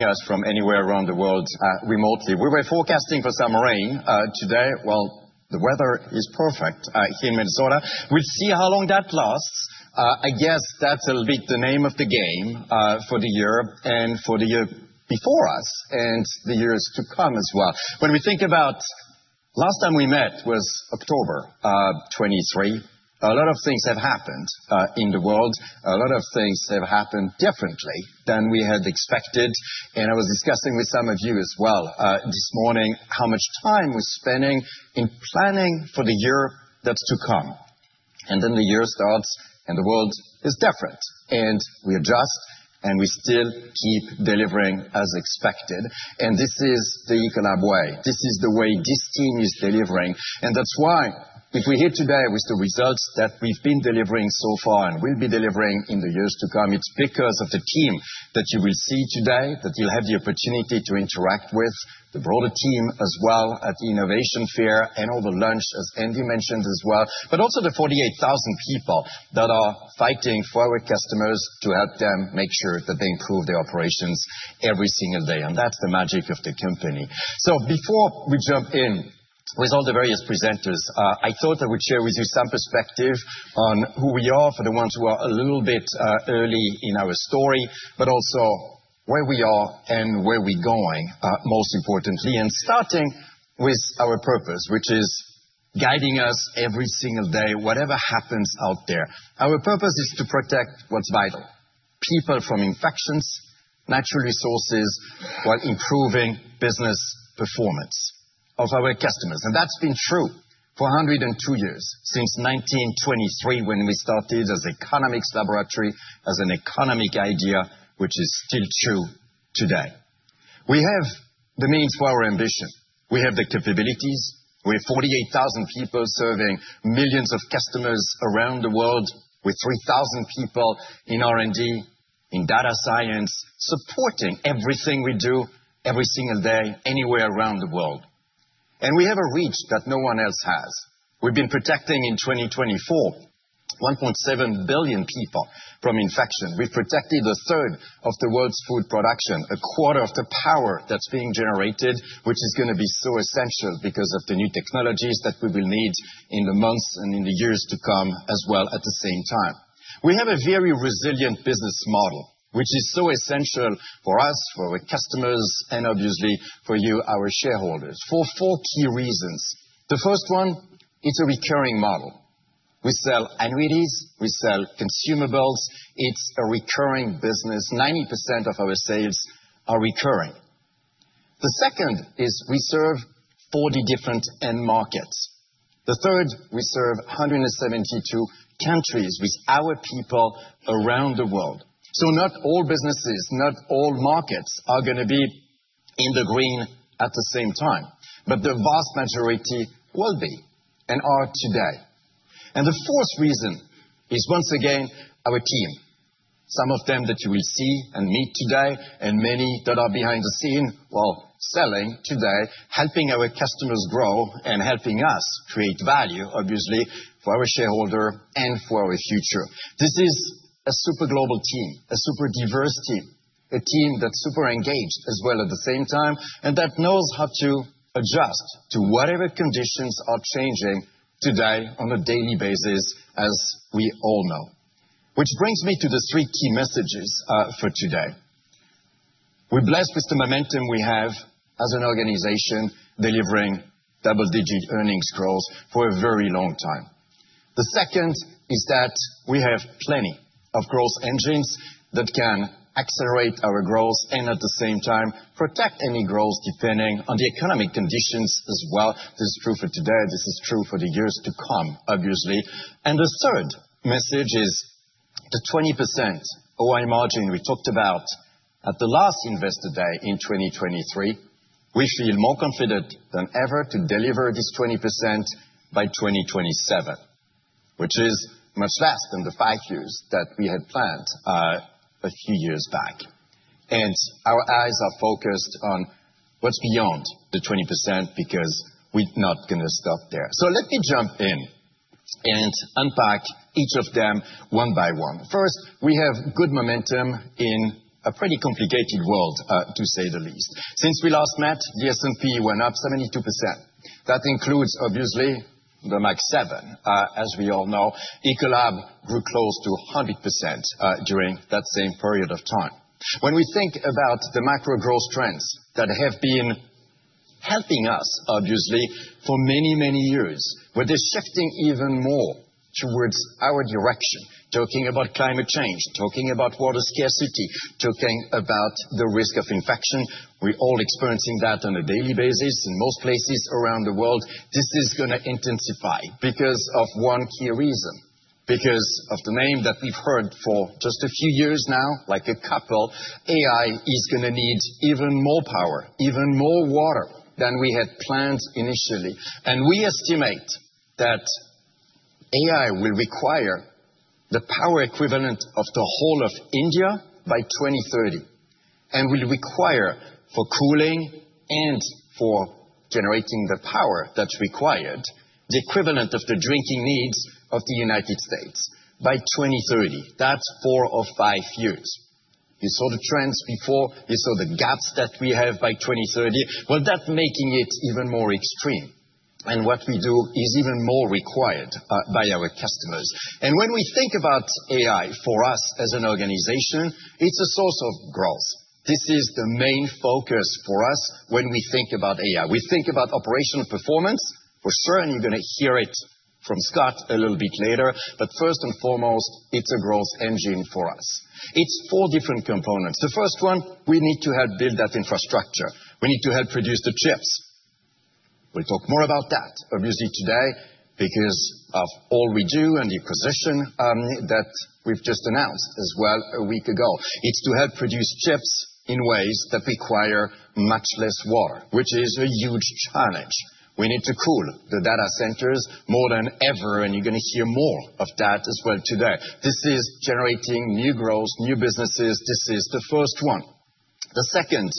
Us from anywhere around the world, remotely. We were forecasting for some rain, today. Well, the weather is perfect, here in Minnesota. We'll see how long that lasts. I guess that'll be the name of the game, for the year and for the year before us, and the years to come as well. When we think about last time we met was October 2023, a lot of things have happened, in the world. A lot of things have happened differently than we had expected, and I was discussing with some of you as well, this morning, how much time we're spending in planning for the year that's to come. And then the year starts, and the world is different, and we adjust, and we still keep delivering as expected. And this is the Ecolab way. This is the way this team is delivering, and that's why if we're here today with the results that we've been delivering so far and will be delivering in the years to come, it's because of the team that you will see today, that you'll have the opportunity to interact with, the broader team as well at the Innovation Fair and over lunch, as Andy mentioned as well, but also the 48,000 people that are fighting for our customers to help them make sure that they improve their operations every single day, and that's the magic of the company. Before we jump in with all the various presenters, I thought I would share with you some perspective on who we are, for the ones who are a little bit early in our story, but also where we are and where we're going, most importantly, and starting with our purpose, which is guiding us every single day, whatever happens out there. Our purpose is to protect what's vital: people from infections, natural resources, while improving business performance of our customers. And that's been true for a 102 years, since 1923, when we started as Economics Laboratory, as an economic idea, which is still true today. We have the means for our ambition. We have the capabilities. We're 48,000 people serving millions of customers around the world, with 3,000 people in R&D, in data science, supporting everything we do every single day, anywhere around the world, and we have a reach that no one else has. We've been protecting, in 2024, 1.7 billion people from infection. We've protected a third of the world's food production, a quarter of the power that's being generated, which is gonna be so essential because of the new technologies that we will need in the months and in the years to come as well at the same time. We have a very resilient business model, which is so essential for us, for our customers, and obviously for you, our shareholders, for four key reasons. The first one, it's a recurring model. We sell annuities, we sell consumables. It's a recurring business. 90% of our sales are recurring. The second is we serve 40 different end markets. The third, we serve 172 countries with our people around the world. So not all businesses, not all markets, are gonna be in the green at the same time, but the vast majority will be and are today. And the fourth reason is, once again, our team. Some of them that you will see and meet today, and many that are behind the scene while selling today, helping our customers grow and helping us create value, obviously, for our shareholder and for our future. This is a super global team, a super diverse team, a team that's super engaged as well at the same time, and that knows how to adjust to whatever conditions are changing today on a daily basis, as we all know. Which brings me to the three key messages for today. We're blessed with the momentum we have as an organization, delivering double-digit earnings growth for a very long time. The second is that we have plenty of growth engines that can accelerate our growth and at the same time protect any growth, depending on the economic conditions as well. This is true for today, this is true for the years to come, obviously, and the third message is the 20% OI margin we talked about at the last Investor Day in 2023. We feel more confident than ever to deliver this 20% by 2027, which is much less than the five years that we had planned a few years back, and our eyes are focused on what's beyond the 20%, because we're not gonna stop there. So let me jump in and unpack each of them one by one. First, we have good momentum in a pretty complicated world, to say the least. Since we last met, the S&P went up 72%. That includes, obviously, the MAG7. As we all know, Ecolab grew close to 100%, during that same period of time. When we think about the macro growth trends that have been helping us, obviously, for many, many years, but they're shifting even more towards our direction. Talking about climate change, talking about water scarcity, talking about the risk of infection, we're all experiencing that on a daily basis in most places around the world. This is gonna intensify because of one key reason, because of the name that we've heard for just a few years now, like a couple. AI is gonna need even more power, even more water than we had planned initially. We estimate that AI will require the power equivalent of the whole of India by 2030, and will require for cooling and generating the power that's required, the equivalent of the drinking needs of the United States by 2030. That's four or five years. You saw the trends before, you saw the gaps that we have by 2030. That's making it even more extreme, and what we do is even more required by our customers. When we think about AI, for us as an organization, it's a source of growth. This is the main focus for us when we think about AI. We think about operational performance. We're certainly gonna hear it from Scott a little bit later, but first and foremost, it's a growth engine for us. It's four different components. The first one, we need to help build that infrastructure. We need to help produce the chips. We'll talk more about that, obviously, today, because of all we do and the position that we've just announced as well a week ago. It's to help produce chips in ways that require much less water, which is a huge challenge. We need to cool the data centers more than ever, and you're gonna hear more of that as well today. This is generating new growth, new businesses. This is the first one. The second,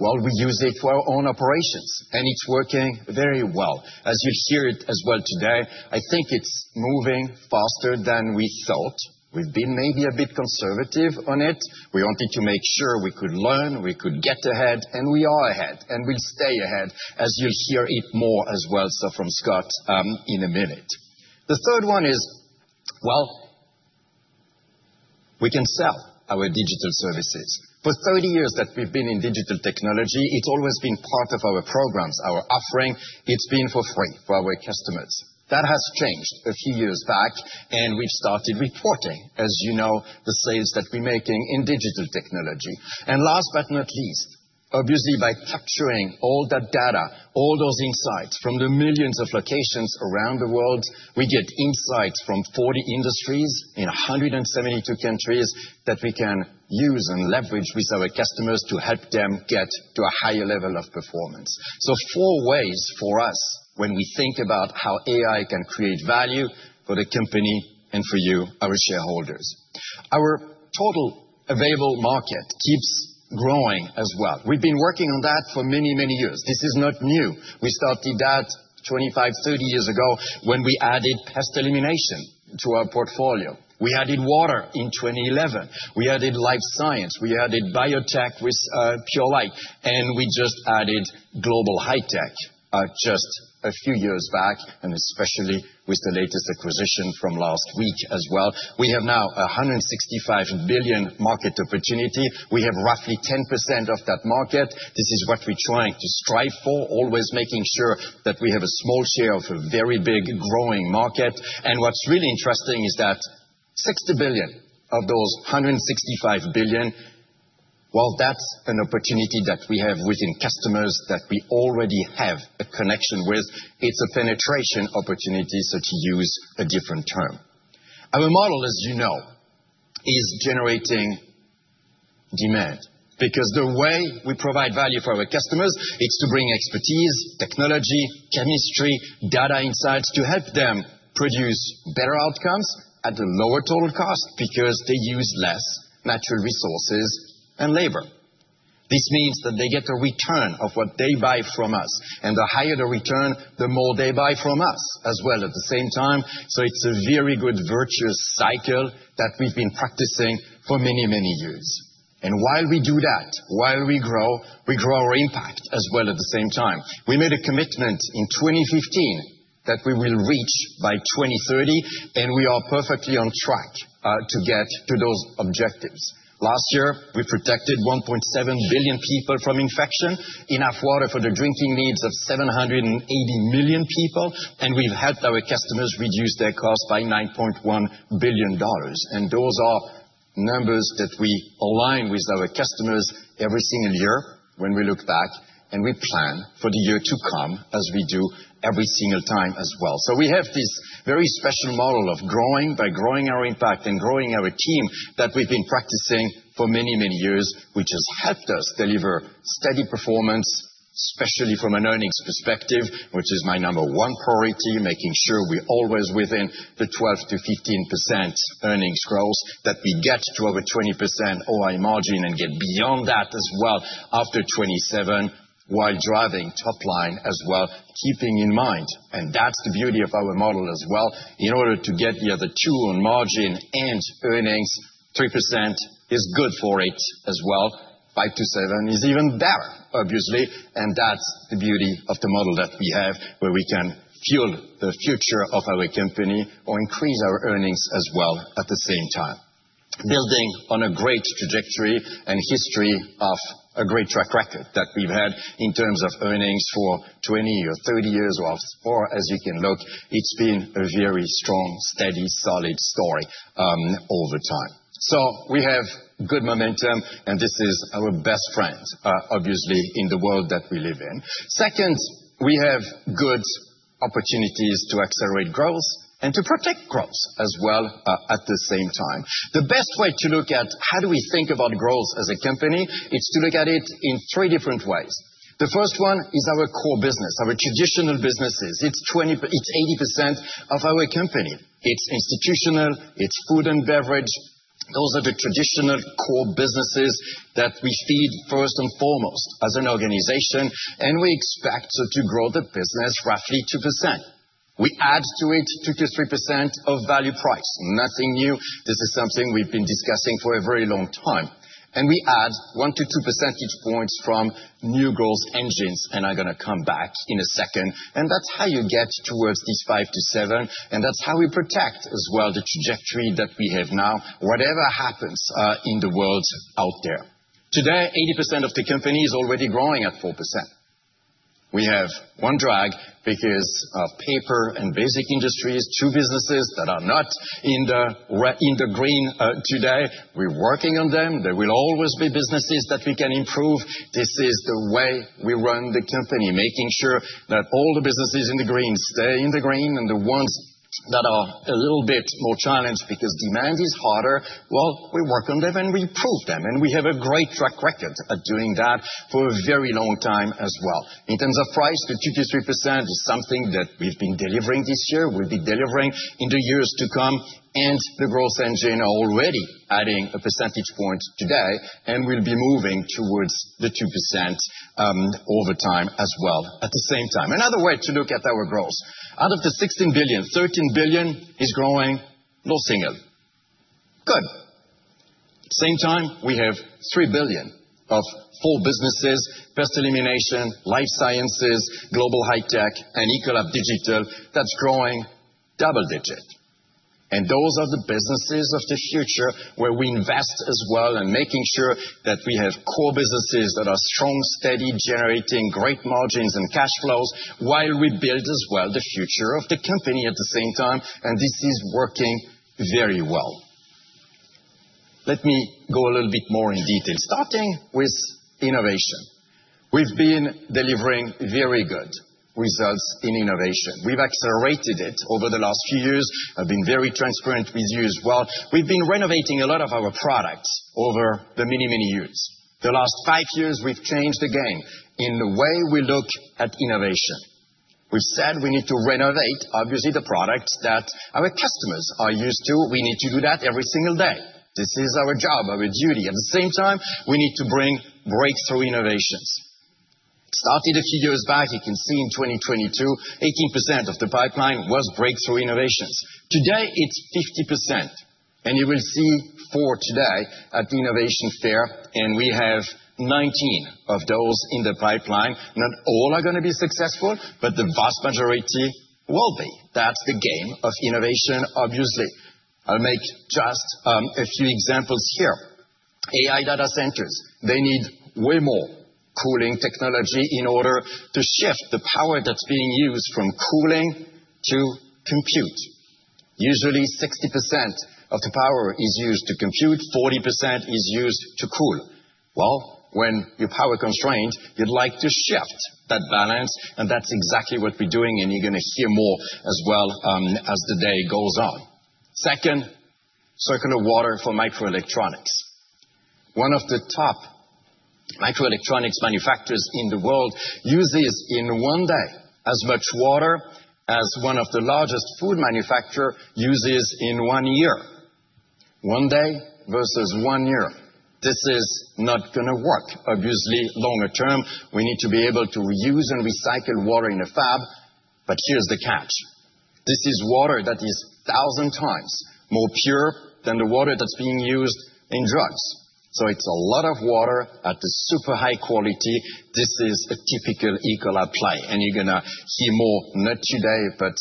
while we use it for our own operations, and it's working very well. As you'll hear it as well today, I think it's moving faster than we thought. We've been maybe a bit conservative on it. We wanted to make sure we could learn, we could get ahead, and we are ahead, and we'll stay ahead, as you'll hear it more as well, so from Scott, in a minute. The third one is, well, we can sell our digital services. For thirty years that we've been in digital technology, it's always been part of our programs, our offering. It's been for free for our customers. That has changed a few years back, and we've started reporting, as you know, the sales that we're making in digital technology. And last but not least, obviously, by capturing all that data, all those insights from the millions of locations around the world, we get insights from 40 industries in 172 countries that we can use and leverage with our customers to help them get to a higher level of performance. So four ways for us when we think about how AI can create value for the company and for you, our shareholders. Our total available market keeps growing as well. We've been working on that for many, many years. This is not new. We started that 25, 30 years ago when we added Pest Elimination to our portfolio. We added Water in 2011. We added Life Science. We added Biotech with Purolite, and we just added Global High-Tech just a few years back, and especially with the latest acquisition from last week as well. We have now a $165 billion market opportunity. We have roughly 10% of that market. This is what we're trying to strive for, always making sure that we have a small share of a very big, growing market, and what's really interesting is that $60 billion of those $165 billion, well, that's an opportunity that we have within customers that we already have a connection with. It's a penetration opportunity, so to use a different term. Our model, as you know, is generating demand, because the way we provide value for our customers, it's to bring expertise, technology, chemistry, data insights, to help them produce better outcomes at a lower total cost because they use less natural resources and labor. This means that they get a return of what they buy from us, and the higher the return, the more they buy from us as well at the same time. So it's a very good virtuous cycle that we've been practicing for many, many years. And while we do that, while we grow, we grow our impact as well at the same time. We made a commitment in 2015 that we will reach by 2030, and we are perfectly on track to get to those objectives. Last year, we protected 1.7 billion people from infection, enough water for the drinking needs of 780 million people, and we've helped our customers reduce their cost by $9.1 billion, and those are numbers that we align with our customers every single year when we look back and we plan for the year to come, as we do every single time as well. We have this very special model of growing by growing our impact and growing our team that we've been practicing for many, many years, which has helped us deliver steady performance, especially from an earnings perspective, which is my number one priority, making sure we're always within the 12%-15% earnings growth, that we get to over 20% OI margin and get beyond that as well after 2027, while driving top line as well, keeping in mind. That's the beauty of our model as well. In order to get the other two on margin and earnings, 3% is good for it as well. 5%-7% is even better, obviously, and that's the beauty of the model that we have, where we can fuel the future of our company or increase our earnings as well at the same time. Building on a great trajectory and history of a great track record that we've had in terms of earnings for twenty or thirty years, well, or as you can look, it's been a very strong, steady, solid story all the time. So we have good momentum, and this is our best friend, obviously, in the world that we live in. Second, we have good opportunities to accelerate growth and to protect growth as well at the same time. The best way to look at how do we think about growth as a company is to look at it in three different ways. The first one is our core business, our traditional businesses. It's 80% of our company. It's Institutional, it's Food & Beverage... Those are the traditional core businesses that we feed first and foremost as an organization, and we expect to grow the business roughly 2%. We add to it 2%-3% of value price. Nothing new. This is something we've been discussing for a very long time, and we add one to two percentage points from new growth engines, and I'm gonna come back in a second. That's how you get towards these five to seven, and that's how we protect as well the trajectory that we have now, whatever happens in the world out there. Today, 80% of the company is already growing at 4%. We have one drag because Paper and Basic Industries, two businesses that are not in the red, in the green today. We're working on them. There will always be businesses that we can improve. This is the way we run the company, making sure that all the businesses in the green stay in the green, and the ones that are a little bit more challenged because demand is harder, well, we work on them, and we improve them, and we have a great track record at doing that for a very long time as well. In terms of price, the 2%-3% is something that we've been delivering this year, we'll be delivering in the years to come, and the growth engine are already adding a percentage point today, and we'll be moving towards the 2%, over time as well, at the same time. Another way to look at our growth. Out of the $16 billion, $13 billion is growing low single. Good. Same time, we have $3 billion of whole businesses, Pest Elimination, Life Sciences, Global High-Tech, and Ecolab Digital that's growing double digit. Those are the businesses of the future where we invest as well in making sure that we have core businesses that are strong, steady, generating great margins and cash flows while we build as well the future of the company at the same time, and this is working very well. Let me go a little bit more in detail, starting with innovation. We've been delivering very good results in innovation. We've accelerated it over the last few years. I've been very transparent with you as well. We've been renovating a lot of our products over the many, many years. The last five years, we've changed the game in the way we look at innovation. We've said we need to renovate, obviously, the products that our customers are used to. We need to do that every single day. This is our job, our duty. At the same time, we need to bring breakthrough innovations. Started a few years back, you can see in 2022, 18% of the pipeline was breakthrough innovations. Today, it's 50%, and you will see four today at the innovation fair, and we have 19 of those in the pipeline. Not all are gonna be successful, but the vast majority will be. That's the game of innovation, obviously. I'll make just a few examples here. AI data centers, they need way more cooling technology in order to shift the power that's being used from cooling to compute. Usually, 60% of the power is used to compute, 40% is used to cool. Well, when you're power constrained, you'd like to shift that balance, and that's exactly what we're doing, and you're gonna hear more as well, as the day goes on. Second, circular water for microelectronics. One of the top microelectronics manufacturers in the world uses, in one day, as much water as one of the largest food manufacturer uses in one year. One day versus one year. This is not gonna work. Obviously, longer term, we need to be able to reuse and recycle water in a fab. But here's the catch: this is water that is thousand times more pure than the water that's being used in drugs. So it's a lot of water at a super high quality. This is a typical Ecolab play, and you're gonna hear more, not today, but,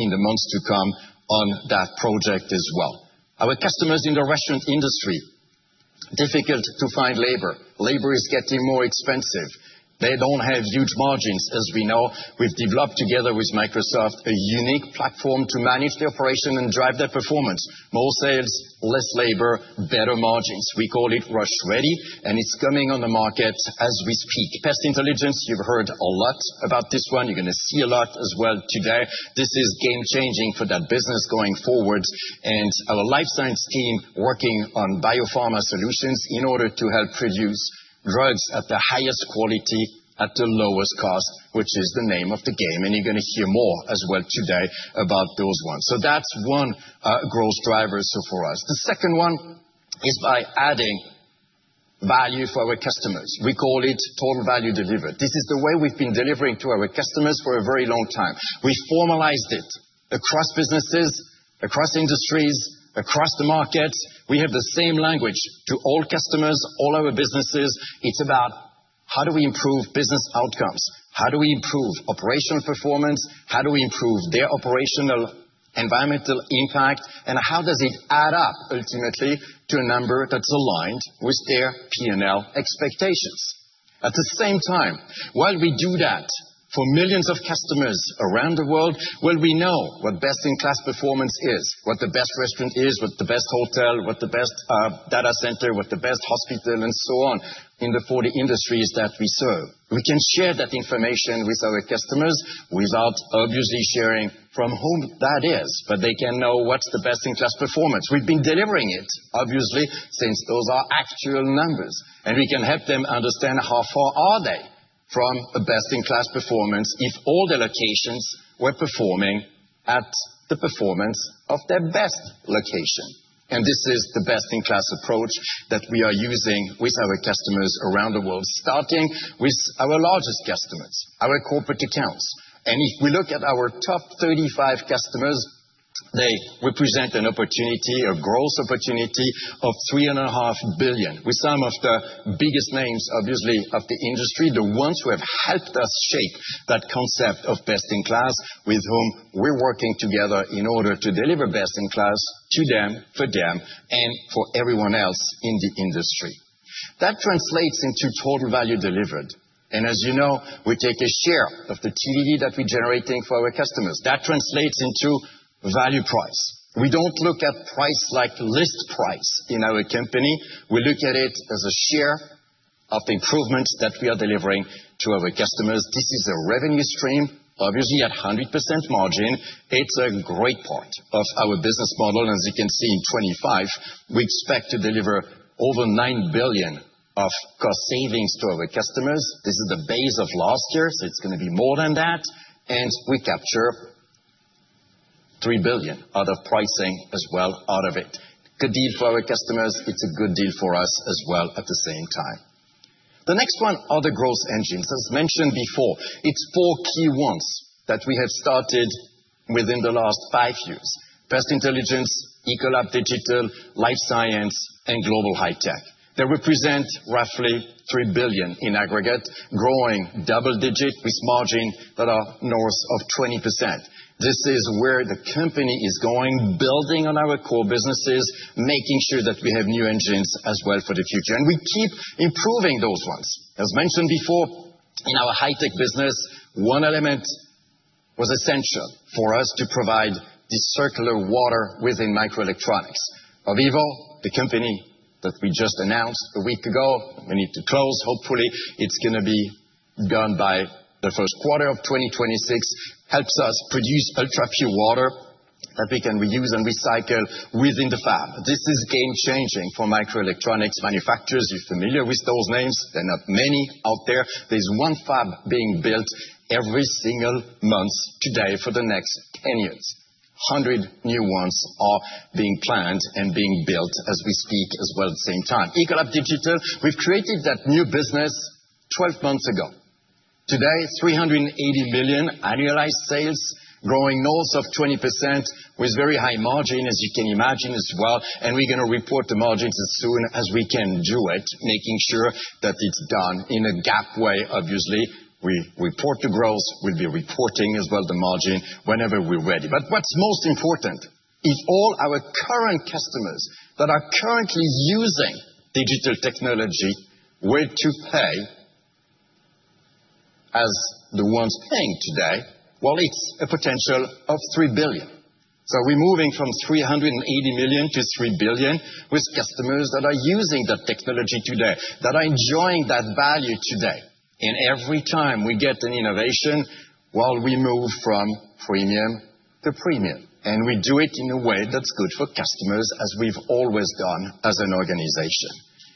in the months to come on that project as well. Our customers in the restaurant industry, difficult to find labor. Labor is getting more expensive. They don't have huge margins, as we know. We've developed together with Microsoft, a unique platform to manage the operation and drive their performance. More sales, less labor, better margins. We call it RushReady, and it's coming on the market as we speak. Pest Intelligence, you've heard a lot about this one. You're gonna see a lot as well today. This is game-changing for that business going forward, and our Life Sciences team working on Biopharma Solutions in order to help produce drugs at the highest quality, at the lowest cost, which is the name of the game, and you're gonna hear more as well today about those ones, so that's one, growth driver, so for us. The second one is by adding value for our customers. We call it Total Value Delivered. This is the way we've been delivering to our customers for a very long time. We formalized it across businesses, across industries, across the market. We have the same language to all customers, all our businesses. It's about how do we improve business outcomes? How do we improve operational performance? How do we improve their operational environmental impact? And how does it add up ultimately to a number that's aligned with their P&L expectations? At the same time, while we do that for millions of customers around the world, well, we know what best-in-class performance is, what the best restaurant is, what the best hotel, what the best data center, what the best hospital, and so on, in the forty industries that we serve. We can share that information with our customers without obviously sharing from whom that is, but they can know what's the best-in-class performance. We've been delivering it, obviously, since those are actual numbers, and we can help them understand how far are they from a best-in-class performance if all the locations were performing at the performance of their best location. And this is the best-in-class approach that we are using with our customers around the world, starting with our largest customers, our corporate accounts. And if we look at our top 35 customers, they represent an opportunity, a growth opportunity, of $3.5 billion, with some of the biggest names, obviously, of the industry, the ones who have helped us shape that concept of best in class, with whom we're working together in order to deliver best in class to them, for them, and for everyone else in the industry. That translates into Total Value Delivered, and as you know, we take a share of the TV that we're generating for our customers. That translates into value price. We don't look at price like list price in our company. We look at it as a share of the improvements that we are delivering to our customers. This is a revenue stream, obviously, at 100% margin. It's a great part of our business model. As you can see, in 2025, we expect to deliver over $9 billion of cost savings to our customers. This is the base of last year, so it's gonna be more than that, and we capture $3 billion out of pricing as well out of it. Good deal for our customers, it's a good deal for us as well at the same time. The next one are the growth engines. As mentioned before, it's four key ones that we have started within the last five years: Pest Intelligence, Ecolab Digital, Life Sciences, and Global High-Tech. They represent roughly $3 billion in aggregate, growing double-digit with margins that are north of 20%. This is where the company is going, building on our core businesses, making sure that we have new engines as well for the future, and we keep improving those ones. As mentioned before, in our High-Tech business, one element was essential for us to provide the Circular Water within microelectronics. Ovivo, the company that we just announced a week ago, we need to close. Hopefully, it's gonna be done by the first quarter of 2026. It helps us produce ultrapure water that we can reuse and recycle within the fab. This is game-changing for microelectronics manufacturers. You're familiar with those names. They're not many out there. There's one fab being built every single month today for the next 10 years. `100 new ones are being planned and being built as we speak as well at the same time. Ecolab Digital, we've created that new business 12 months ago. Today, $380 million annualized sales, growing north of 20%, with very high margin, as you can imagine as well, and we're gonna report the margins as soon as we can do it, making sure that it's done in a GAAP way. Obviously, we report the growth. We'll be reporting as well the margin whenever we're ready. But what's most important is all our current customers that are currently using digital technology were to pay as the ones paying today, well, it's a potential of $3 billion. So we're moving from 380 million to 3 billion with customers that are using that technology today, that are enjoying that value today. And every time we get an innovation, well, we move from premium to premium, and we do it in a way that's good for customers, as we've always done as an organization.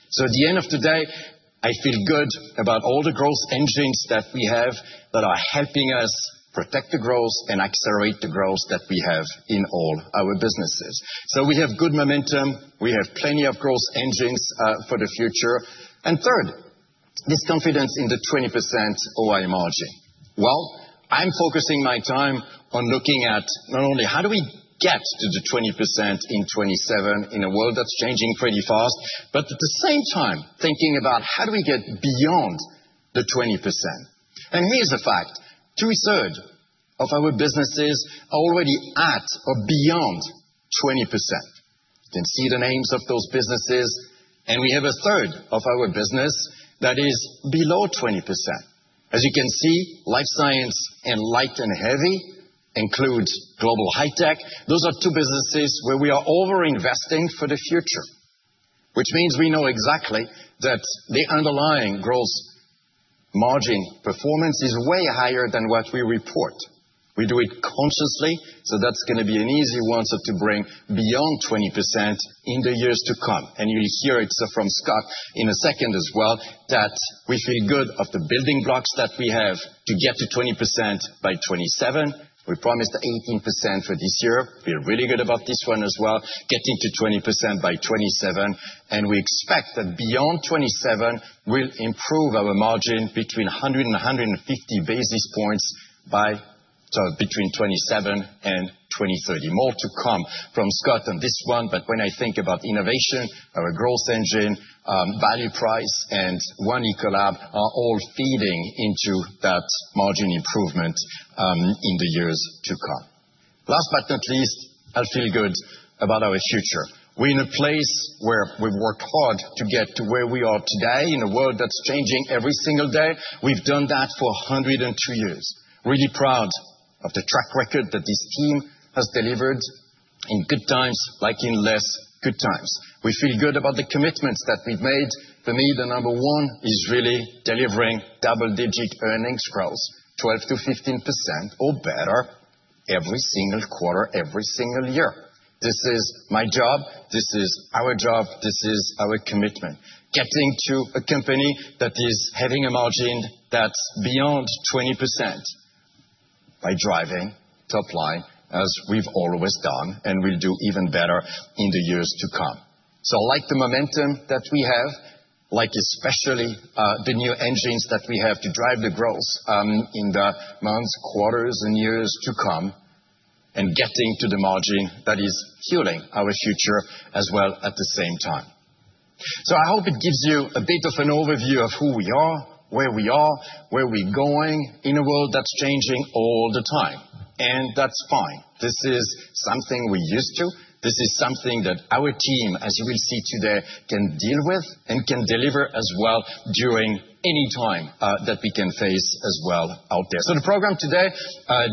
So at the end of the day, I feel good about all the growth engines that we have that are helping us protect the growth and accelerate the growth that we have in all our businesses. So we have good momentum. We have plenty of growth engines for the future. And third, this confidence in the 20% OI margin. I'm focusing my time on looking at not only how do we get to the 20% in 2027 in a world that's changing pretty fast, but at the same time, thinking about how do we get beyond the 20%. Here's a fact: two-thirds of our businesses are already at or beyond 20%. You can see the names of those businesses, and we have a third of our business that is below 20%. As you can see, Life Sciences and Light and Heavy includes Global High-Tech. Those are two businesses where we are overinvesting for the future, which means we know exactly that the underlying growth margin performance is way higher than what we report. We do it consciously, so that's gonna be an easy one to bring beyond 20% in the years to come. And you'll hear it from Scott in a second as well, that we feel good about the building blocks that we have to get to 20% by 2027. We promised 18% for this year. Feel really good about this one as well, getting to 20% by 2027, and we expect that beyond 2027, we'll improve our margin between 100 and 150 basis points by. So between 2027 and 2030. More to come from Scott on this one, but when I think about innovation, our growth engine, value pricing, and One Ecolab are all feeding into that margin improvement in the years to come. Last but not least, I feel good about our future. We're in a place where we've worked hard to get to where we are today, in a world that's changing every single day. We've done that for 102 years. Really proud of the track record that this team has delivered in good times, like in less good times. We feel good about the commitments that we've made. For me, the number one is really delivering double-digit earnings growth, 12%-15% or better... every single quarter, every single year. This is my job. This is our job. This is our commitment, getting to a company that is having a margin that's beyond 20% by driving top line, as we've always done, and will do even better in the years to come. Like the momentum that we have, like especially, the new engines that we have to drive the growth, in the months, quarters, and years to come, and getting to the margin that is fueling our future as well at the same time. I hope it gives you a bit of an overview of who we are, where we are, where we're going in a world that's changing all the time, and that's fine. This is something we're used to. This is something that our team, as you will see today, can deal with and can deliver as well, during any time that we can face as well out there. The program today,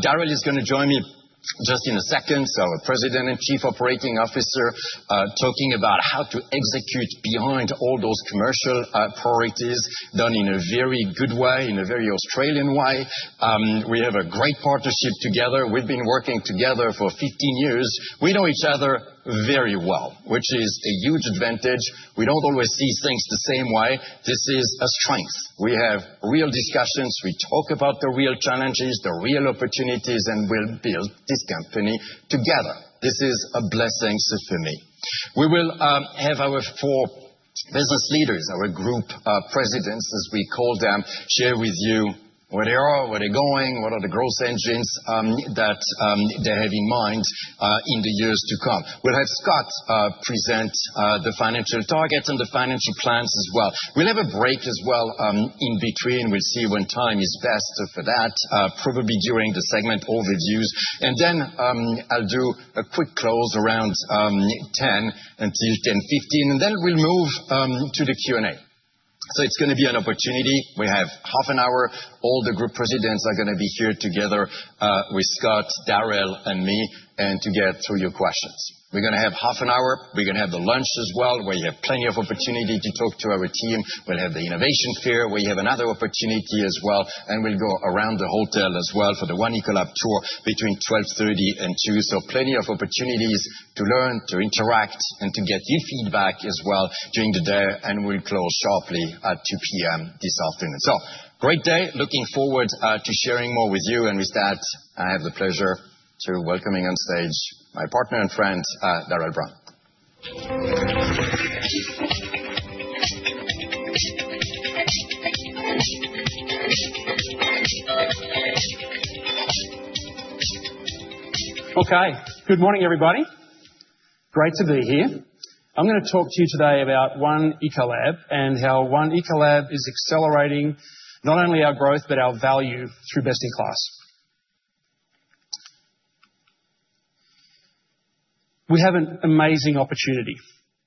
Darrell is gonna join me just in a second. Our President and Chief Operating Officer, talking about how to execute behind all those commercial priorities, done in a very good way, in a very Australian way. We have a great partnership together. We've been working together for 15 years. We know each other very well, which is a huge advantage. We don't always see things the same way. This is a strength. We have real discussions, we talk about the real challenges, the real opportunities, and we'll build this company together. This is a blessing, so for me. We will have our four business leaders, our group presidents, as we call them, share with you where they are, where they're going, what are the growth engines that they have in mind in the years to come. We'll have Scott present the financial targets and the financial plans as well. We'll have a break as well in between. We'll see when time is best for that probably during the segment overview. Then I'll do a quick close around 10:00 A.M. until 10:15 A.M., and then we'll move to the Q&A. It's gonna be an opportunity. We have half an hour. All the group presidents are gonna be here together, with Scott, Darrell, and me, and to get through your questions. We're gonna have half an hour. We're gonna have the lunch as well, where you have plenty of opportunity to talk to our team. We'll have the innovation fair, where you have another opportunity as well, and we'll go around the hotel as well for the One Ecolab tour between 12:30 P.M. and 2:00 P.M. Plenty of opportunities to learn, to interact, and to get your feedback as well during the day, and we'll close sharply at 2:00 P.M. this afternoon. Great day. Looking forward to sharing more with you, and with that, I have the pleasure of welcoming on stage my partner and friend, Darrell Brown. Okay, good morning, everybody. Great to be here. I'm gonna talk to you today about One Ecolab and how One Ecolab is accelerating not only our growth, but our value through best-in-class. We have an amazing opportunity.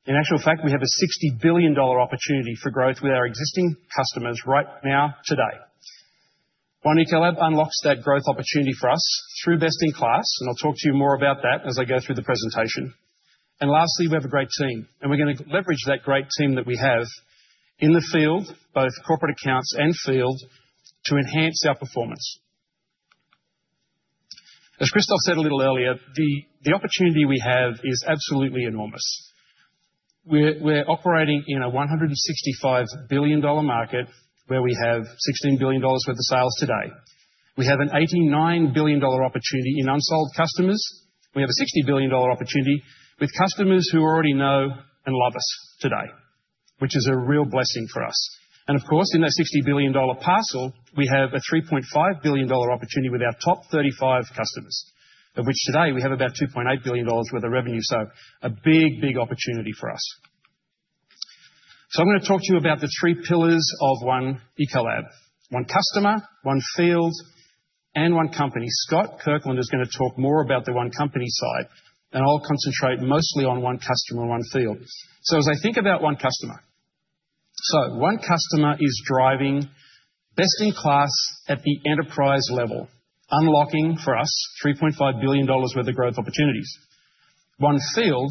In actual fact, we have a $60 billion opportunity for growth with our existing customers right now, today. One Ecolab unlocks that growth opportunity for us through best-in-class, and I'll talk to you more about that as I go through the presentation. And lastly, we have a great team, and we're gonna leverage that great team that we have in the field, both corporate accounts and field, to enhance our performance. As Christophe said a little earlier, the opportunity we have is absolutely enormous. We're operating in a $165 billion market where we have $16 billion worth of sales today. We have an $89 billion opportunity in unsold customers. We have a $60 billion opportunity with customers who already know and love us today, which is a real blessing for us, and of course, in that $60 billion parcel, we have a $3.5 billion opportunity with our top 35 customers, of which today we have about $2.8 billion worth of revenue. So a big, big opportunity for us. So I'm gonna talk to you about the three pillars of One Ecolab: One Customer, One Field, and One Company. Scott Kirkland is gonna talk more about the One Company side, and I'll concentrate mostly on One Customer, One Field. So as I think about One Customer. So One Customer is driving best-in-class at the enterprise level, unlocking, for us, $3.5 billion worth of growth opportunities. One Field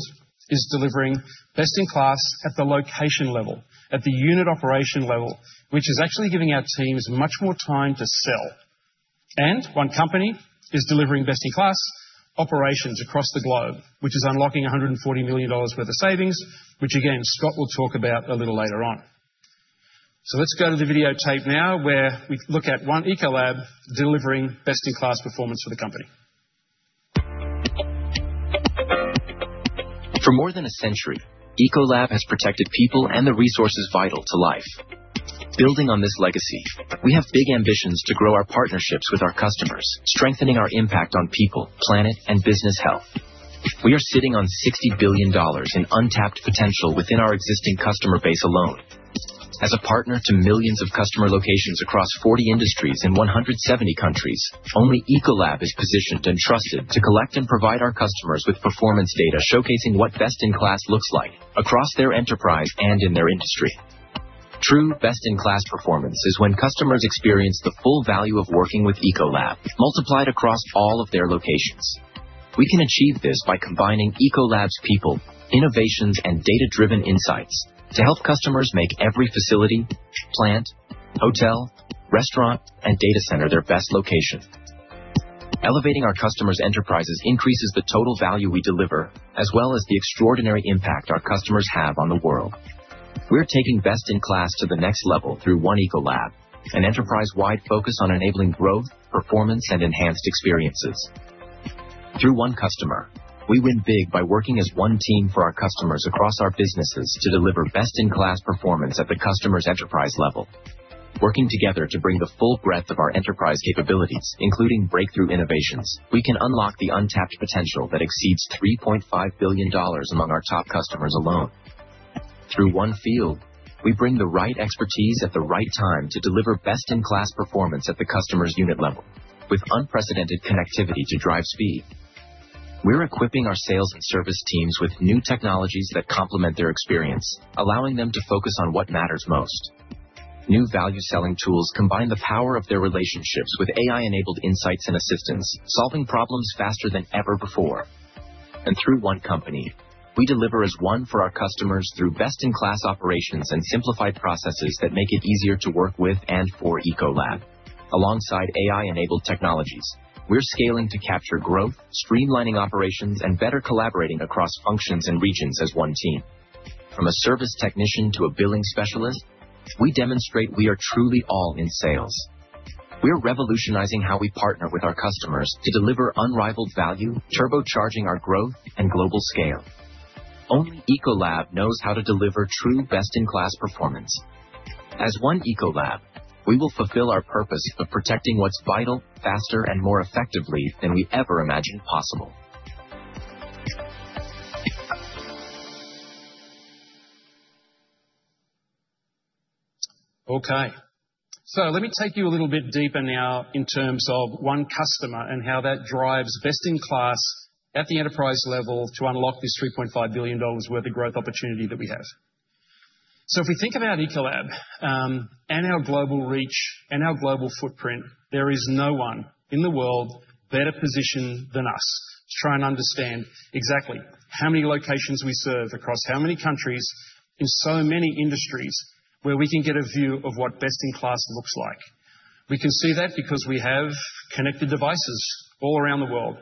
is delivering best-in-class at the location level, at the unit operation level, which is actually giving our teams much more time to sell. And One Company is delivering best-in-class operations across the globe, which is unlocking $140 million worth of savings, which again, Scott will talk about a little later on. So let's go to the videotape now, where we look at One Ecolab delivering best-in-class performance for the company. For more than a century, Ecolab has protected people and the resources vital to life. Building on this legacy, we have big ambitions to grow our partnerships with our customers, strengthening our impact on people, planet, and business health. We are sitting on $60 billion in untapped potential within our existing customer base alone. As a partner to millions of customer locations across 40 industries in 170 countries, only Ecolab is positioned and trusted to collect and provide our customers with performance data showcasing what best-in-class looks like across their enterprise and in their industry. True best-in-class performance is when customers experience the full value of working with Ecolab multiplied across all of their locations. We can achieve this by combining Ecolab's people, innovations, and data-driven insights to help customers make every facility, plant, hotel, restaurant, and data center their best location. Elevating our customers' enterprises increases the total value we deliver, as well as the extraordinary impact our customers have on the world. We're taking best-in-class to the next level through One Ecolab, an enterprise-wide focus on enabling growth, performance, and enhanced experiences. Through One Customer, we win big by working as one team for our customers across our businesses to deliver best-in-class performance at the customer's enterprise level. Working together to bring the full breadth of our enterprise capabilities, including breakthrough innovations, we can unlock the untapped potential that exceeds $3.5 billion among our top customers alone. Through One Field, we bring the right expertise at the right time to deliver best-in-class performance at the customer's unit level with unprecedented connectivity to drive speed. We're equipping our sales and service teams with new technologies that complement their experience, allowing them to focus on what matters most. New value selling tools combine the power of their relationships with AI-enabled insights and assistance, solving problems faster than ever before. And through One Company, we deliver as one for our customers through best-in-class operations and simplified processes that make it easier to work with and for Ecolab. Alongside AI-enabled technologies, we're scaling to capture growth, streamlining operations, and better collaborating across functions and regions as one team. From a service technician to a billing specialist, we demonstrate we are truly all in sales. We're revolutionizing how we partner with our customers to deliver unrivaled value, turbocharging our growth and global scale. Only Ecolab knows how to deliver true best-in-class performance. As One Ecolab, we will fulfill our purpose of protecting what's vital, faster, and more effectively than we ever imagined possible. Okay, so let me take you a little bit deeper now in terms of One Customer and how that drives best-in-class at the enterprise level to unlock this $3.5 billion worth of growth opportunity that we have. So if we think about Ecolab and our global reach and our global footprint, there is no one in the world better positioned than us to try and understand exactly how many locations we serve across how many countries in so many industries, where we can get a view of what best-in-class looks like. We can see that because we have connected devices all around the world,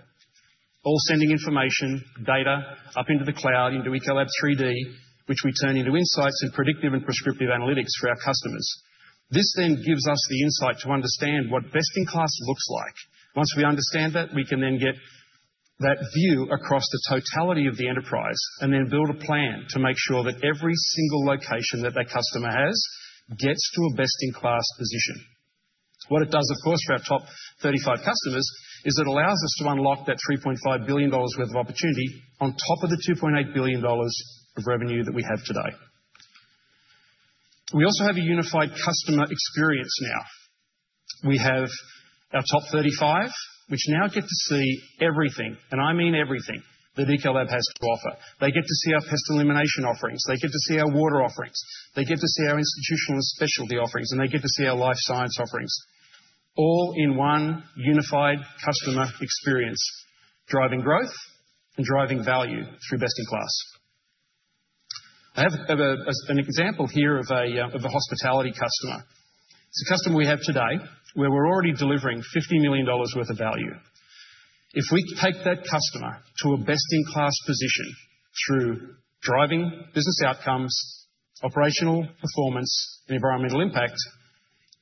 all sending information, data, up into the cloud, into ECOLAB3D, which we turn into insights and predictive and prescriptive analytics for our customers. This then gives us the insight to understand what best-in-class looks like. Once we understand that, we can then get that view across the totality of the enterprise and then build a plan to make sure that every single location that that customer has gets to a best-in-class position. What it does, of course, for our top 35 customers, is it allows us to unlock that $3.5 billion worth of opportunity on top of the $2.8 billion of revenue that we have today. We also have a unified customer experience now. We have our top 35, which now get to see everything, and I mean everything, that Ecolab has to offer. They get to see our Pest Elimination offerings, they get to see our water offerings, they get to see our institutional and specialty offerings, and they get to see our Life Sciences offerings, all in one unified customer experience, driving growth and driving value through best-in-class. I have an example here of a hospitality customer. It's a customer we have today where we're already delivering $50 million worth of value. If we take that customer to a best-in-class position through driving business outcomes, operational performance, and environmental impact,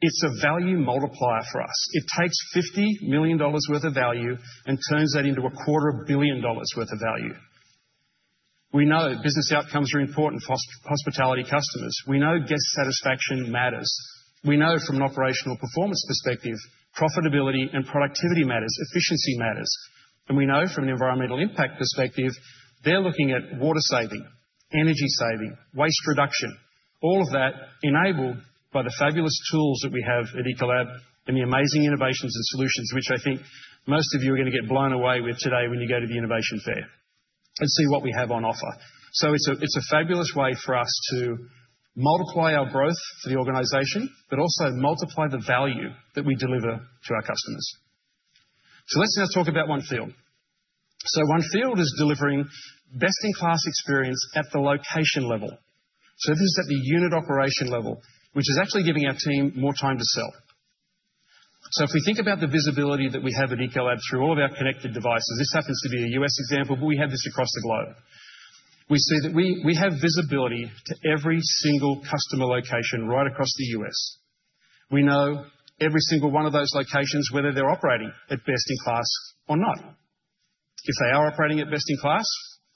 it's a value multiplier for us. It takes $50 million worth of value and turns that into $250 million worth of value. We know business outcomes are important for hospitality customers. We know guest satisfaction matters. We know from an operational performance perspective, profitability and productivity matters, efficiency matters. We know from an environmental impact perspective, they're looking at water saving, energy saving, waste reduction, all of that enabled by the fabulous tools that we have at Ecolab and the amazing innovations and solutions, which I think most of you are going to get blown away with today when you go to the innovation fair and see what we have on offer. It's a fabulous way for us to multiply our growth for the organization, but also multiply the value that we deliver to our customers. Let's just talk about One Field. One Field is delivering best-in-class experience at the location level. This is at the unit operation level, which is actually giving our team more time to sell. So if we think about the visibility that we have at Ecolab through all of our connected devices, this happens to be a U.S. example, but we have this across the globe. We see that we have visibility to every single customer location right across the U.S. We know every single one of those locations, whether they're operating at best in class or not. If they are operating at best in class,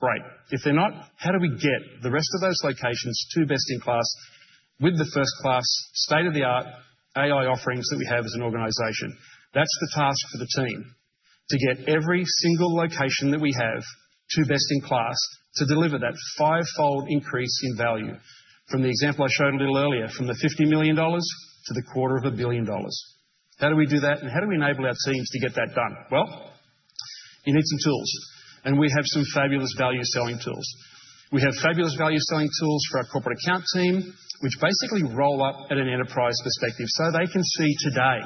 great. If they're not, how do we get the rest of those locations to best in class with the first-class, state-of-the-art AI offerings that we have as an organization? That's the task for the team: to get every single location that we have to best in class to deliver that fivefold increase in value. From the example I showed a little earlier, from the $50 million to the $250 million. How do we do that, and how do we enable our teams to get that done? You need some tools, and we have some fabulous value-selling tools. We have fabulous value-selling tools for our corporate account team, which basically roll up at an enterprise perspective so they can see today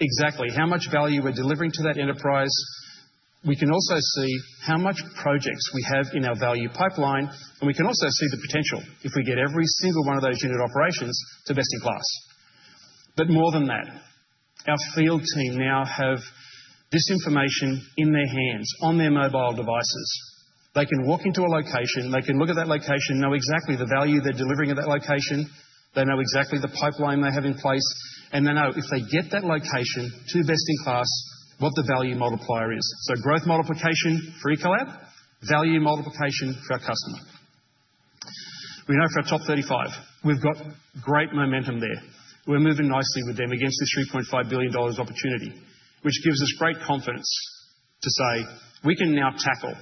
exactly how much value we're delivering to that enterprise. We can also see how much projects we have in our value pipeline, and we can also see the potential if we get every single one of those unit operations to best-in-class. But more than that, our field team now have this information in their hands on their mobile devices. They can walk into a location, they can look at that location, know exactly the value they're delivering at that location. They know exactly the pipeline they have in place, and they know if they get that location to best-in-class, what the value multiplier is. So growth multiplication for Ecolab, value multiplication for our customer. We know for our top 35, we've got great momentum there. We're moving nicely with them against this $3.5 billion opportunity, which gives us great confidence to say we can now tackle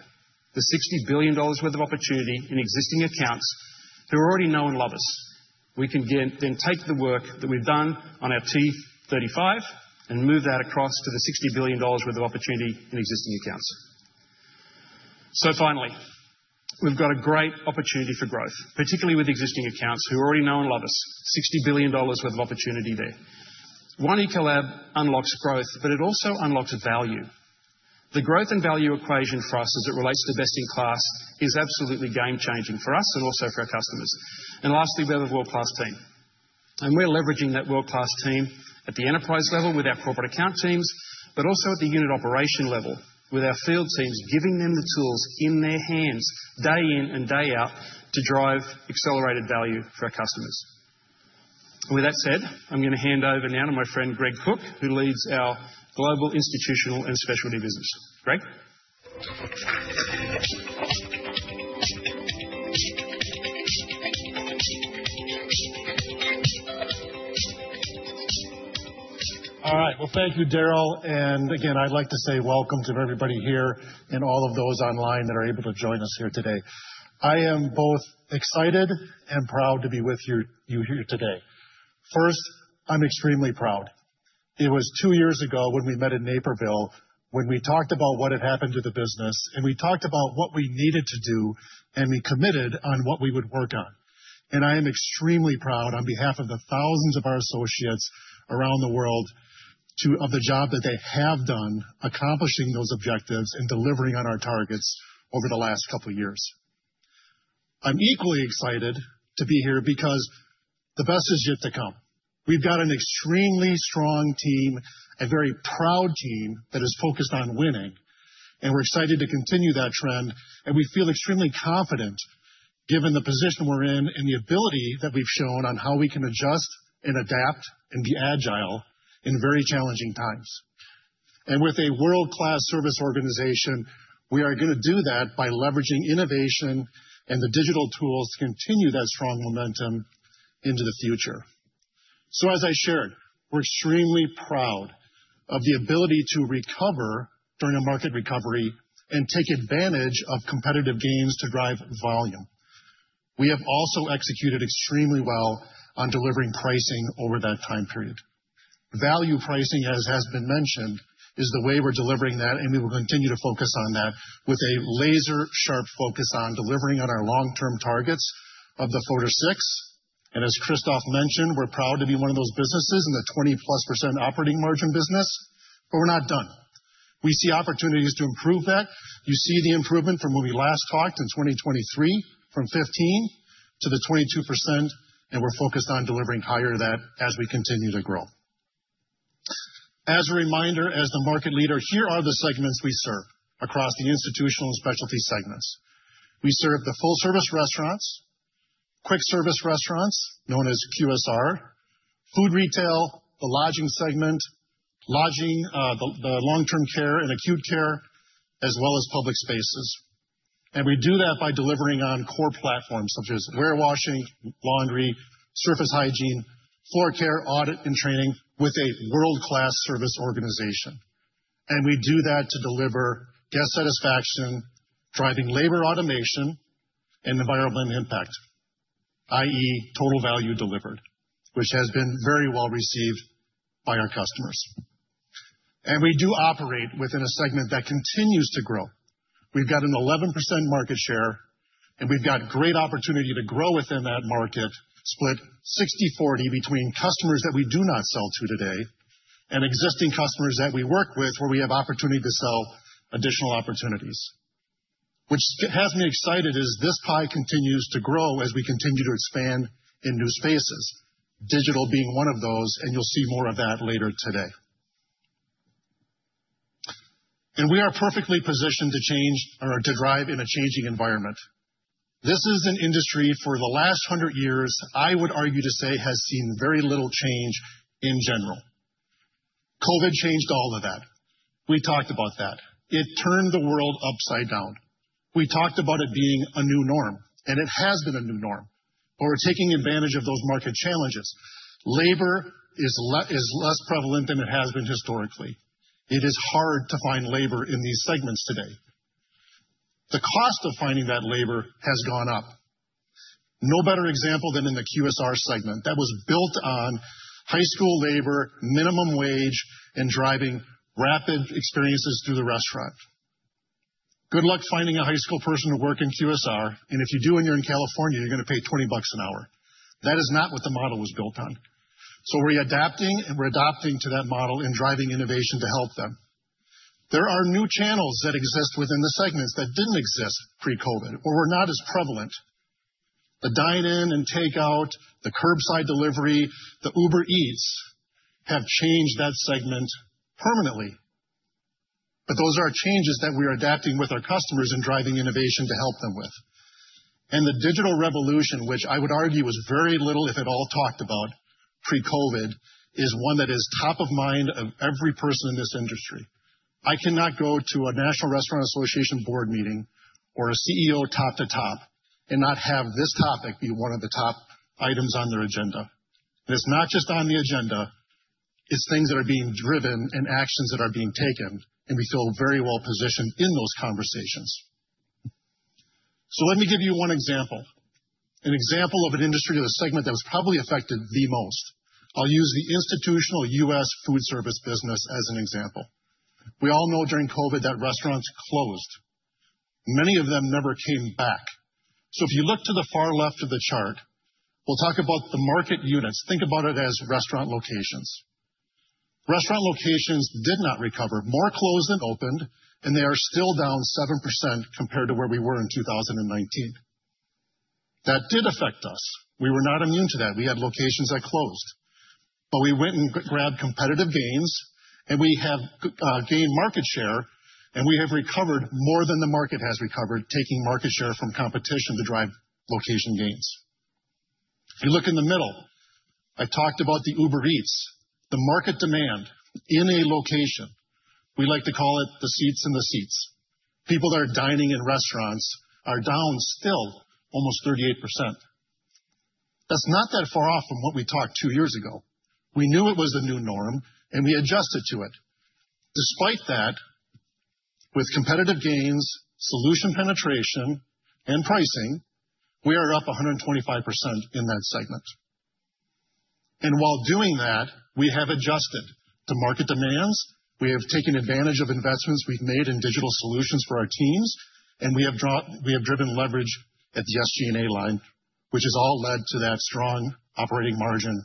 the $60 billion worth of opportunity in existing accounts who already know and love us. We can then take the work that we've done on our top 35 and move that across to the $60 billion worth of opportunity in existing accounts. So finally, we've got a great opportunity for growth, particularly with existing accounts who already know and love us. $60 billion worth of opportunity there. One, Ecolab unlocks growth, but it also unlocks value. The growth and value equation for us, as it relates to best-in-class, is absolutely game-changing for us and also for our customers. And lastly, we have a world-class team, and we're leveraging that world-class team at the enterprise level with our corporate account teams, but also at the unit operation level with our field teams, giving them the tools in their hands day in and day out to drive accelerated value for our customers. With that said, I'm gonna hand over now to my friend Greg Cook, who leads our Global Institutional and Specialty business. Greg? All right, well, thank you, Darrell, and again, I'd like to say welcome to everybody here and all of those online that are able to join us here today. I am both excited and proud to be with you here today. First, I'm extremely proud. It was two years ago when we met in Naperville, when we talked about what had happened to the business, and we talked about what we needed to do, and we committed on what we would work on. I am extremely proud, on behalf of the thousands of our associates around the world, to of the job that they have done, accomplishing those objectives and delivering on our targets over the last couple of years. I'm equally excited to be here because the best is yet to come. We've got an extremely strong team, a very proud team that is focused on winning, and we're excited to continue that trend, and we feel extremely confident given the position we're in and the ability that we've shown on how we can adjust and adapt and be agile in very challenging times. And with a world-class service organization, we are gonna do that by leveraging innovation and the digital tools to continue that strong momentum into the future. So, as I shared, we're extremely proud of the ability to recover during a market recovery and take advantage of competitive gains to drive volume. We have also executed extremely well on delivering pricing over that time period. Value Pricing, as has been mentioned, is the way we're delivering that, and we will continue to focus on that with a laser-sharp focus on delivering on our long-term targets of the Core Six. As Christophe mentioned, we're proud to be one of those businesses in the 20+% operating margin business, but we're not done. We see opportunities to improve that. You see the improvement from when we last talked in 2023, from 15% to the 22%, and we're focused on delivering higher than that as we continue to grow. As a reminder, as the market leader, here are the segments we serve across the institutional and specialty segments. We serve the full-service restaurants, quick-service restaurants known as QSR, food retail, the lodging segment, lodging, the long-term care and acute care, as well as public spaces. We do that by delivering on core platforms such as warewashing, laundry, surface hygiene, floor care, audit, and training with a world-class service organization. We do that to deliver guest satisfaction, driving labor automation and environmental impact, i.e., Total Value Delivered, which has been very well received by our customers. We do operate within a segment that continues to grow. We've got a 11% market share, and we've got great opportunity to grow within that market, split 60/40 between customers that we do not sell to today and existing customers that we work with, where we have opportunity to sell additional opportunities. Which has me excited as this pie continues to grow, as we continue to expand in new spaces, digital being one of those, and you'll see more of that later today. We are perfectly positioned to change or to drive in a changing environment. This is an industry, for the last 100 years, I would argue to say, has seen very little change in general. COVID changed all of that. We talked about that. It turned the world upside down. We talked about it being a new norm, and it has been a new norm, but we're taking advantage of those market challenges. Labor is less prevalent than it has been historically. It is hard to find labor in these segments today. The cost of finding that labor has gone up. No better example than in the QSR segment that was built on high school labor, minimum wage, and driving rapid experiences through the restaurant. Good luck finding a high school person to work in QSR, and if you do, and you're in California, you're gonna pay $20 an hour. That is not what the model was built on. So we're adapting, and we're adapting to that model and driving innovation to help them. There are new channels that exist within the segments that didn't exist pre-COVID or were not as prevalent. The dine-in and takeout, the curbside delivery, the Uber Eats, have changed that segment permanently, but those are changes that we are adapting with our customers and driving innovation to help them with, and the digital revolution, which I would argue was very little, if at all, talked about pre-COVID, is one that is top of mind of every person in this industry. I cannot go to a National Restaurant Association board meeting or a CEO top to top and not have this topic be one of the top items on their agenda, and it's not just on the agenda, it's things that are being driven and actions that are being taken, and we feel very well positioned in those conversations, so let me give you one example. An example of an industry or a segment that was probably affected the most. I'll use the institutional U.S. foodservice business as an example. We all know during COVID that restaurants closed. Many of them never came back. So if you look to the far left of the chart, we'll talk about the market units. Think about it as restaurant locations. Restaurant locations did not recover. More closed than opened, and they are still down 7% compared to where we were in 2019. That did affect us. We were not immune to that. We had locations that closed, but we went and grabbed competitive gains, and we have gained market share, and we have recovered more than the market has recovered, taking market share from competition to drive location gains. If you look in the middle, I talked about the Uber Eats, the market demand in a location. We like to call it the seats in the seats. People that are dining in restaurants are down still almost 38%. That's not that far off from what we talked two years ago. We knew it was a new norm, and we adjusted to it. Despite that, with competitive gains, solution penetration, and pricing, we are up 125% in that segment. And while doing that, we have adjusted to market demands, we have taken advantage of investments we've made in digital solutions for our teams, and we have driven leverage at the SG&A line, which has all led to that strong operating margin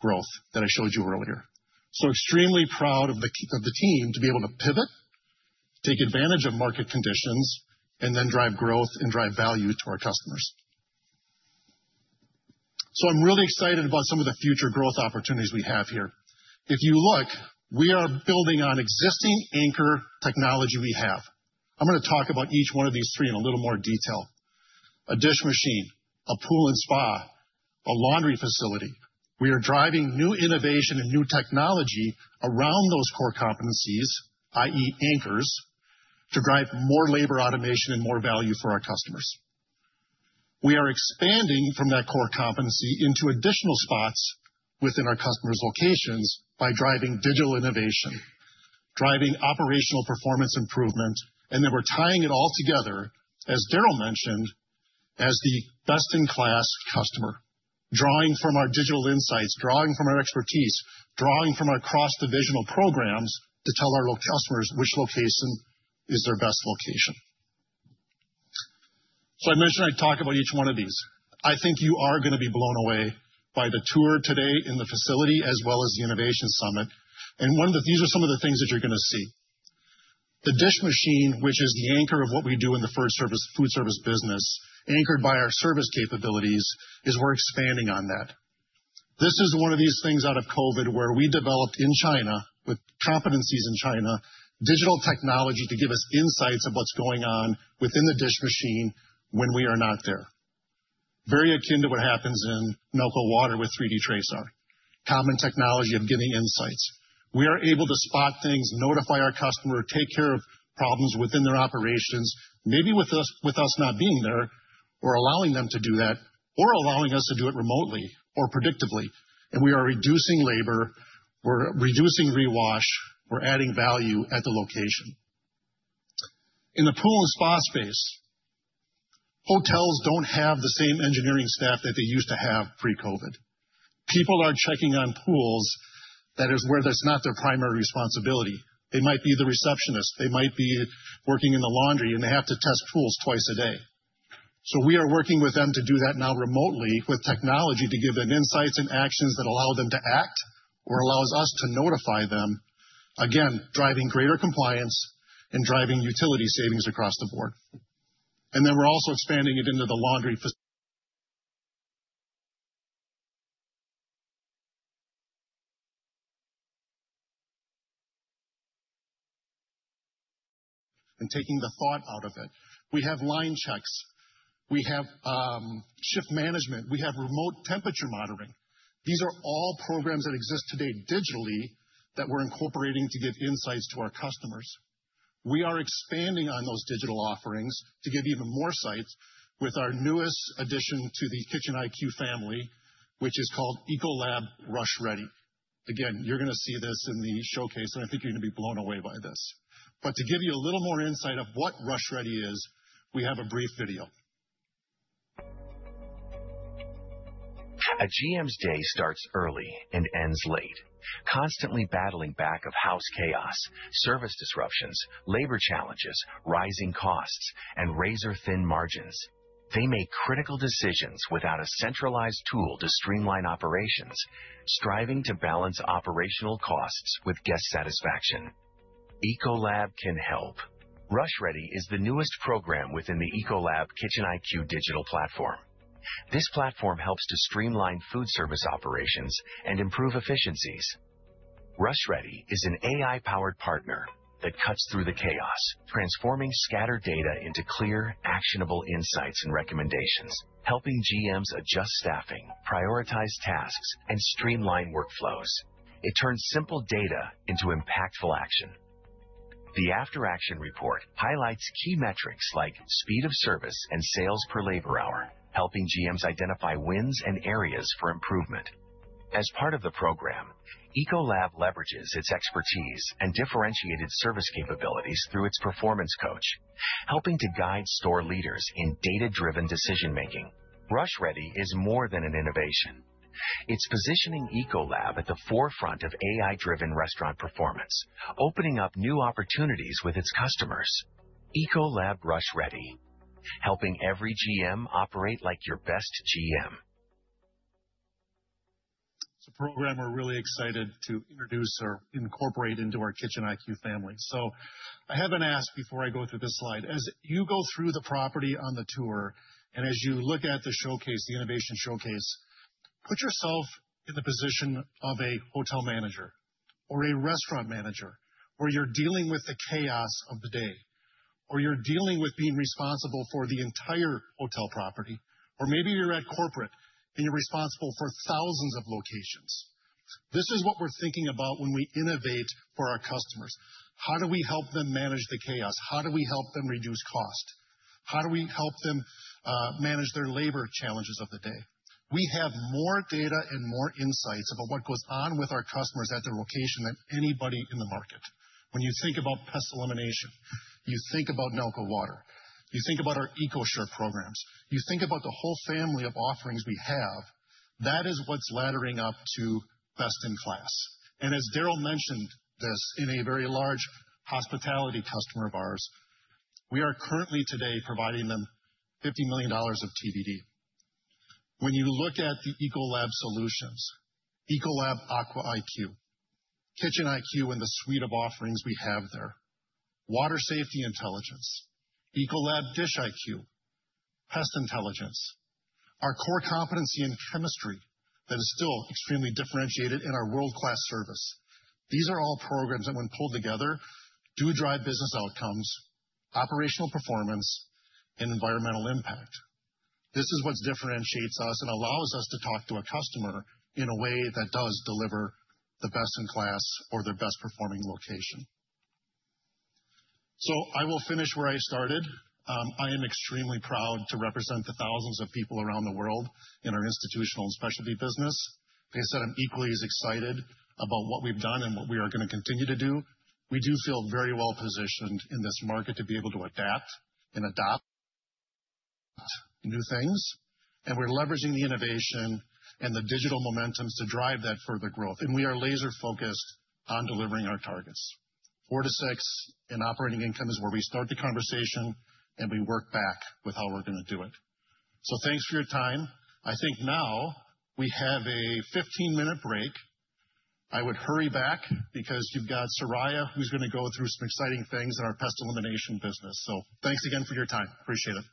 growth that I showed you earlier. So extremely proud of the team to be able to pivot, take advantage of market conditions, and then drive growth and drive value to our customers. So I'm really excited about some of the future growth opportunities we have here. If you look, we are building on existing anchor technology we have. I'm gonna talk about each one of these three in a little more detail. A dish machine, a pool and spa, a laundry facility. We are driving new innovation and new technology around those core competencies, i.e., anchors, to drive more labor automation and more value for our customers. We are expanding from that core competency into additional spots within our customers' locations by driving digital innovation, driving operational performance improvement, and then we're tying it all together, as Darrell mentioned, as the best-in-class customer. Drawing from our digital insights, drawing from our expertise, drawing from our cross-divisional programs to tell our loyal customers which location is their best location. I mentioned I'd talk about each one of these. I think you are gonna be blown away by the tour today in the facility as well as the innovation summit, and one of these are some of the things that you're gonna see. The dish machine, which is the anchor of what we do in the food service, food service business, anchored by our service capabilities, is we're expanding on that. This is one of these things out of COVID, where we developed in China, with competencies in China, digital technology to give us insights of what's going on within the dish machine when we are not there. Very akin to what happens in Nalco Water with 3D TRASAR. Common technology of giving insights. We are able to spot things, notify our customer, take care of problems within their operations, maybe with us not being there, or allowing them to do that, or allowing us to do it remotely or predictably, and we are reducing labor, we're reducing rewash, we're adding value at the location. In the pool and spa space, hotels don't have the same engineering staff that they used to have pre-COVID. People are checking on pools where that's not their primary responsibility. They might be the receptionist, they might be working in the laundry, and they have to test pools twice a day, so we are working with them to do that now remotely with technology to give them insights and actions that allow them to act or allows us to notify them. Again, driving greater compliance and driving utility savings across the board. And then we're also expanding it into the laundry and taking the thought out of it. We have line checks, we have shift management, we have remote temperature monitoring. These are all programs that exist today digitally, that we're incorporating to give insights to our customers. We are expanding on those digital offerings to give even more insights with our newest addition to the KitchenIQ family, which is called Ecolab RushReady. Again, you're gonna see this in the showcase, and I think you're gonna be blown away by this. But to give you a little more insight of what RushReady is, we have a brief video. A GM's day starts early and ends late, constantly battling back-of-house chaos, service disruptions, labor challenges, rising costs, and razor-thin margins. They make critical decisions without a centralized tool to streamline operations, striving to balance operational costs with guest satisfaction. Ecolab can help. RushReady is the newest program within the Ecolab KitchenIQ digital platform. This platform helps to streamline food service operations and improve efficiencies. RushReady is an AI-powered partner that cuts through the chaos, transforming scattered data into clear, actionable insights and recommendations, helping GMs adjust staffing, prioritize tasks, and streamline workflows. It turns simple data into impactful action. The after-action report highlights key metrics like speed of service and sales per labor hour, helping GMs identify wins and areas for improvement. As part of the program, Ecolab leverages its expertise and differentiated service capabilities through its performance coach, helping to guide store leaders in data-driven decision making. RushReady is more than an innovation. It's positioning Ecolab at the forefront of AI-driven restaurant performance, opening up new opportunities with its customers. Ecolab RushReady, helping every GM operate like your best GM. It's a program we're really excited to introduce or incorporate into our KitchenIQ family, so I have been asked before I go through this slide, as you go through the property on the tour, and as you look at the showcase, the innovation showcase, put yourself in the position of a hotel manager or a restaurant manager, where you're dealing with the chaos of the day, or you're dealing with being responsible for the entire hotel property, or maybe you're at corporate, and you're responsible for thousands of locations. This is what we're thinking about when we innovate for our customers. How do we help them manage the chaos? How do we help them reduce cost? How do we help them manage their labor challenges of the day? We have more data and more insights about what goes on with our customers at their location than anybody in the market. When you think about Pest Elimination, you think about Nalco Water, you think about our EcoSure programs, you think about the whole family of offerings we have, that is what's laddering up to best-in-class, and as Darrell mentioned this, in a very large hospitality customer of ours, we are currently today providing them $50 million of TVD. When you look at the Ecolab Solutions, Ecolab AquaIQ, KitchenIQ, and the suite of offerings we have there, Water Safety Intelligence, Ecolab DishIQ, Pest Intelligence, our core competency in chemistry that is still extremely differentiated in our world-class service. These are all programs that, when pulled together, do drive business outcomes, operational performance, and environmental impact. This is what differentiates us and allows us to talk to a customer in a way that does deliver the best-in-class or their best-performing location. So I will finish where I started. I am extremely proud to represent the thousands of people around the world in our Institutional and Specialty business. Like I said, I'm equally as excited about what we've done and what we are gonna continue to do. We do feel very well positioned in this market to be able to adapt and adopt new things, and we're leveraging the innovation and the digital momentums to drive that further growth. And we are laser-focused on delivering our targets. Four to six in operating income is where we start the conversation, and we work back with how we're gonna do it. So thanks for your time. I think now we have a 15-minute break. I would hurry back because you've got Soraya, who's gonna go through some exciting Pest Elimination business. So thanks again for your time. Appreciate it.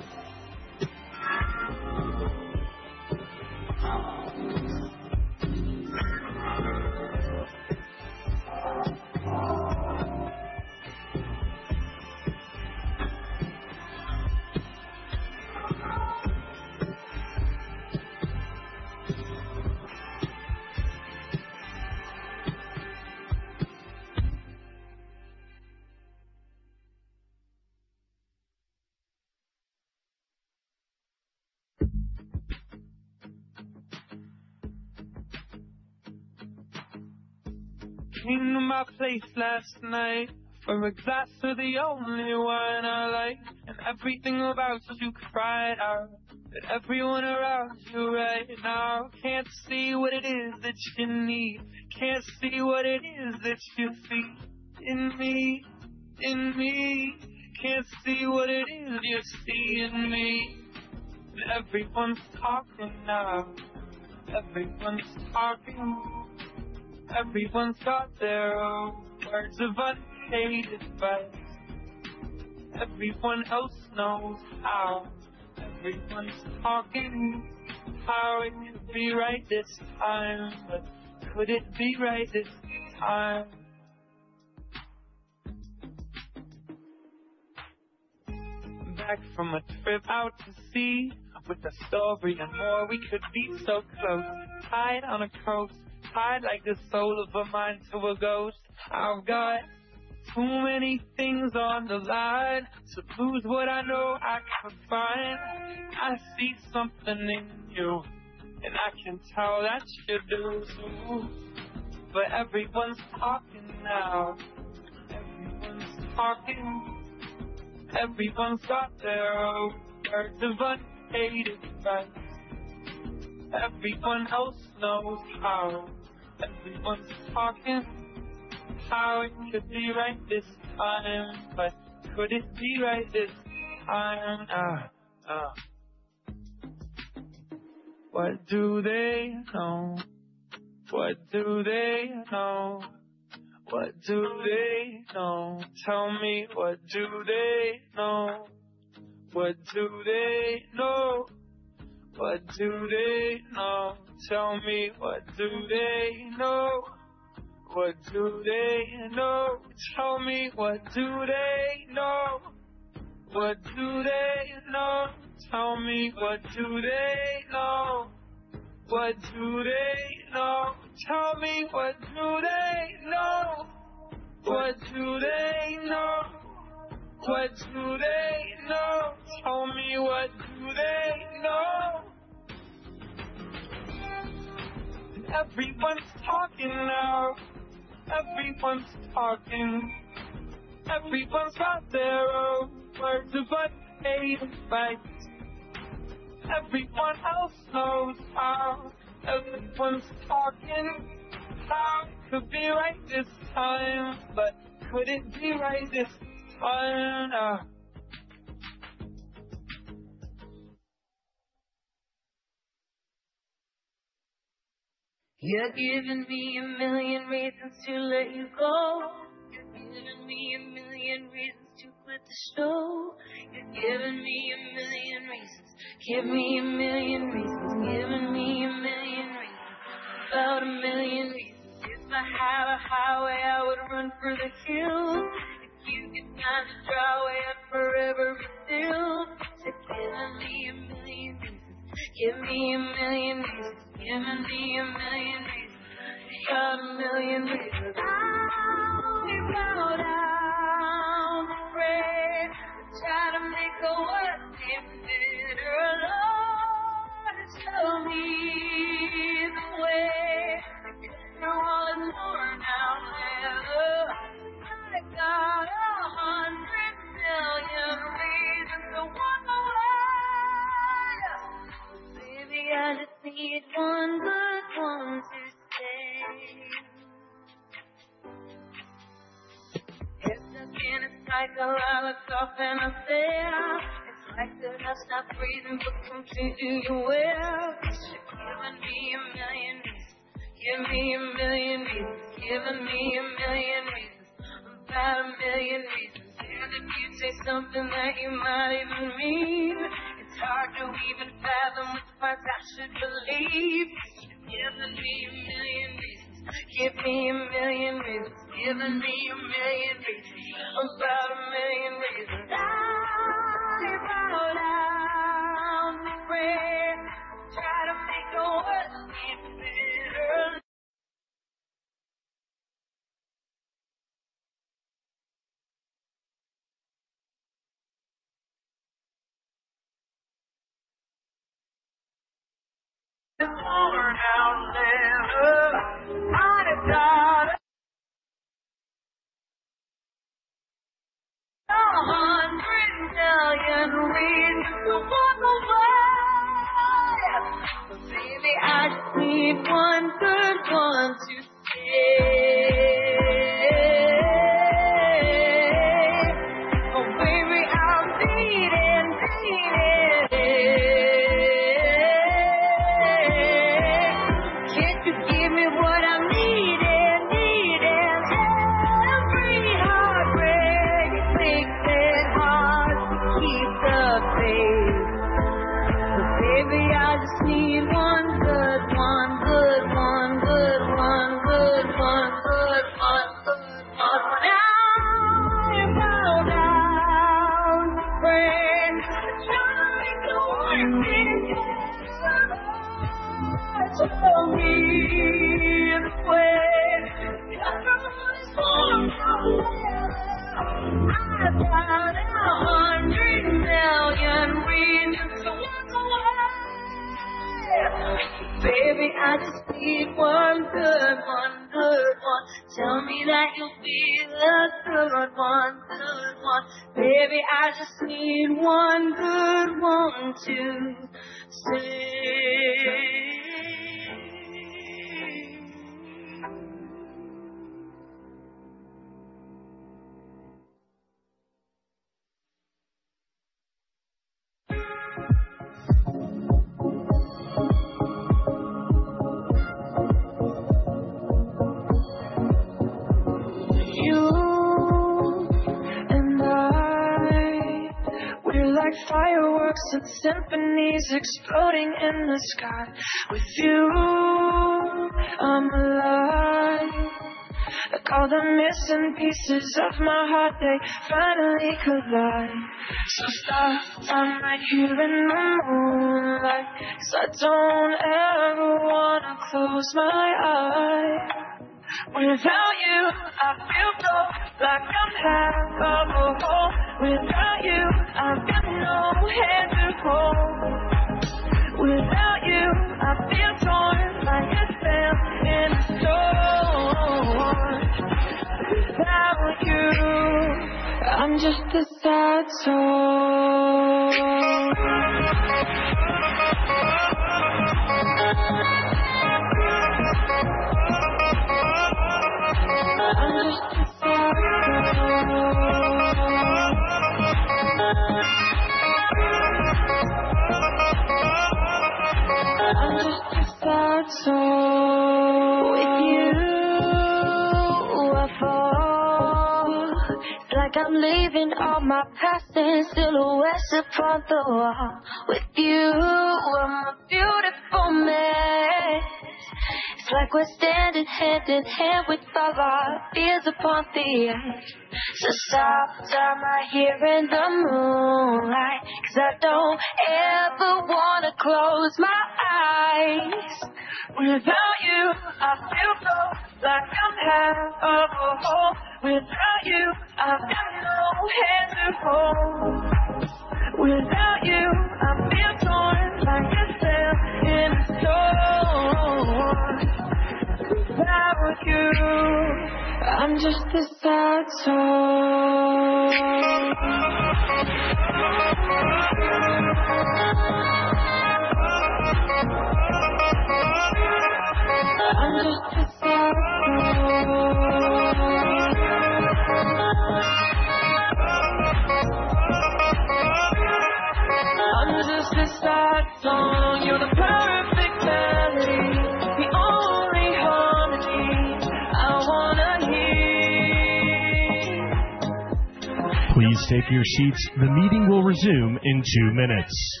Please take your seats. The meeting will resume in two minutes.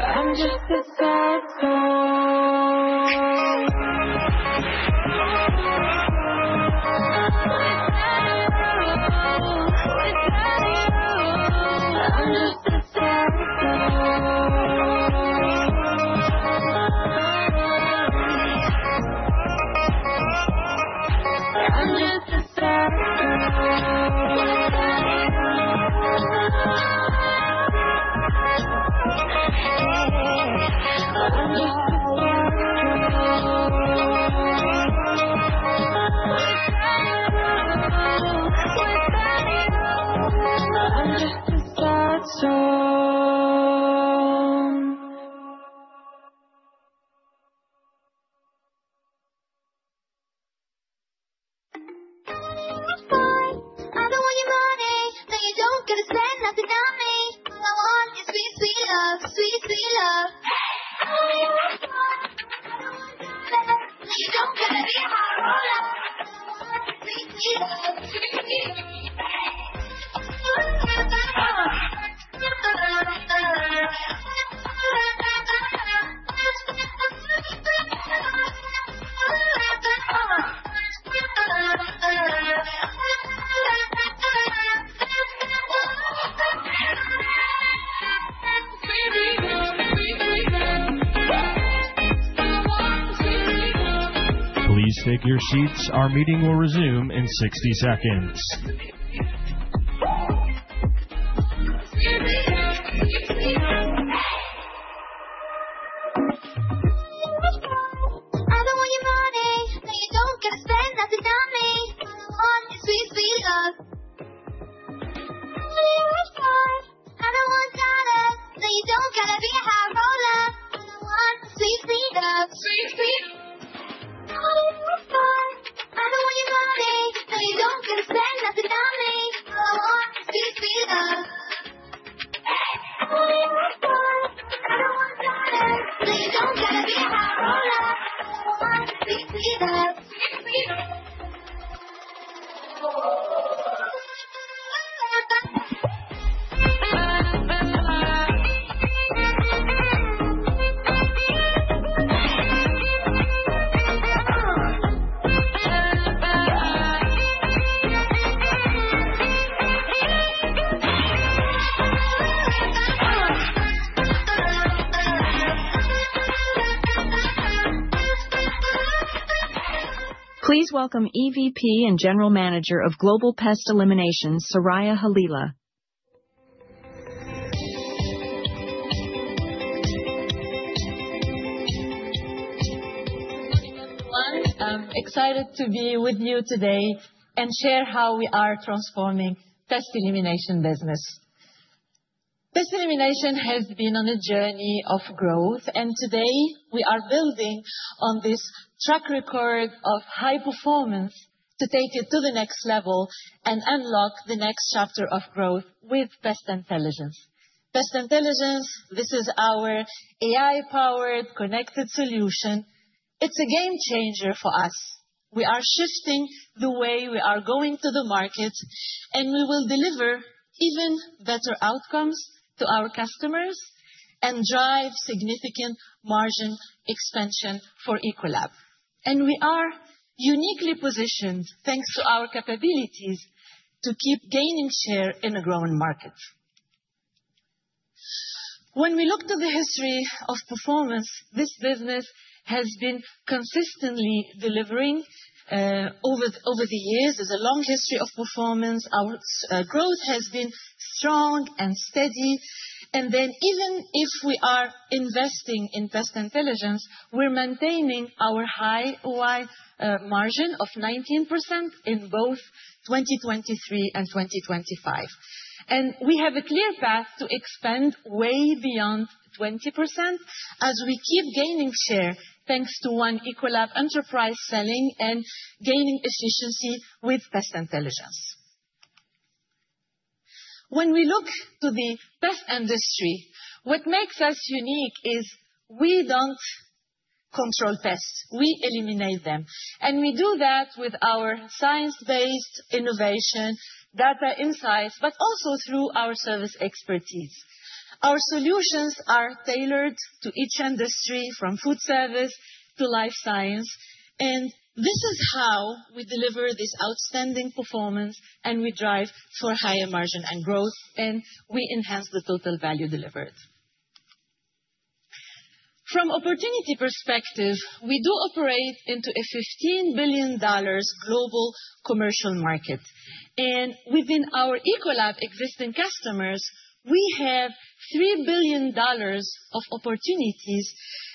Please take your seats. Our meeting will resume in sixty seconds. Please welcome EVP and General Manager of Global Pest Elimination, Soraya Hlila. Good morning, everyone. I'm excited to be with you today and share how Pest Elimination business. Pest Elimination has been on a journey of growth, and today we are building on this track record of high performance to take it to the next level and unlock the next chapter of growth with Pest Intelligence. Pest Intelligence. This is our AI-powered connected solution. It's a game changer for us. We are shifting the way we are going to the market, and we will deliver even better outcomes to our customers and drive significant margin expansion for Ecolab. And we are uniquely positioned, thanks to our capabilities, to keep gaining share in a growing market. When we look to the history of performance, this business has been consistently delivering over the years. There's a long history of performance. Our growth has been strong and steady. Even if we are investing in Pest Intelligence, we're maintaining our high-teens margin of 19% in both 2023 and 2025. We have a clear path to expand way beyond 20% as we keep gaining share, thanks to One Ecolab enterprise selling and gaining efficiency with Pest Intelligence. When we look to the pest industry, what makes us unique is we don't control pests, we eliminate them, and we do that with our science-based innovation, data insights, but also through our service expertise. Our solutions are tailored to each industry, from food service to Life Sciences, and this is how we deliver this outstanding performance, and we drive for higher margin and growth, and we enhance the Total Value Delivered. From opportunity perspective, we do operate into a $15 billion global commercial market, and within our Ecolab existing customers, we have $3 billion of opportunities,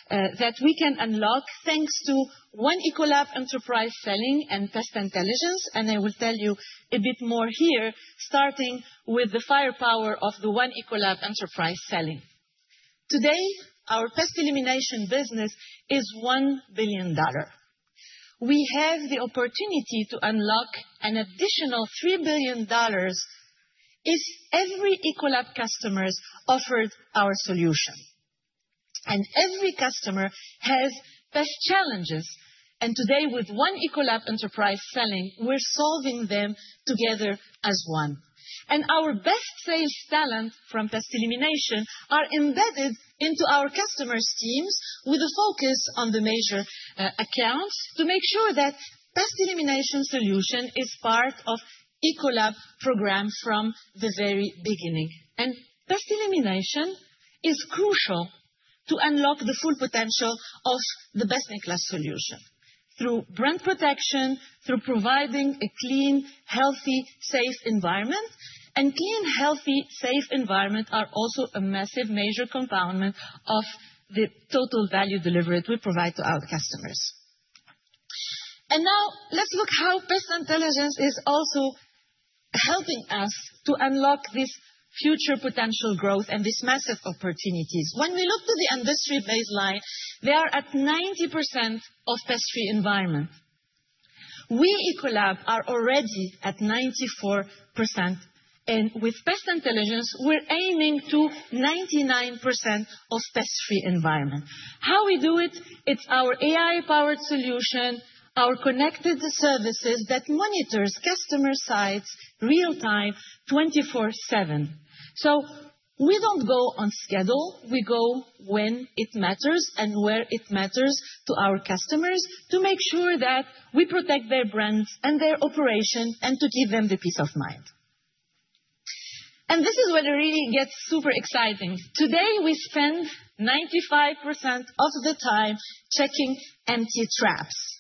that we can unlock, thanks to One Ecolab Enterprise Selling and Pest Intelligence, and I will tell you a bit more here, starting with the firepower of the One Ecolab Enterprise Pest Elimination business is $1 billion. We have the opportunity to unlock an additional $3 billion if every Ecolab customers offered our solution. Every customer has pest challenges, and today, with One Ecolab Enterprise selling, we're solving them together as one. Our best sales talent from Pest Elimination are embedded into our customers' teams, with a focus on the major accounts, to make sure that Pest Elimination solution is part of Ecolab program from the very beginning. Pest Elimination is crucial to unlock the full potential of the best-in-class solution through brand protection, through providing a clean, healthy, safe environment. Clean, healthy, safe environment are also a massive major component of the Total Value Delivered we provide to our customers. Now let's look how Pest Intelligence is also helping us to unlock this future potential growth and this massive opportunities. When we look to the industry baseline, they are at 90% of pest-free environment. We, Ecolab, are already at 94%, and with Pest Intelligence, we're aiming to 99% of pest-free environment. How we do it? It's our AI-powered solution, our connected services that monitors customer sites real time, 24/7. We don't go on schedule, we go when it matters and where it matters to our customers to make sure that we protect their brands and their operation, and to give them the peace of mind. This is where it really gets super exciting. Today, we spend 95% of the time checking empty traps.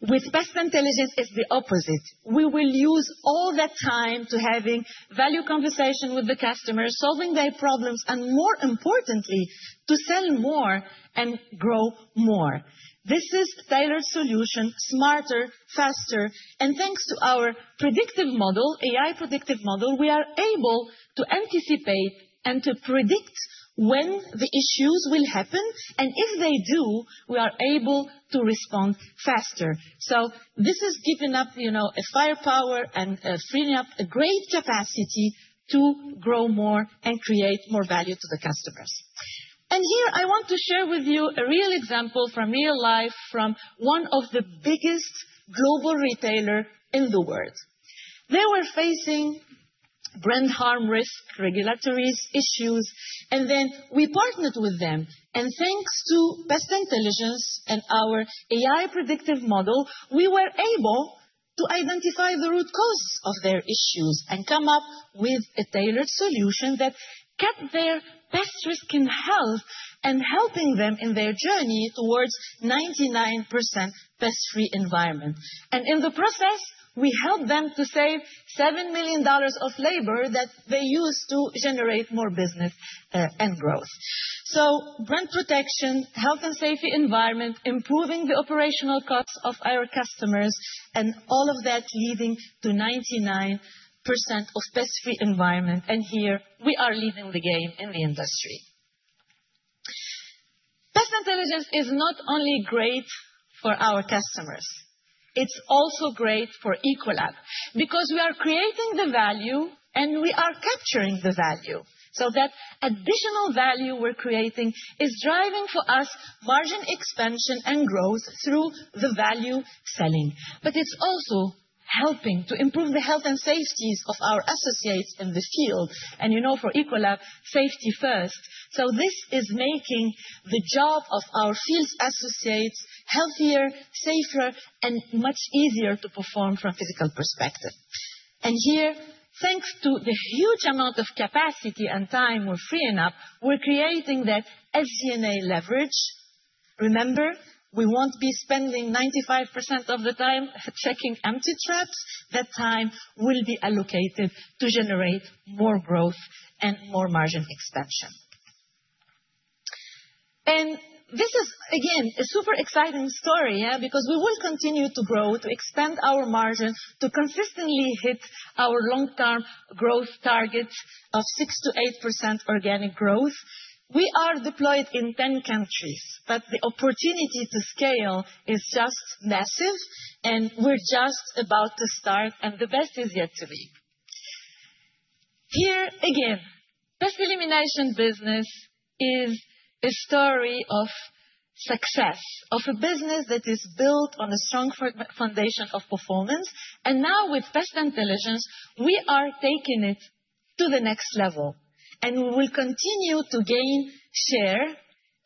With Pest Intelligence, it's the opposite. We will use all that time to having value conversation with the customer, solving their problems, and more importantly, to sell more and grow more. This is tailored solution, smarter, faster, and thanks to our predictive model, AI predictive model, we are able to anticipate and to predict when the issues will happen, and if they do, we are able to respond faster. So this is giving up, you know, a firepower and freeing up a great capacity to grow more and create more value to the customers. And here, I want to share with you a real example from real life, from one of the biggest global retailer in the world. They were facing brand harm risk, regulatory issues, and then we partnered with them, and thanks to Pest Intelligence and our AI predictive model, we were able to identify the root cause of their issues and come up with a tailored solution that kept their pest risk in health and helping them in their journey towards 99% pest-free environment. And in the process, we helped them to save $7 million of labor that they used to generate more business and growth. Brand protection, health and safety environment, improving the operational costs of our customers, and all of that leading to 99% pest-free environment, and here we are leading the game in the industry. Pest Intelligence is not only great for our customers. It's also great for Ecolab, because we are creating the value, and we are capturing the value. So that additional value we're creating is driving for us margin expansion and growth through the value selling. But it's also helping to improve the health and safeties of our associates in the field, and you know, for Ecolab, safety first. So this is making the job of our field associates healthier, safer, and much easier to perform from a physical perspective. And here, thanks to the huge amount of capacity and time we're freeing up, we're creating that SG&A leverage. Remember, we won't be spending 95% of the time checking empty traps. That time will be allocated to generate more growth and more margin expansion. This is, again, a super exciting story, yeah, because we will continue to grow, to expand our margin, to consistently hit our long-term growth target of 6%-8% organic growth. We are deployed in 10 countries, but the opportunity to scale is just massive, and we're just about to start, and the best is yet to Pest Elimination business is a story of success, of a business that is built on a strong foundation of performance, and now with Pest Intelligence, we are taking it to the next level, and we will continue to gain share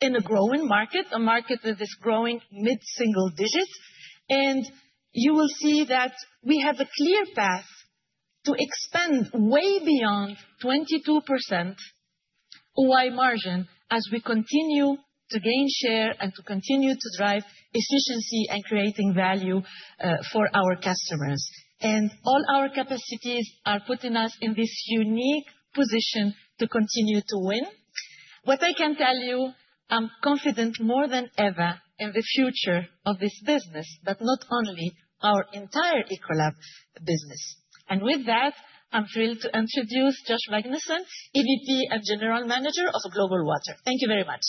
in a growing market, a market that is growing mid-single digits. And you will see that we have a clear path to expand way beyond 22% OI margin as we continue to gain share and to continue to drive efficiency and creating value for our customers. And all our capacities are putting us in this unique position to continue to win. What I can tell you, I'm confident more than ever in the future of this business, but not only our entire Ecolab business. And with that, I'm thrilled to introduce Josh Magnuson, EVP and General Manager of Global Water. Thank you very much.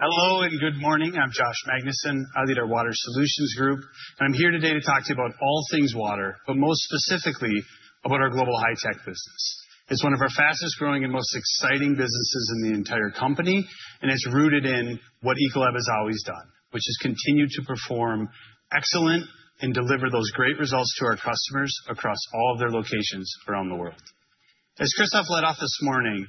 Hello, and good morning. I'm Josh Magnuson. I lead our Water Solutions Group, and I'm here today to talk to you about all things Water, but most Global High-Tech business. It's one of our fastest-growing and most exciting businesses in the entire company, and it's rooted in what Ecolab has always done, which is continue to perform excellent and deliver those great results to our customers across all of their locations around the world. As Christophe led off this morning,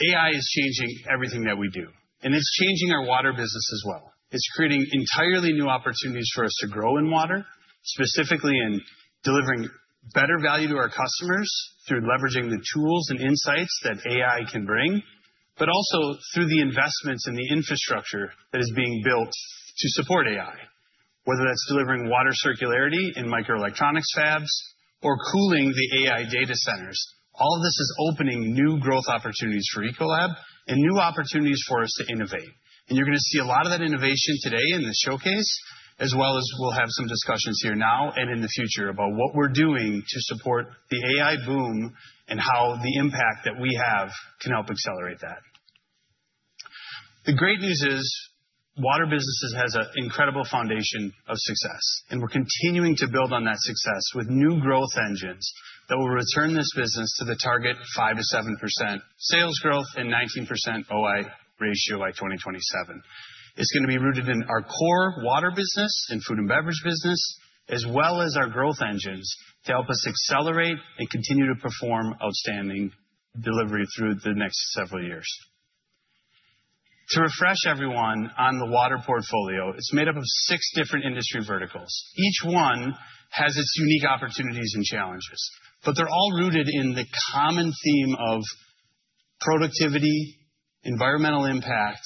AI is changing everything that we do, and it's changing Water business as well. It's creating entirely new opportunities for us to grow in water, specifically in delivering better value to our customers through leveraging the tools and insights that AI can bring, but also through the investments in the infrastructure that is being built to support AI. Whether that's delivering water circularity in microelectronics fabs or cooling the AI data centers, all of this is opening new growth opportunities for Ecolab and new opportunities for us to innovate, and you're gonna see a lot of that innovation today in the showcase, as well as we'll have some discussions here now and in the future about what we're doing to support the AI boom and how the impact that we have can help accelerate that. The great news Water businesses has an incredible foundation of success, and we're continuing to build on that success with new growth engines that will return this business to the target 5%-7% sales growth and 19% OI ratio by 2027. It's gonna be rooted in our core Food & Beverage business, as well as our growth engines, to help us accelerate and continue to perform outstanding delivery through the next several years. To refresh everyone on the water portfolio, it's made up of six different industry verticals. Each one has its unique opportunities and challenges, but they're all rooted in the common theme of productivity, environmental impact,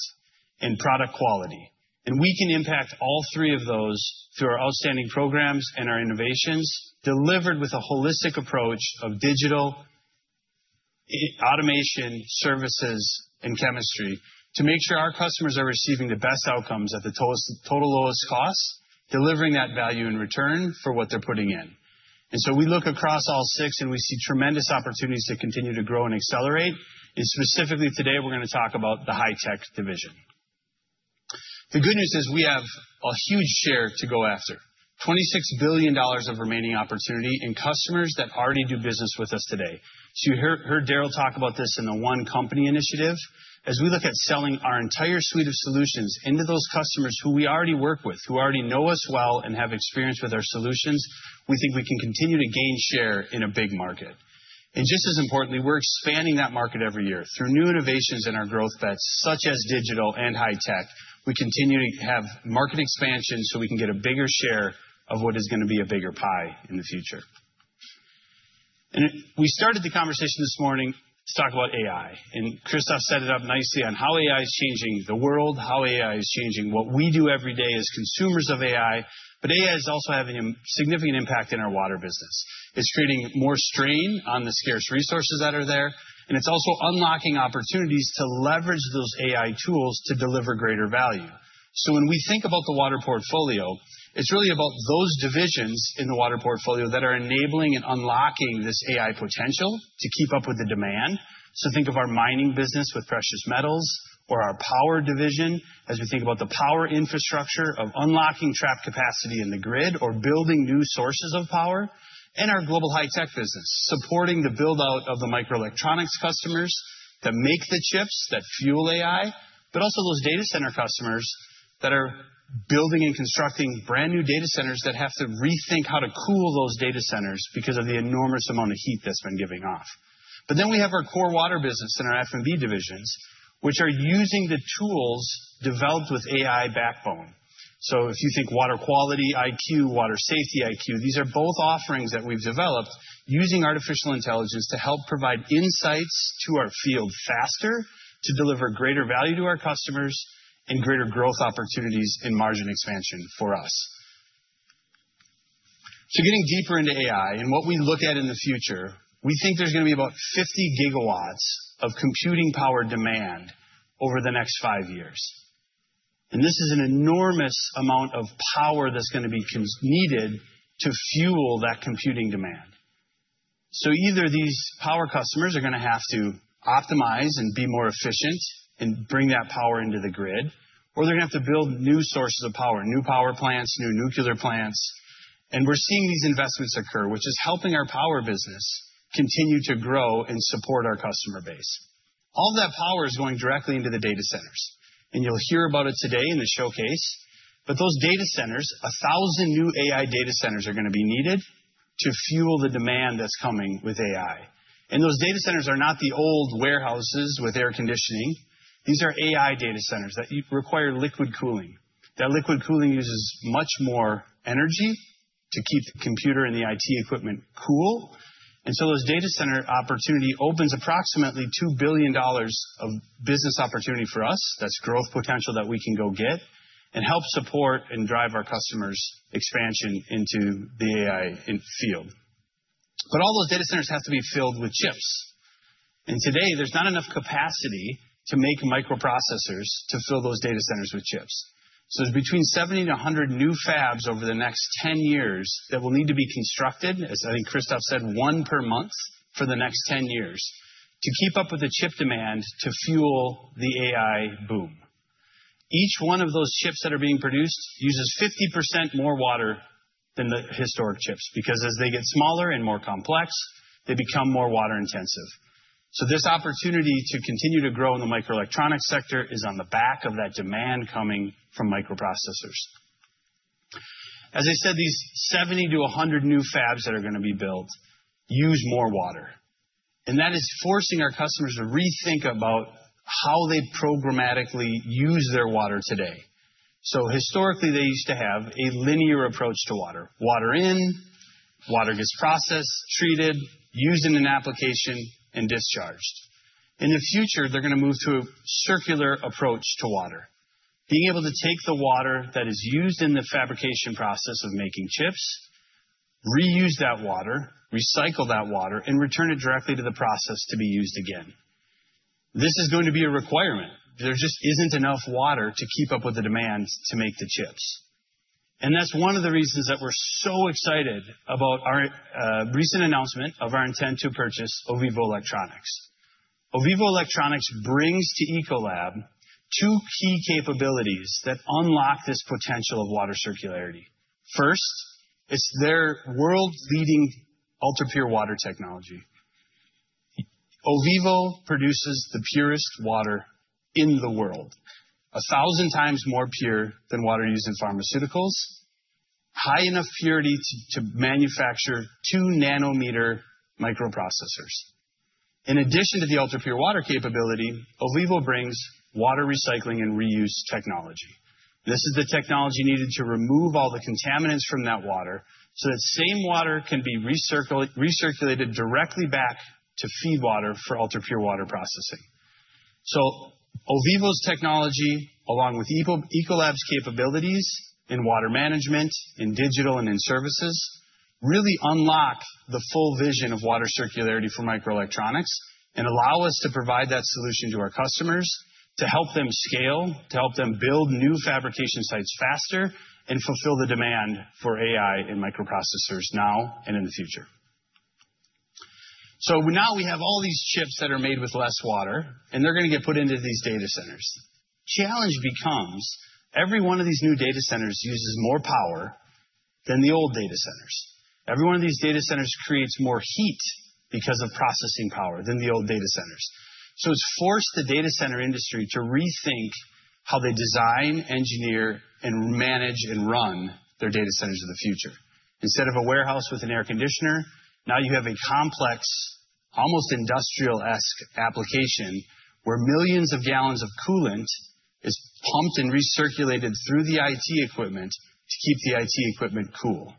and product quality. We can impact all three of those through our outstanding programs and our innovations, delivered with a holistic approach of digital automation, services, and chemistry to make sure our customers are receiving the best outcomes at the total, total lowest cost, delivering that value in return for what they're putting in. So we look across all six, and we see tremendous opportunities to continue to grow and accelerate. Specifically today, we're gonna talk about the High-Tech division. The good news is we have a huge share to go after. $26 billion of remaining opportunity in customers that already do business with us today. So you heard Darrell talk about this in the One Company initiative. As we look at selling our entire suite of solutions into those customers who we already work with, who already know us well and have experience with our solutions, we think we can continue to gain share in a big market. And just as importantly, we're expanding that market every year through new innovations in our growth bets, such as digital and high tech. We continue to have market expansion so we can get a bigger share of what is gonna be a bigger pie in the future. And we started the conversation this morning to talk about AI, and Christophe set it up nicely on how AI is changing the world, how AI is changing what we do every day as consumers of AI. But AI is also having a significant impact in Water business. It's creating more strain on the scarce resources that are there, and it's also unlocking opportunities to leverage those AI tools to deliver greater value. So when we think about the water portfolio, it's really about those divisions in the water portfolio that are enabling and unlocking this AI potential to keep up with the demand. Think of our Mining business with precious metals, or our Power division as we think about the power infrastructure of unlocking trapped capacity in the grid or building new sources of Global High-Tech business, supporting the build-out of the microelectronics customers that make the chips that fuel AI, but also those data center customers that are building and constructing brand-new data centers that have to rethink how to cool those data centers because of the enormous amount of heat that's been giving off. But then we have our Water business in our F&B divisions, which are using the tools developed with AI backbone. So if you think Water Quality IQ, Water Safety IQ, these are both offerings that we've developed using artificial intelligence to help provide insights to our field faster, to deliver greater value to our customers and greater growth opportunities and margin expansion for us. So getting deeper into AI and what we look at in the future, we think there's gonna be about 50 gigawatts of computing power demand over the next five years, and this is an enormous amount of power that's gonna be needed to fuel that computing demand. So either these power customers are gonna have to optimize and be more efficient and bring that power into the grid, or they're gonna have to build new sources of power, new power plants, new nuclear plants, and we're seeing these investments occur, which is helping our power business continue to grow and support our customer base. All that power is going directly into the data centers, and you'll hear about it today in the showcase, but those data centers, 1,000 new AI data centers, are gonna be needed to fuel the demand that's coming with AI, and those data centers are not the old warehouses with air conditioning. These are AI data centers that require liquid cooling. That liquid cooling uses much more energy to keep the computer and the IT equipment cool, and so those data center opportunity opens approximately $2 billion of business opportunity for us. That's growth potential that we can go get and help support and drive our customers' expansion into the AI field, but all those data centers have to be filled with chips, and today there's not enough capacity to make microprocessors to fill those data centers with chips. So there's between 70 to 100 new fabs over the next 10 years that will need to be constructed, as I think Christophe said, one per month for the next 10 years, to keep up with the chip demand to fuel the AI boom. Each one of those chips that are being produced uses 50% more water than the historic chips because as they get smaller and more complex, they become more water-intensive. So this opportunity to continue to grow in the microelectronics sector is on the back of that demand coming from microprocessors. As I said, these 70 to 100 new fabs that are gonna be built use more water, and that is forcing our customers to rethink about how they programmatically use their water today. So historically, they used to have a linear approach to water. Water in, water gets processed, treated, used in an application, and discharged. In the future, they're gonna move to a circular approach to water. Being able to take the water that is used in the fabrication process of making chips, reuse that water, recycle that water, and return it directly to the process to be used again. This is going to be a requirement. There just isn't enough water to keep up with the demand to make the chips. And that's one of the reasons that we're so excited about our recent announcement of our intent to purchase Ovivo Electronics. Ovivo Electronics brings to Ecolab two key capabilities that unlock this potential of water circularity. First, it's their world-leading ultrapure water technology. Ovivo produces the purest water in the world, a thousand times more pure than water used in pharmaceuticals, high enough purity to manufacture two nanometer microprocessors. In addition to the ultrapure water capability, Ovivo brings water recycling and reuse technology. This is the technology needed to remove all the contaminants from that water, so that same water can be recirculated directly back to feed water for ultrapure water processing. So Ovivo's technology, along with Ecolab's capabilities in water management, in digital, and in services, really unlock the full vision of water circularity for microelectronics and allow us to provide that solution to our customers to help them scale, to help them build new fabrication sites faster, and fulfill the demand for AI and microprocessors now and in the future. So now we have all these chips that are made with less water, and they're gonna get put into these data centers. Challenge becomes, every one of these new data centers uses more power than the old data centers. Every one of these data centers creates more heat because of processing power than the old data centers. So it's forced the data center industry to rethink how they design, engineer, and manage and run their data centers of the future. Instead of a warehouse with an air conditioner, now you have a complex almost industrial-esque application, where millions of gallons of coolant is pumped and recirculated through the IT equipment to keep the IT equipment cool.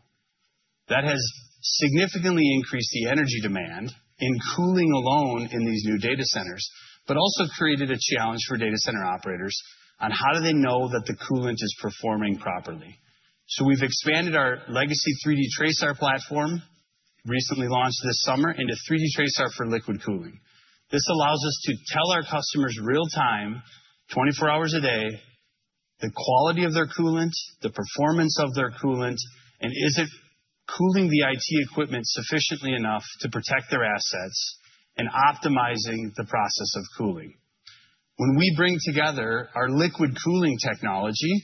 That has significantly increased the energy demand in cooling alone in these new data centers, but also created a challenge for data center operators on how do they know that the coolant is performing properly. So we've expanded our legacy 3D TRASAR platform, recently launched this summer, into 3D TRASAR for liquid cooling. This allows us to tell our customers real time, twenty-four hours a day, the quality of their coolant, the performance of their coolant, and is it cooling the IT equipment sufficiently enough to protect their assets and optimizing the process of cooling? When we bring together our liquid cooling technology,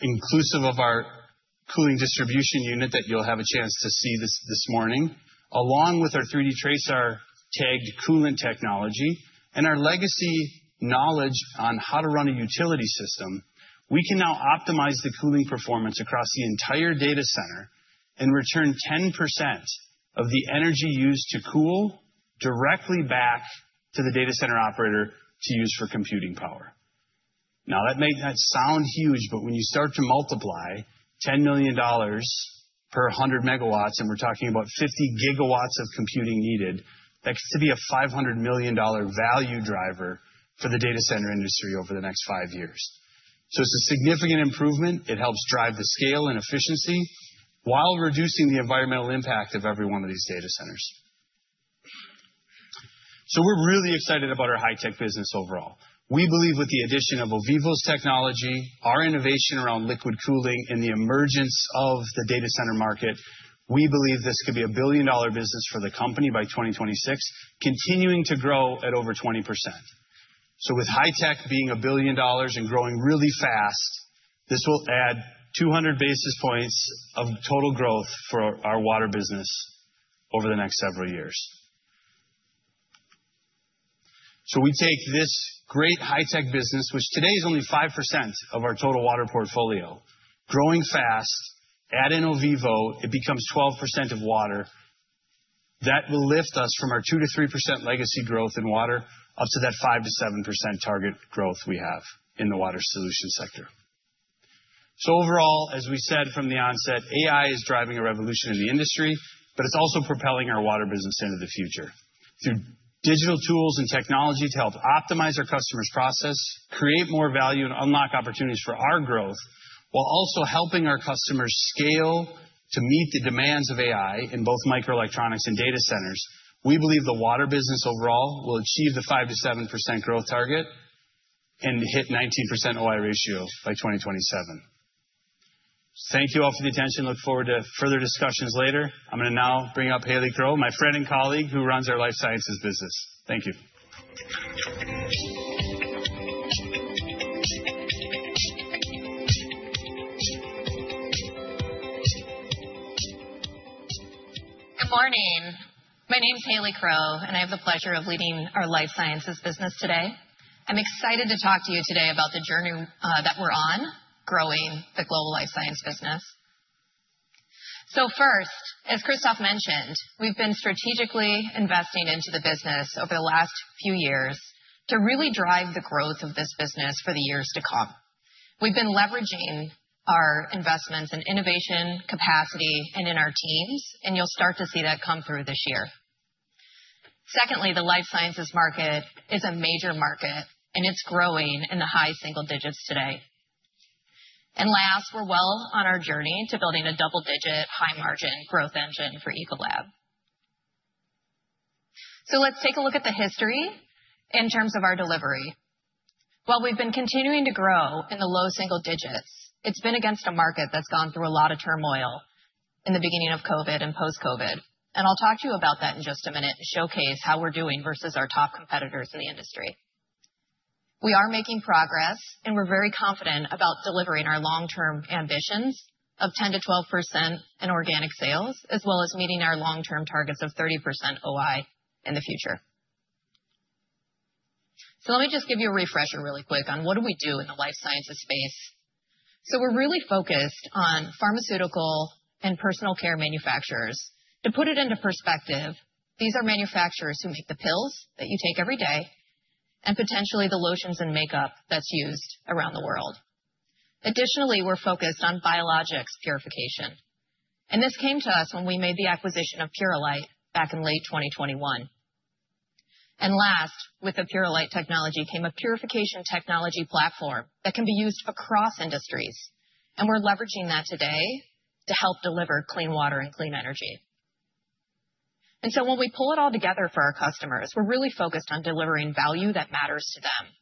inclusive of our cooling distribution unit that you'll have a chance to see this morning, along with our 3D TRASAR tagged coolant technology and our legacy knowledge on how to run a utility system, we can now optimize the cooling performance across the entire data center and return 10% of the energy used to cool directly back to the data center operator to use for computing power. Now, that may not sound huge, but when you start to multiply $10 million per 100 megawatts, and we're talking about 50 gigawatts of computing needed, that could be a $500 million value driver for the data center industry over the next 5 years. So it's a significant improvement. It helps drive the scale and efficiency while reducing the environmental impact of every one of these data centers. So we're really excited about our High-Tech business overall. We believe with the addition of Ovivo's technology, our innovation around liquid cooling, and the emergence of the data center market, we believe this could be a $1 billion business for the company by 2026, continuing to grow at over 20%. So with High-Tech being $1 billion and growing really fast, this will add 200 basis points of total growth for Water business over the next several years. So we take this great High-Tech business, which today is only 5% of our total water portfolio, growing fast. Add in Ovivo, it becomes 12% of water. That will lift us from our 2%-3% legacy growth in water up to that 5%-7% target growth we have in the water solution sector. So overall, as we said from the onset, AI is driving a revolution in the industry, but it's also propelling Water business into the future. Through digital tools and technology to help optimize our customers' process, create more value, and unlock opportunities for our growth, while also helping our customers scale to meet the demands of AI in both microelectronics and data centers, we believe Water business overall will achieve the 5%-7% growth target and hit 19% OI ratio by 2027. Thank you all for the attention. Look forward to further discussions later. I'm going to now bring up Hayley Crowe, my friend and colleague, runs Life Sciences business. thank you. Good morning. My name is Hayley Crowe, and I have the pleasure Life Sciences business today. I'm excited to talk to you today about the journey that we're on growing the Life Sciences business. So first, as Christophe mentioned, we've been strategically investing into the business over the last few years to really drive the growth of this business for the years to come. We've been leveraging our investments in innovation, capacity, and in our teams, and you'll start to see that come through this year. Secondly, the Life Sciences market is a major market, and it's growing in the high single digits today. And last, we're well on our journey to building a double-digit, high-margin growth engine for Ecolab. So let's take a look at the history in terms of our delivery. While we've been continuing to grow in the low single digits, it's been against a market that's gone through a lot of turmoil in the beginning of COVID and post-COVID, and I'll talk to you about that in just a minute to showcase how we're doing versus our top competitors in the industry. We are making progress, and we're very confident about delivering our long-term ambitions of 10%-12% in organic sales, as well as meeting our long-term targets of 30% OI in the future, so let me just give you a refresher really quick on what do we do in the Life Sciences space, so we're really focused on pharmaceutical and personal care manufacturers. To put it into perspective, these are manufacturers who make the pills that you take every day and potentially the lotions and makeup that's used around the world. Additionally, we're focused on biologics purification, and this came to us when we made the acquisition of Purolite back in late twenty twenty-one, and last, with the Purolite technology came a purification technology platform that can be used across industries, and we're leveraging that today to help deliver clean water and clean energy, and so when we pull it all together for our customers, we're really focused on delivering value that matters to them.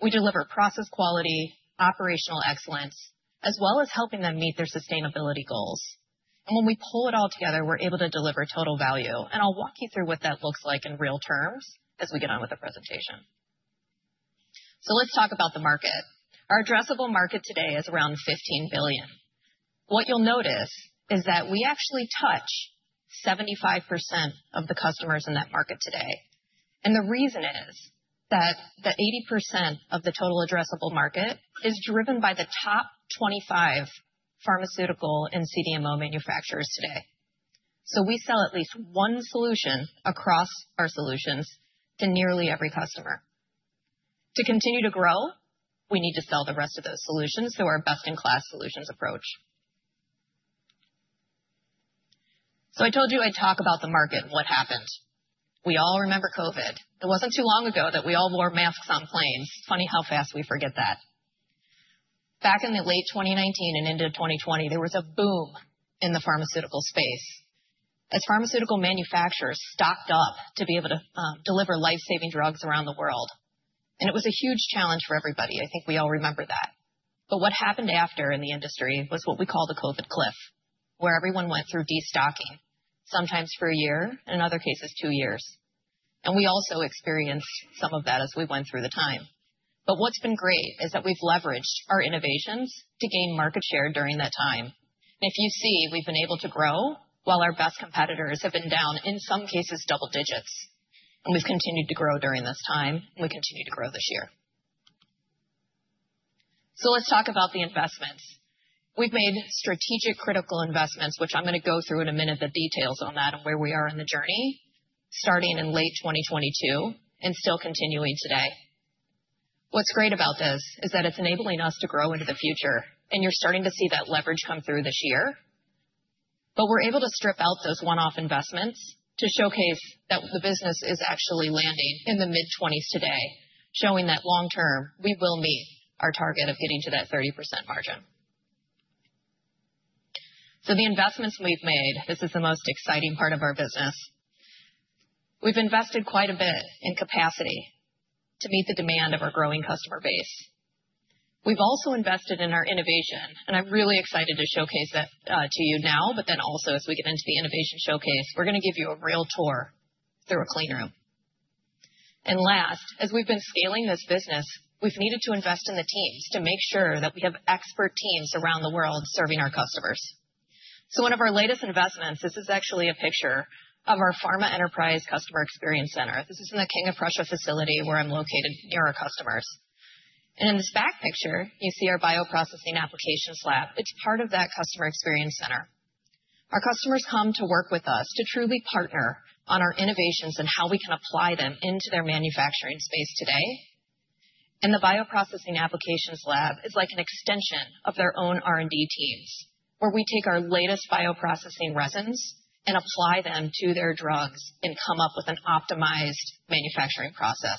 We deliver process quality, operational excellence, as well as helping them meet their sustainability goals, and when we pull it all together, we're able to deliver total value, and I'll walk you through what that looks like in real terms as we get on with the presentation, so let's talk about the market. Our addressable market today is around $15 billion. What you'll notice is that we actually touch 75% of the customers in that market today, and the reason is that the 80% of the total addressable market is driven by the top 25 pharmaceutical and CDMO manufacturers today, so we sell at least one solution across our solutions to nearly every customer. To continue to grow, we need to sell the rest of those solutions through our best-in-class solutions approach, so I told you I'd talk about the market and what happened. We all remember COVID. It wasn't too long ago that we all wore masks on planes. Funny how fast we forget that. Back in the late 2019 and into 2020, there was a boom in the pharmaceutical space as pharmaceutical manufacturers stocked up to be able to deliver life-saving drugs around the world, and it was a huge challenge for everybody. I think we all remember that. But what happened after in the industry was what we call the COVID cliff, where everyone went through destocking, sometimes for a year, in other cases, two years. And we also experienced some of that as we went through the time. But what's been great is that we've leveraged our innovations to gain market share during that time. And if you see, we've been able to grow, while our best competitors have been down, in some cases, double digits, and we've continued to grow during this time, and we continue to grow this year. So let's talk about the investments. We've made strategic, critical investments, which I'm gonna go through in a minute, the details on that and where we are in the journey, starting in late 2022 and still continuing today. What's great about this is that it's enabling us to grow into the future, and you're starting to see that leverage come through this year. But we're able to strip out those one-off investments to showcase that the business is actually landing in the mid-twenties today, showing that long term, we will meet our target of getting to that 30% margin. So the investments we've made, this is the most exciting part of our business. We've invested quite a bit in capacity to meet the demand of our growing customer base. We've also invested in our innovation, and I'm really excited to showcase that to you now, but then also, as we get into the innovation showcase, we're gonna give you a real tour through a clean room. Last, as we've been scaling this business, we've needed to invest in the teams to make sure that we have expert teams around the world serving our customers. One of our latest investments, this is actually a picture of our Pharma Enterprise Customer Experience Center. This is in the King of Prussia facility, where I'm located near our customers. In this back picture, you see our bioprocessing applications lab. It's part of that customer experience center. Our customers come to work with us to truly partner on our innovations and how we can apply them into their manufacturing space today. The bioprocessing applications lab is like an extension of their own R&D teams, where we take our latest bioprocessing resins and apply them to their drugs and come up with an optimized manufacturing process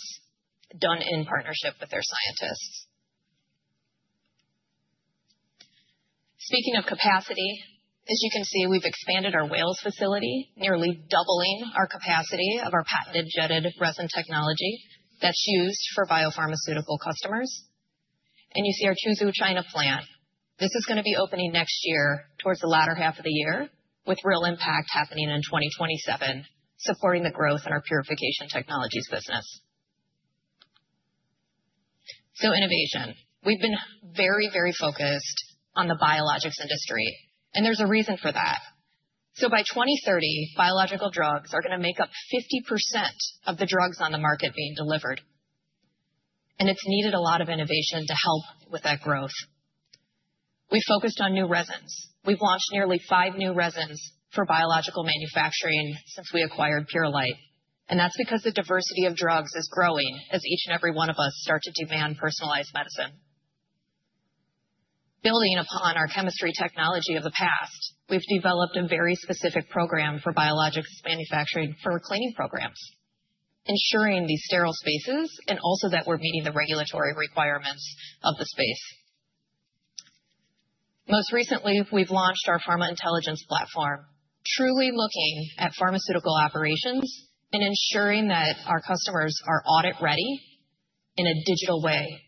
done in partnership with their scientists. Speaking of capacity, as you can see, we've expanded our Wales facility, nearly doubling our capacity of our patented jetted resin technology that's used for biopharmaceutical customers, and you see our Suzhou, China, plant. This is gonna be opening next year towards the latter half of the year, with real impact happening in 2027, supporting the growth in our purification technologies business, so innovation. We've been very, very focused on the biologics industry, and there's a reason for that, so by 2030, biological drugs are gonna make up 50% of the drugs on the market being delivered, and it's needed a lot of innovation to help with that growth. We focused on new resins. We've launched nearly five new resins for biological manufacturing since we acquired Purolite, and that's because the diversity of drugs is growing as each and every one of us start to demand personalized medicine. Building upon our chemistry technology of the past, we've developed a very specific program for biologics manufacturing, for cleaning programs, ensuring these sterile spaces and also that we're meeting the regulatory requirements of the space. Most recently, we've launched our Pharma Intelligence platform, truly looking at pharmaceutical operations and ensuring that our customers are audit-ready in a digital way.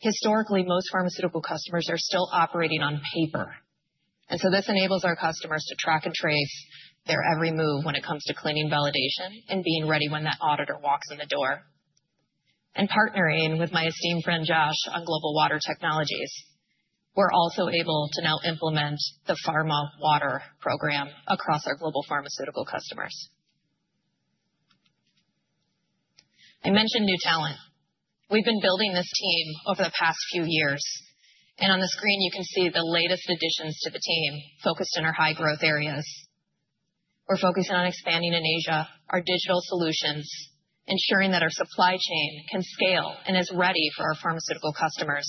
Historically, most pharmaceutical customers are still operating on paper, and so this enables our customers to track and trace their every move when it comes to cleaning, validation, and being ready when that auditor walks in the door. And partnering with my esteemed friend, Josh, on Global Water Technologies, we're also able to now implement the Pharma Water Program across our global pharmaceutical customers. I mentioned new talent. We've been building this team over the past few years, and on the screen, you can see the latest additions to the team focused in our high-growth areas. We're focusing on expanding in Asia, our digital solutions, ensuring that our supply chain can scale and is ready for our pharmaceutical customers,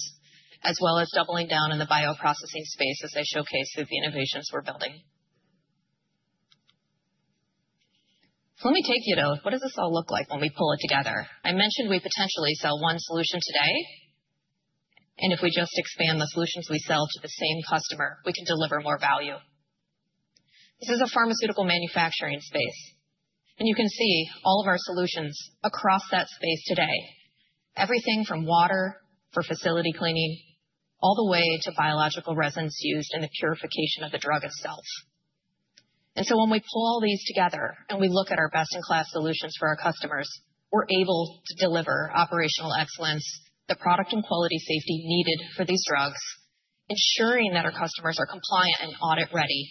as well as doubling down in the bioprocessing space as I showcase through the innovations we're building. So let me take you to what does this all look like when we pull it together? I mentioned we potentially sell one solution today, and if we just expand the solutions we sell to the same customer, we can deliver more value. This is a pharmaceutical manufacturing space, and you can see all of our solutions across that space today. Everything from water for facility cleaning, all the way to biological resins used in the purification of the drug itself. And so when we pull all these together and we look at our best-in-class solutions for our customers, we're able to deliver operational excellence, the product and quality safety needed for these drugs, ensuring that our customers are compliant and audit ready,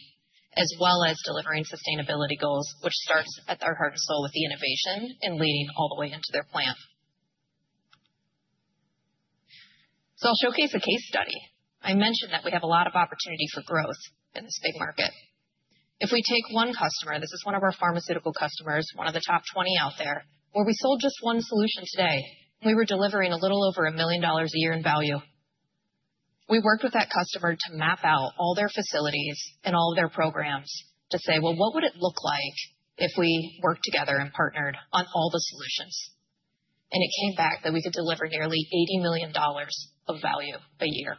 as well as delivering sustainability goals, which starts at their heart and soul with the innovation and leading all the way into their plant. So I'll showcase a case study. I mentioned that we have a lot of opportunity for growth in this big market. If we take One Customer, this is one of our pharmaceutical customers, one of the top 20 out there, where we sold just one solution today, we were delivering a little over $1 million a year in value. We worked with that customer to map out all their facilities and all of their programs to say, "Well, what would it look like if we worked together and partnered on all the solutions?" And it came back that we could deliver nearly $80 million of value a year.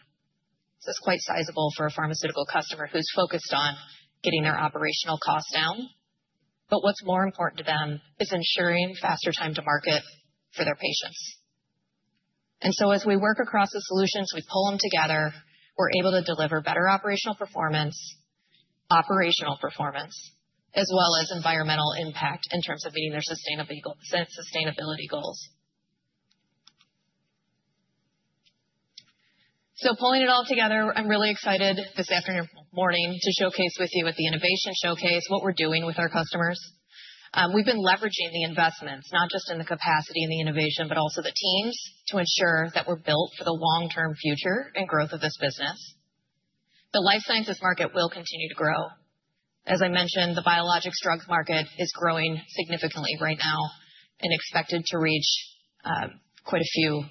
So it's quite sizable for a pharmaceutical customer who's focused on getting their operational costs down. But what's more important to them is ensuring faster time to market for their patients. And so as we work across the solutions, we pull them together, we're able to deliver better operational performance, operational performance, as well as environmental impact in terms of meeting their sustainability goals. So pulling it all together, I'm really excited this morning to showcase with you at the innovation showcase what we're doing with our customers. We've been leveraging the investments, not just in the capacity and the innovation, but also the teams, to ensure that we're built for the long-term future and growth of this business. The Life Sciences market will continue to grow. As I mentioned, the biologics drugs market is growing significantly right now and expected to reach quite a few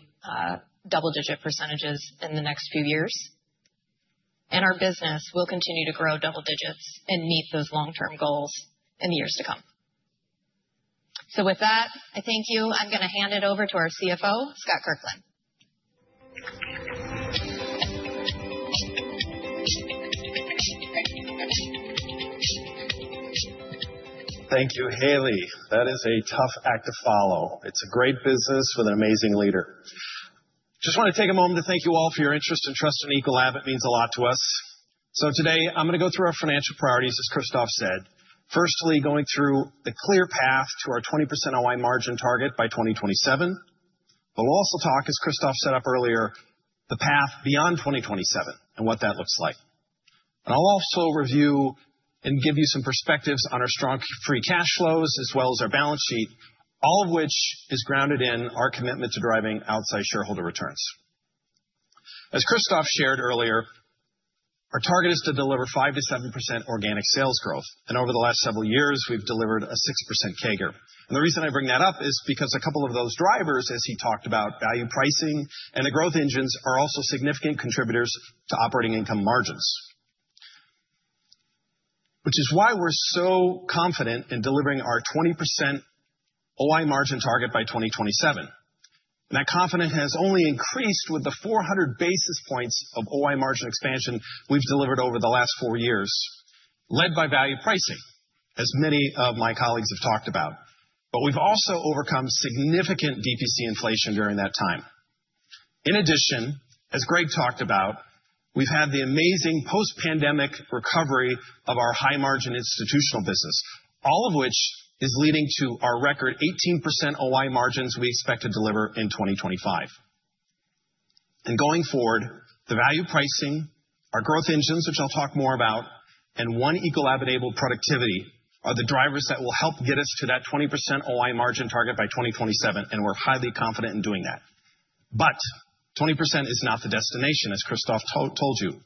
double-digit percentages in the next few years. And our business will continue to grow double digits and meet those long-term goals in the years to come. So with that, I thank you. I'm gonna hand it over to our CFO, Scott Kirkland. Thank you, Hayley. That is a tough act to follow. It's a great business with an amazing leader. Just wanna take a moment to thank you all for your interest and trust in Ecolab. It means a lot to us. So today I'm gonna go through our financial priorities, as Christophe said. Firstly, going through the clear path to our 20% OI margin target by 2027. But we'll also talk, as Christophe set up earlier, the path beyond 2027 and what that looks like. And I'll also review and give you some perspectives on our strong free cash flows, as well as our balance sheet, all of which is grounded in our commitment to driving outside shareholder returns. As Christophe shared earlier, our target is to deliver 5%-7% organic sales growth, and over the last several years, we've delivered a 6% CAGR. And the reason I bring that up is because a couple of those drivers, as he talked about, value pricing and the growth engines, are also significant contributors to Operating Income margins. Which is why we're so confident in delivering our 20% OI margin target by 2027. And that confidence has only increased with the 400 basis points of OI margin expansion we've delivered over the last four years, led by value pricing, as many of my colleagues have talked about. But we've also overcome significant DPC inflation during that time. In addition, as Greg talked about, we've had the amazing post-pandemic recovery of our high-margin institutional business, all of which is leading to our record 18% OI margins we expect to deliver in 2025. And going forward, the value pricing, our growth engines, which I'll talk more about, and One Ecolab-enabled productivity are the drivers that will help get us to that 20% OI margin target by 2027, and we're highly confident in doing that. But 20% is not the destination, as Christophe told you.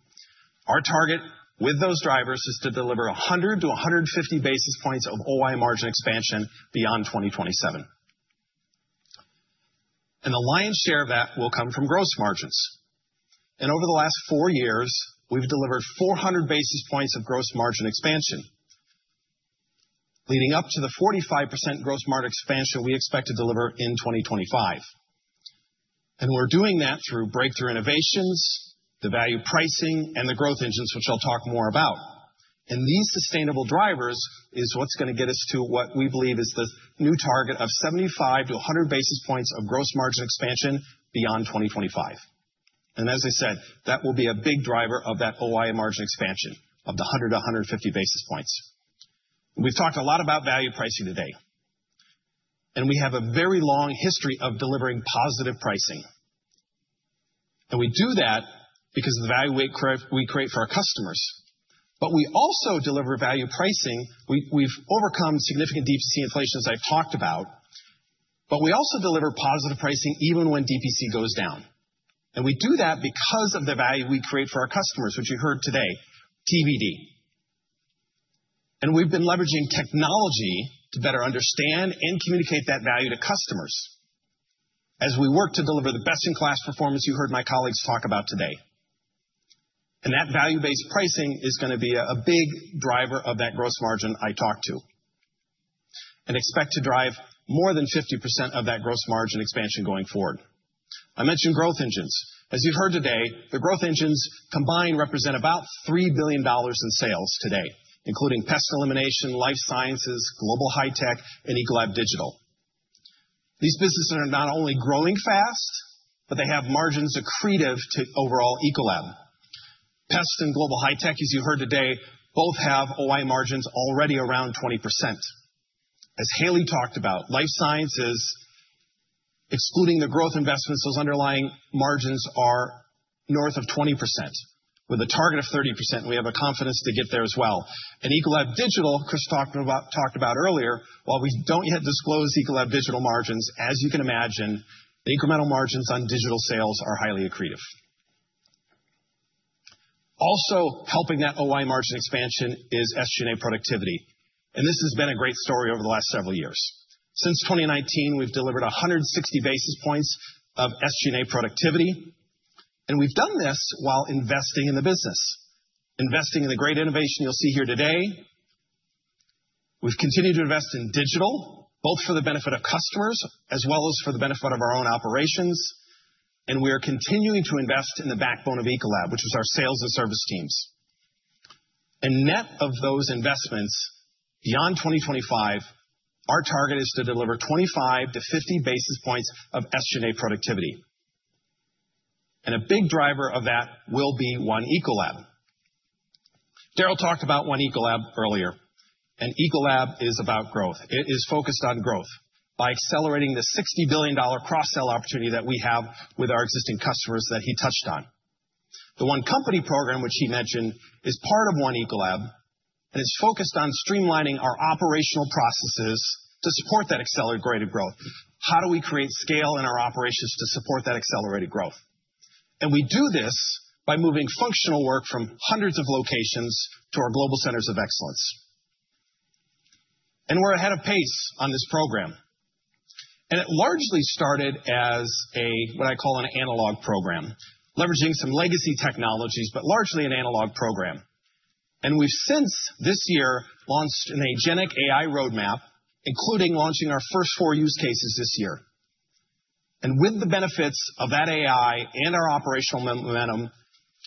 Our target with those drivers is to deliver 100 to 150 basis points of OI margin expansion beyond 2027. And the lion's share of that will come from gross margins. And over the last four years, we've delivered 400 basis points of gross margin expansion, leading up to the 45% gross margin expansion we expect to deliver in 2025. And we're doing that through breakthrough innovations, the value pricing, and the growth engines, which I'll talk more about. These sustainable drivers is what's gonna get us to what we believe is the new target of 75-100 basis points of gross margin expansion beyond 2025. As I said, that will be a big driver of that OI margin expansion of 100-150 basis points. We've talked a lot about value pricing today, and we have a very long history of delivering positive pricing. We do that because of the value we create for our customers. But we also deliver value pricing... We've overcome significant DPC inflation, as I talked about, but we also deliver positive pricing even when DPC goes down. We do that because of the value we create for our customers, which you heard today, TVD. We've been leveraging technology to better understand and communicate that value to customers as we work to deliver the best-in-class performance you heard my colleagues talk about today. That value-based pricing is gonna be a big driver of that gross margin I talked to and expect to drive more than 50% of that gross margin expansion going forward. I mentioned growth engines. As you've heard today, the growth engines combined represent about $3 billion in sales today, including Pest Elimination, Life Sciences, Global High-Tech, and Ecolab Digital. These businesses are not only growing fast, but they have margins accretive to overall Ecolab. Pests and Global High-Tech, as you heard today, both have OI margins already around 20%. As Hayley talked about, Life Sciences, excluding the growth investments, those underlying margins are north of 20%, with a target of 30%. We have a confidence to get there as well. In Ecolab Digital, Chris talked about earlier, while we don't yet disclose Ecolab Digital margins, as you can imagine, the incremental margins on digital sales are highly accretive. Also helping that OI margin expansion is SG&A productivity, and this has been a great story over the last several years. Since 2019, we've delivered 160 basis points of SG&A productivity, and we've done this while investing in the business, investing in the great innovation you'll see here today. We've continued to invest in digital, both for the benefit of customers as well as for the benefit of our own operations, and we are continuing to invest in the backbone of Ecolab, which is our sales and service teams. Net of those investments, beyond 2025, our target is to deliver 25 to 50 basis points of SG&A productivity. A big driver of that will be One Ecolab. Darrell talked about One Ecolab earlier, and Ecolab is about growth. It is focused on growth by accelerating the $60 billion cross-sell opportunity that we have with our existing customers that he touched on. The One Company program, which he mentioned, is part of One Ecolab and is focused on streamlining our operational processes to support that accelerated growth. How do we create scale in our operations to support that accelerated growth? We do this by moving functional work from hundreds of locations to our global centers of excellence. We're ahead of pace on this program, and it largely started as a... What I call an analog program, leveraging some legacy technologies, but largely an analog program. And we've since this year, launched an agentic AI roadmap, including launching our first four use cases this year. And with the benefits of that AI and our operational momentum,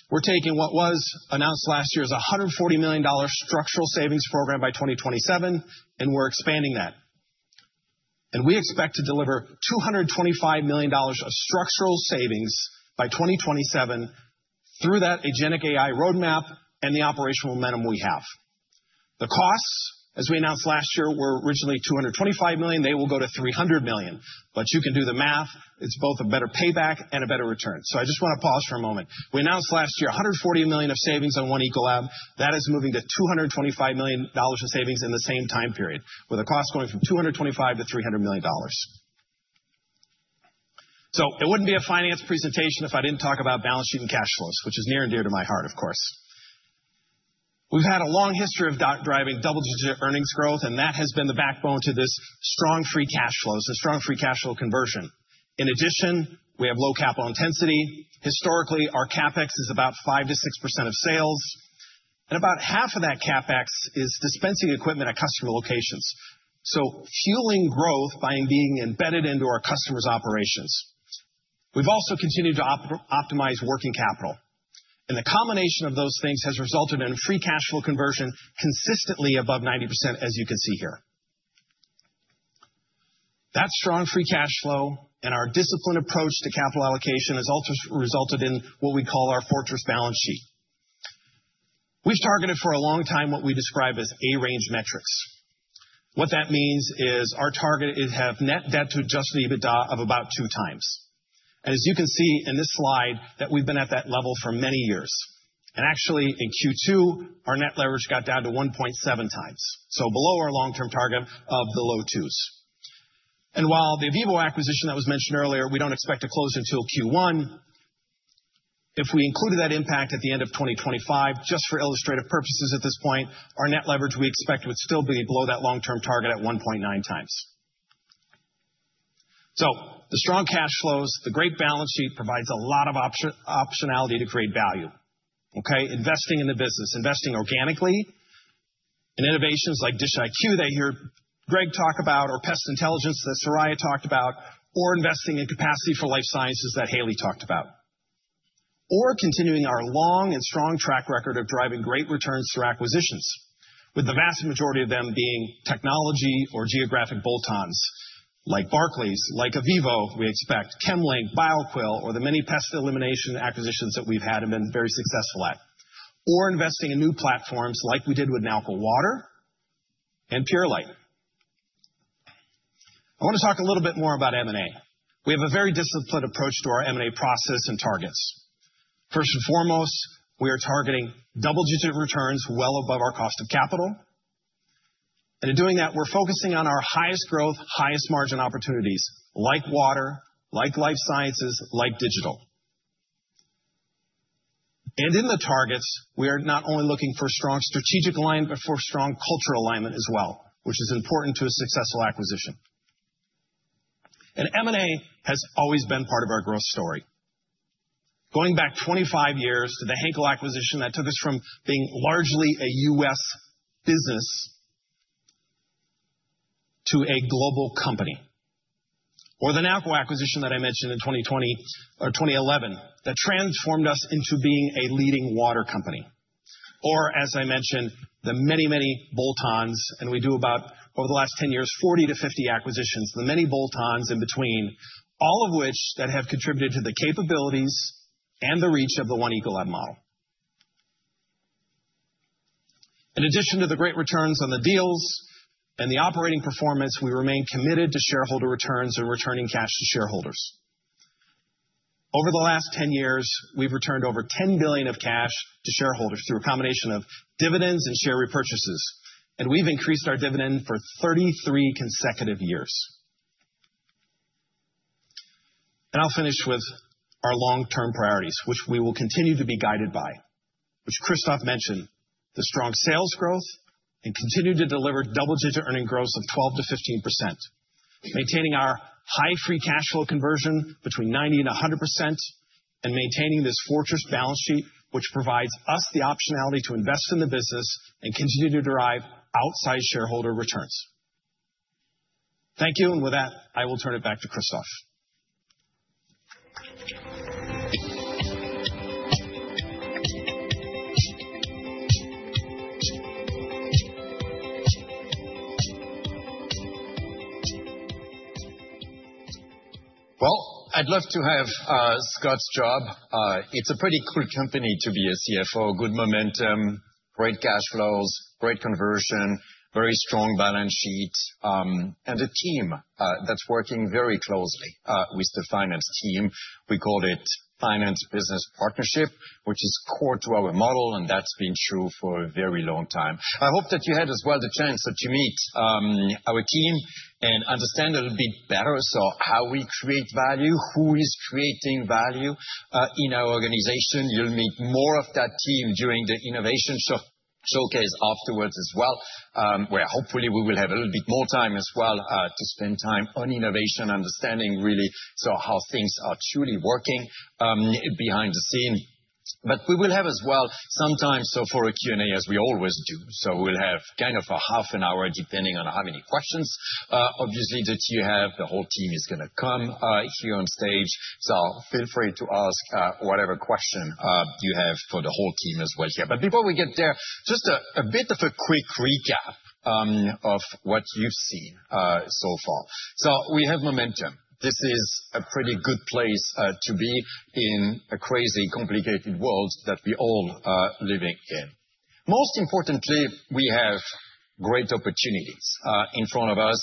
we're taking what was announced last year as a $140 million structural savings program by 2027, and we're expanding that. And we expect to deliver $225 million of structural savings by 2027 through that agentic AI roadmap and the operational momentum we have. The costs, as we announced last year, were originally $225 million. They will go to $300 million, but you can do the math. It's both a better payback and a better return. So I just wanna pause for a moment. We announced last year $140 million of savings on One Ecolab. That is moving to $225 million in savings in the same time period, with a cost going from $225-$300 million. So it wouldn't be a finance presentation if I didn't talk about balance sheet and cash flows, which is near and dear to my heart, of course. We've had a long history of driving double-digit earnings growth, and that has been the backbone to this strong free cash flows, a strong free cash flow conversion. In addition, we have low capital intensity. Historically, our CapEx is about 5%-6% of sales, and about half of that CapEx is dispensing equipment at customer locations, so fueling growth by being embedded into our customers' operations. We've also continued to optimize working capital, and the combination of those things has resulted in free cash flow conversion consistently above 90%, as you can see here. That strong free cash flow and our disciplined approach to capital allocation has also resulted in what we call our fortress balance sheet. We've targeted for a long time what we describe as A-range metrics. What that means is our target is have net debt to adjusted EBITDA of about two times. And as you can see in this slide, that we've been at that level for many years, and actually in Q2, our net leverage got down to 1.7 times, so below our long-term target of the low 2s. And while the Ovivo acquisition that was mentioned earlier, we don't expect to close until Q1. If we included that impact at the end of 2025, just for illustrative purposes at this point, our net leverage, we expect, would still be below that long-term target at one point nine times. So the strong cash flows, the great balance sheet, provides a lot of optionality to create value, okay? Investing in the business, investing organically in innovations like DishIQ that you heard Greg talk about, or Pest Intelligence that Soraya talked about, or investing in capacity for Life Sciences that Hayley talked about. Or continuing our long and strong track record of driving great returns through acquisitions, with the vast majority of them being technology or geographic bolt-ons like Barclay, like Ovivo, we expect, ChemLink, Bioquell, or the many Pest Elimination acquisitions that we've had and been very successful at. Or investing in new platforms like we did with Nalco Water and Purolite. I want to talk a little bit more about M&A. We have a very disciplined approach to our M&A process and targets. First and foremost, we are targeting double-digit returns well above our cost of capital, and in doing that, we're focusing on our highest growth, highest margin opportunities like water, like Life Sciences, like digital. And in the targets, we are not only looking for strong strategic line, but for strong cultural alignment as well, which is important to a successful acquisition. And M&A has always been part of our growth story. Going back 25 years to the Henkel acquisition that took us from being largely a U.S. business to a global company, or the Nalco acquisition that I mentioned in 2020 or 2011, that transformed us into being a leading water company. Or, as I mentioned, the many, many bolt-ons, and we do about, over the last 10 years, 40-50 acquisitions, the many bolt-ons in between, all of which that have contributed to the capabilities and the reach of the One Ecolab model. In addition to the great returns on the deals and the operating performance, we remain committed to shareholder returns and returning cash to shareholders. Over the last 10 years, we've returned over $10 billion of cash to shareholders through a combination of dividends and share repurchases, and we've increased our dividend for 33 consecutive years. I'll finish with our long-term priorities, which we will continue to be guided by, which Christophe mentioned: the strong sales growth and continue to deliver double-digit earnings growth of 12%-15%, maintaining our high free cash flow conversion between 90% and 100%, and maintaining this fortress balance sheet, which provides us the optionality to invest in the business and continue to derive outsized shareholder returns. Thank you, and with that, I will turn it back to Christophe. I'd love to have Scott's job. It's a pretty cool company to be a CFO. Good momentum, great cash flows, great conversion, very strong balance sheet, and a team that's working very closely with the finance team. We called it finance business partnership, which is core to our model, and that's been true for a very long time. I hope that you had as well the chance to meet our team and understand a little bit better, so how we create value, who is creating value in our organization. You'll meet more of that team during the innovation showcase afterwards as well, where hopefully we will have a little bit more time as well to spend time on innovation, understanding really, so how things are truly working behind the scene. But we will have as well some time, so for a Q&A, as we always do. So we'll have kind of a half an hour, depending on how many questions, obviously, that you have. The whole team is gonna come here on stage, so feel free to ask whatever question you have for the whole team as well here. But before we get there, just a bit of a quick recap of what you've seen so far. So we have momentum. This is a pretty good place to be in a crazy, complicated world that we all are living in. Most importantly, we have great opportunities in front of us.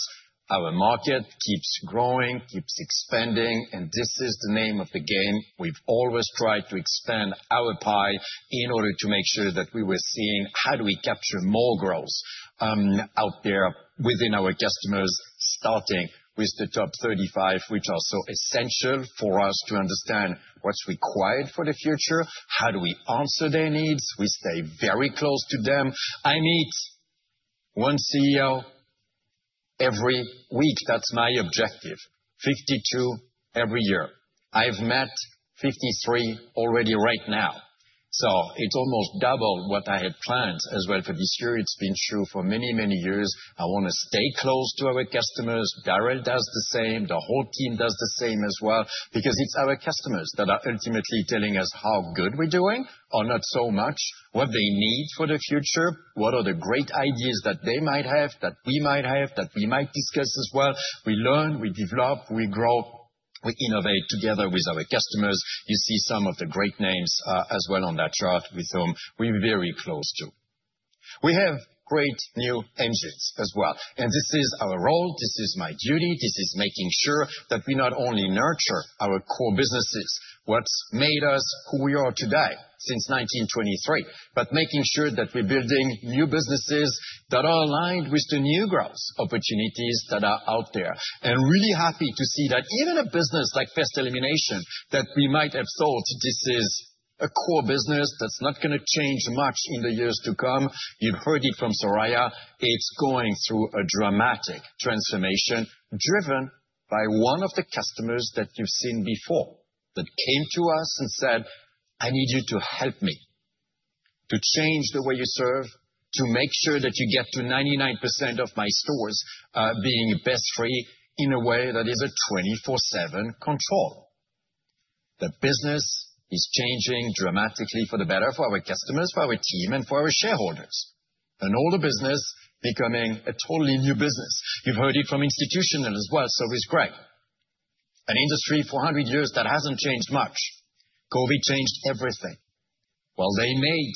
Our market keeps growing, keeps expanding, and this is the name of the game. We've always tried to expand our pie in order to make sure that we were seeing how do we capture more growth out there within our customers, starting with the top 35, which are so essential for us to understand what's required for the future. How do we answer their needs? We stay very close to them. I meet one CEO every week. That's my objective. 52 every year. I've met 53 already right now, so it's almost double what I had planned as well for this year. It's been true for many, many years. I wanna stay close to our customers. Darrell does the same. The whole team does the same as well, because it's our customers that are ultimately telling us how good we're doing or not so much, what they need for the future, what are the great ideas that they might have, that we might have, that we might discuss as well. We learn, we develop, we grow, we innovate together with our customers. You see some of the great names, as well on that chart with whom we're very close to. We have great new engines as well, and this is our role, this is my duty, this is making sure that we not only nurture our core businesses, what's made us who we are today since nineteen twenty-three, but making sure that we're building new businesses that are aligned with the new growth opportunities that are out there. And really happy to see that even a business like Pest Elimination, that we might have thought this is a core business that's not gonna change much in the years to come, you've heard it from Soraya, it's going through a dramatic transformation, driven by one of the customers that you've seen before, that came to us and said, "I need you to help me to change the way you serve, to make sure that you get to 99% of my stores being pest free in a way that is a 24/7 control." The business is changing dramatically for the better, for our customers, for our team, and for our shareholders, an older business becoming a totally new business. You've heard it from institutional as well, so is Greg. An industry for 100 years that hasn't changed much. COVID changed everything. Well, they made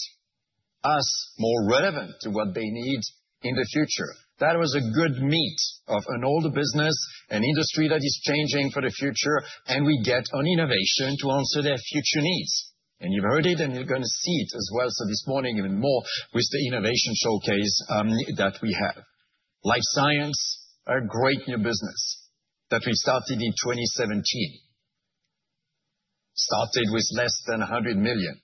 us more relevant to what they need in the future. That was a good fit of an older business, an industry that is changing for the future, and we get on innovation to answer their future needs. And you've heard it, and you're gonna see it as well, so this morning, even more with the innovation showcase that we have. Life Sciences, a great new business that we started in 2017. Started with less than 100 million.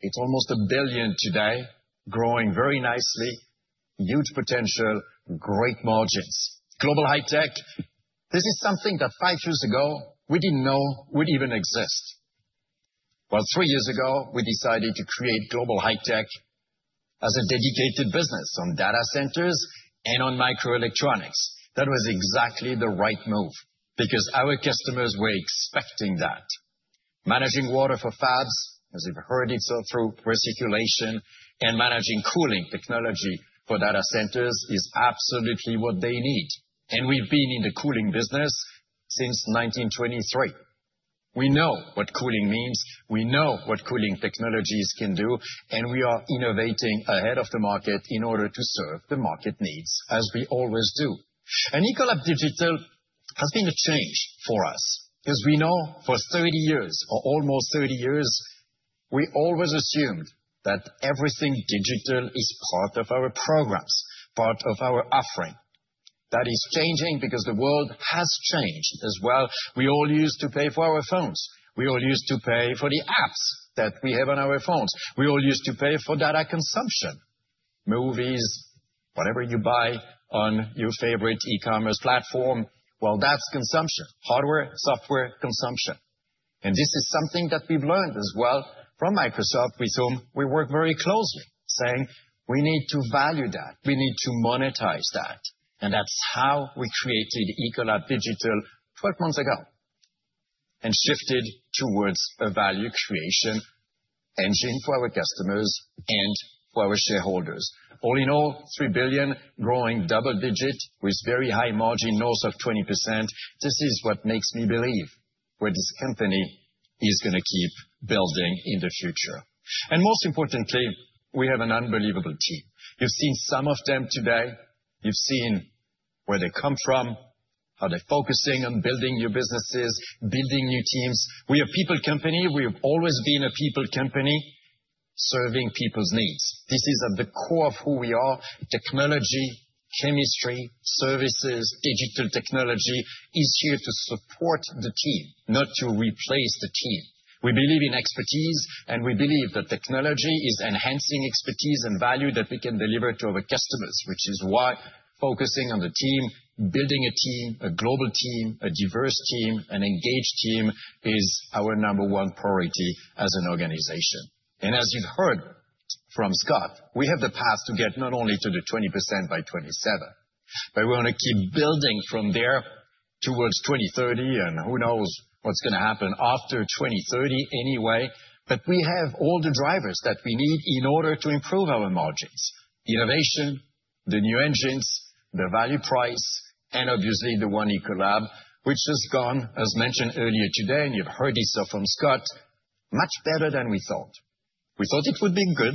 It's almost a billion today, growing very nicely, huge potential, great margins. Global High-Tech, this is something that five years ago we didn't know would even exist. Well, three years ago, we decided to create Global High-Tech as a dedicated business on data centers and on microelectronics. That was exactly the right move, because our customers were expecting that. Managing water for fabs, as you've heard it, so through recirculation and managing cooling technology for data centers is absolutely what they need, and we've been in the cooling business since 1923. We know what cooling means. We know what cooling technologies can do, and we are innovating ahead of the market in order to serve the market needs, as we always do and Ecolab Digital has been a change for us, because we know for 30 years, or almost 30 years, we always assumed that everything digital is part of our programs, part of our offering. That is changing because the world has changed as well. We all used to pay for our phones. We all used to pay for the apps that we have on our phones. We all used to pay for data consumption, movies, whatever you buy on your favorite e-commerce platform. Well, that's consumption. Hardware, software, consumption. This is something that we've learned as well from Microsoft, with whom we work very closely, saying, "We need to value that. We need to monetize that." That's how we created Ecolab Digital twelve months ago, and shifted towards a value creation engine for our customers and for our shareholders. All in all, $3 billion, growing double-digit, with very high margin, north of 20%. This is what makes me believe where this company is gonna keep building in the future. Most importantly, we have an unbelievable team. You've seen some of them today. You've seen where they come from, how they're focusing on building new businesses, building new teams. We're a people company. We have always been a people company, serving people's needs. This is at the core of who we are. Technology, chemistry, services, digital technology is here to support the team, not to replace the team. We believe in expertise, and we believe that technology is enhancing expertise and value that we can deliver to our customers, which is why focusing on the team, building a team, a global team, a diverse team, an engaged team, is our number one priority as an organization. And as you've heard from Scott, we have the path to get not only to the 20% by 2027, but we wanna keep building from there towards 2030, and who knows what's gonna happen after 2030 anyway. But we have all the drivers that we need in order to improve our margins, innovation, the new engines, the value pricing, and obviously, the One Ecolab, which has gone, as mentioned earlier today, and you've heard this stuff from Scott, much better than we thought. We thought it would be good;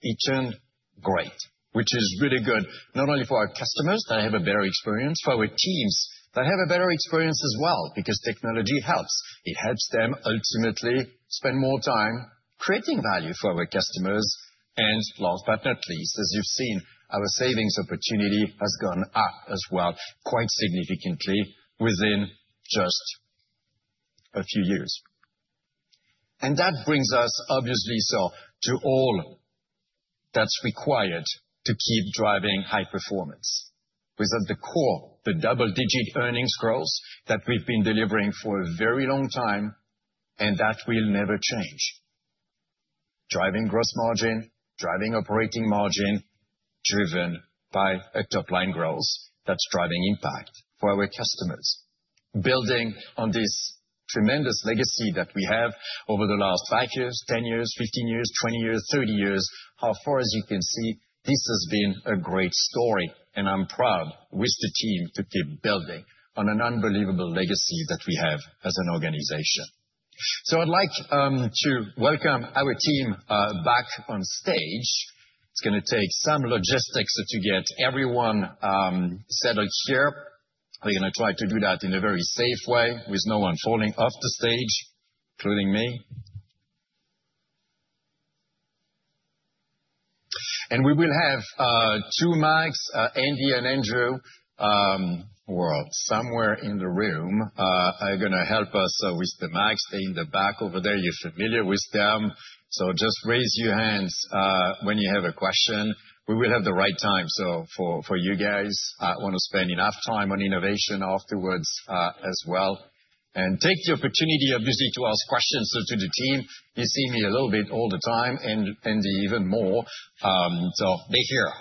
it turned great, which is really good, not only for our customers, they have a better experience, for our teams, they have a better experience as well, because technology helps. It helps them ultimately spend more time creating value for our customers, and last but not least, as you've seen, our savings opportunity has gone up as well, quite significantly within just a few years, and that brings us, obviously, so to all that's required to keep driving high performance, with, at the core, the double-digit earnings growth that we've been delivering for a very long time, and that will never change. Driving gross margin, driving operating margin, driven by a top line growth that's driving impact for our customers. Building on this tremendous legacy that we have over the last five years, ten years, fifteen years, twenty years, thirty years, how far as you can see, this has been a great story, and I'm proud with the team to keep building on an unbelievable legacy that we have as an organization. So I'd like to welcome our team back on stage. It's gonna take some logistics to get everyone settled here. We're gonna try to do that in a very safe way, with no one falling off the stage, including me. And we will have two mics. Andy and Andrew, who are somewhere in the room, are gonna help us with the mics in the back over there. You're familiar with them, so just raise your hands when you have a question. We will have the right time, so for you guys, I want to spend enough time on innovation afterwards, as well, and take the opportunity, obviously, to ask questions to the team. You see me a little bit all the time, and even more, so they're here,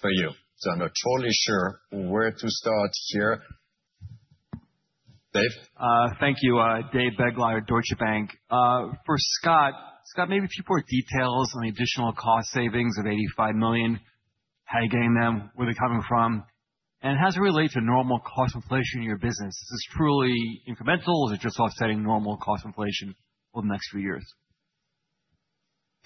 for you. So I'm not totally sure where to start here. Dave? Thank you. Dave Begleiter, Deutsche Bank. For Scott. Scott, maybe a few more details on the additional cost savings of $85 million. How are you getting them? Where are they coming from? And how does it relate to normal cost inflation in your business? Is this truly incremental, or is it just offsetting normal cost inflation for the next few years?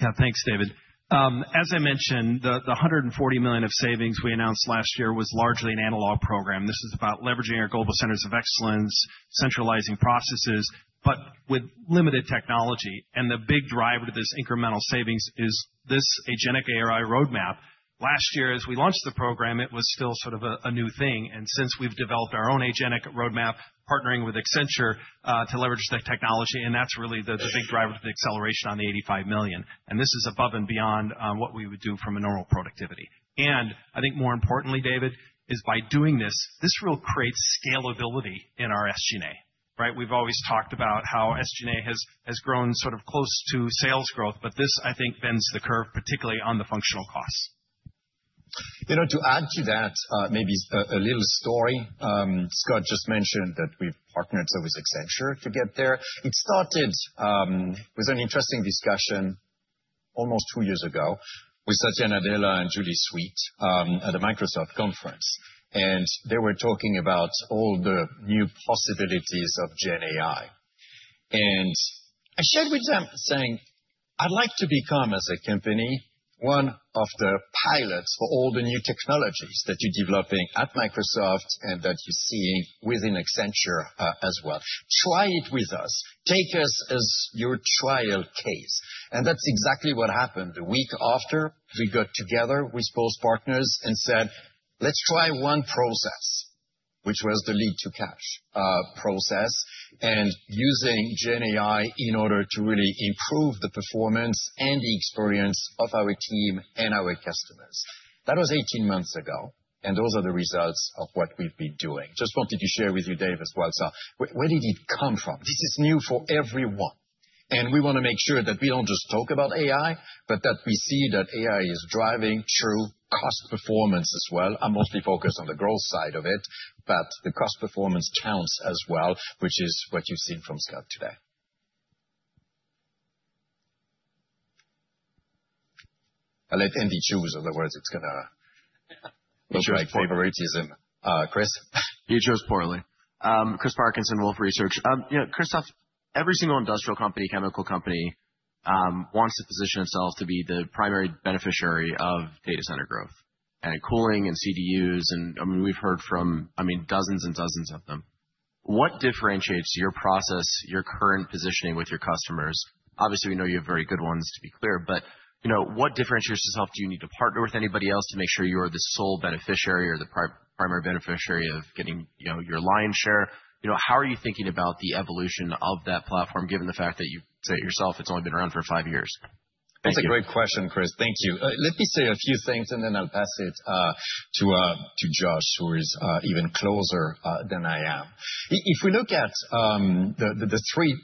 Yeah, thanks, David. As I mentioned, the $140 million of savings we announced last year was largely an analog program. This is about leveraging our global centers of excellence, centralizing processes, but with limited technology, and the big driver to this incremental savings is this agentic AI roadmap. Last year, as we launched the program, it was still sort of a new thing, and since we've developed our own agentic roadmap, partnering with Accenture, to leverage the technology, and that's really the big driver of the acceleration on the $85 million. And this is above and beyond what we would do from a normal productivity. And I think more importantly, David, is by doing this, this will create scalability in our SG&A, right? We've always talked about how SG&A has grown sort of close to sales growth, but this, I think, bends the curve, particularly on the functional costs. You know, to add to that, maybe a little story. Scott just mentioned that we've partnered up with Accenture to get there. It started with an interesting discussion almost two years ago with Satya Nadella and Julie Sweet at a Microsoft conference, and they were talking about all the new possibilities of GenAI. And I shared with them, saying, "I'd like to become, as a company, one of the pilots for all the new technologies that you're developing at Microsoft and that you're seeing within Accenture, as well. Try it with us. Take us as your trial case." And that's exactly what happened. The week after, we got together with both partners and said, "Let's try one process," which was the lead to cash process, and using GenAI in order to really improve the performance and the experience of our team and our customers. That was eighteen months ago, and those are the results of what we've been doing. Just wanted to share with you, Dave, as well. So where did it come from? This is new for everyone, and we wanna make sure that we don't just talk about AI, but that we see that AI is driving true cost performance as well. I'm mostly focused on the growth side of it, but the cost performance counts as well, which is what you've seen from Scott today. I'll let him choose, otherwise it's gonna look like favoritism. Uh, Chris? You chose poorly. Chris Parkinson, Wolfe Research. You know, Christophe, every single industrial company, chemical company, wants to position itself to be the primary beneficiary of data center growth and cooling and CDUs, and, I mean, we've heard from, I mean, dozens and dozens of them. What differentiates your process, your current positioning with your customers? Obviously, we know you have very good ones, to be clear, but, you know, what differentiators yourself do you need to partner with anybody else to make sure you're the sole beneficiary or the primary beneficiary of getting, you know, your lion's share? You know, how are you thinking about the evolution of that platform, given the fact that you say it yourself, it's only been around for five years? That's a great question, Chris. Thank you. Let me say a few things, and then I'll pass it to Josh, who is even closer than I am. If we look at the three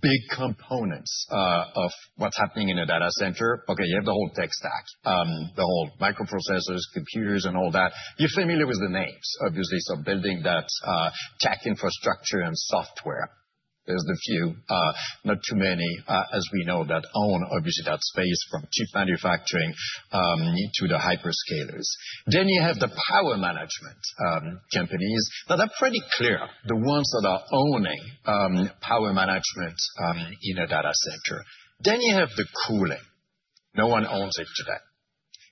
big components of what's happening in a data center, okay, you have the whole tech stack, the whole microprocessors, computers and all that. You're familiar with the names, obviously, so building that tech infrastructure and software. There's the few, not too many, as we know, that own obviously that space, from chip manufacturing to the hyperscalers. Then you have the power management companies, but they're pretty clear, the ones that are owning power management in a data center. Then you have the cooling. No one owns it today.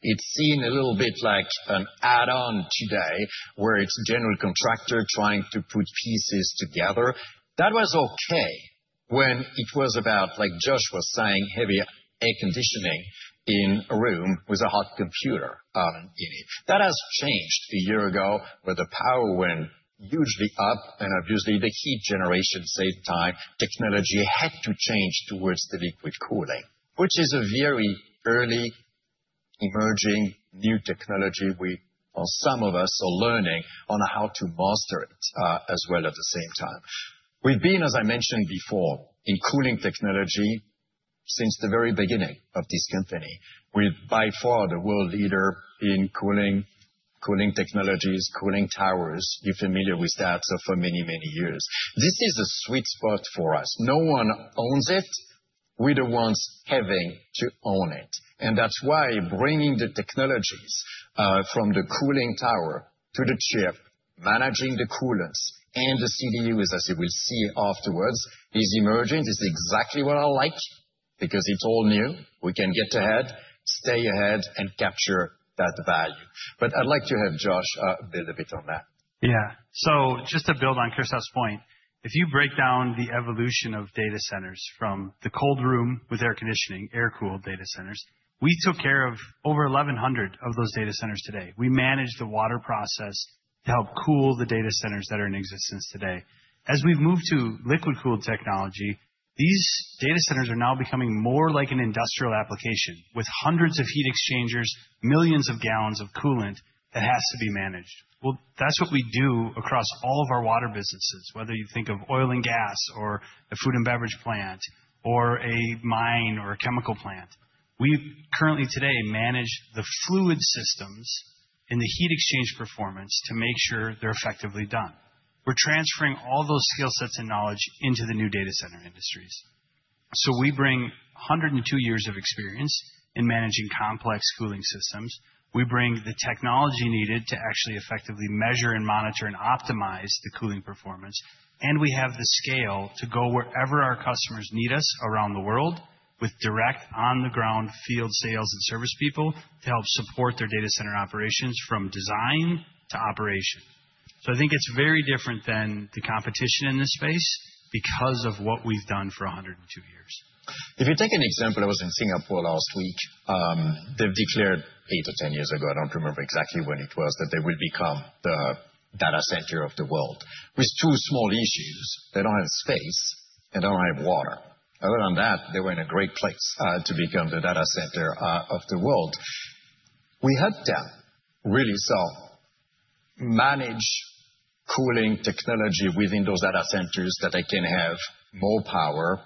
It's seen a little bit like an add-on today, where it's general contractor trying to put pieces together. That was okay when it was about, like Josh was saying, heavy air conditioning in a room with a hot computer, in it. That has changed a year ago, where the power went hugely up, and obviously, the heat generation saved time. Technology had to change towards the liquid cooling, which is a very early emerging new technology. Well, some of us are learning on how to master it, as well, at the same time. We've been, as I mentioned before, in cooling technology since the very beginning of this company. We're by far the world leader in cooling, cooling technologies, cooling towers. You're familiar with that, so for many, many years. This is a sweet spot for us. No one owns it. We're the ones having to own it, and that's why bringing the technologies from the cooling tower to the chip, managing the coolants and the CDU, as you will see afterwards, is emerging. This is exactly what I like because it's all new. We can get ahead, stay ahead, and capture that value. But I'd like to have Josh build a bit on that. Yeah. Just to build on Christophe's point, if you break down the evolution of data centers from the cold room with air conditioning, air-cooled data centers, we took care of over 1,100 of those data centers today. We managed the water process to help cool the data centers that are in existence today. As we've moved to liquid-cooled technology, these data centers are now becoming more like an industrial application, with hundreds of heat exchangers, millions of gallons of coolant that has to be managed. That's what we do across all of Water businesses, whether you think of oil and gas or a food and beverage plant or a mine or a chemical plant. We currently, today, manage the fluid systems and the heat exchange performance to make sure they're effectively done. We're transferring all those skillsets and knowledge into the new data center industries. So we bring 102 years of experience in managing complex cooling systems. We bring the technology needed to actually effectively measure and monitor, and optimize the cooling performance, and we have the scale to go wherever our customers need us around the world, with direct on-the-ground field sales and service people to help support their data center operations from design to operation. So I think it's very different than the competition in this space because of what we've done for 102 years. If you take an example, I was in Singapore last week. They've declared eight or 10 years ago, I don't remember exactly when it was, that they would become the data center of the world, with two small issues: They don't have space, and they don't have water. Other than that, they were in a great place to become the data center of the world. We helped them really sort of manage cooling technology within those data centers, that they can have more power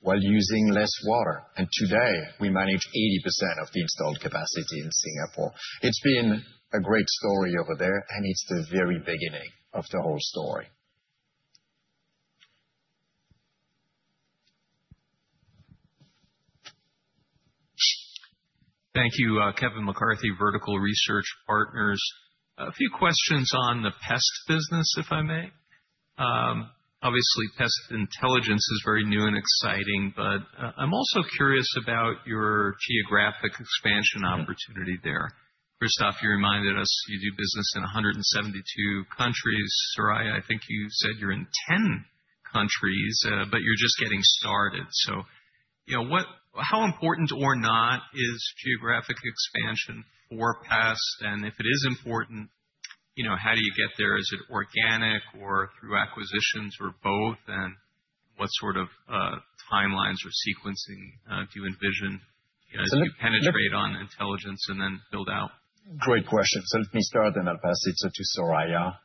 while using less water, and today, we manage 80% of the installed capacity in Singapore. It's been a great story over there, and it's the very beginning of the whole story. Thank you. Kevin McCarthy, Vertical Research Partners. A few questions on the Pest business, if I may. Obviously, Pest Intelligence is very new and exciting, but I'm also curious about your geographic expansion opportunity there. Christophe, you reminded us you do business in 172 countries. Soraya, I think you said you're in 10 countries, but you're just getting started. So, you know, what - how important or not is geographic expansion for Pest? And if it is important, you know, how do you get there? Is it organic or through acquisitions or both? And what sort of timelines or sequencing do you envision as you penetrate on intelligence and then build out? Great question. So let me start, and I'll pass it to Soraya.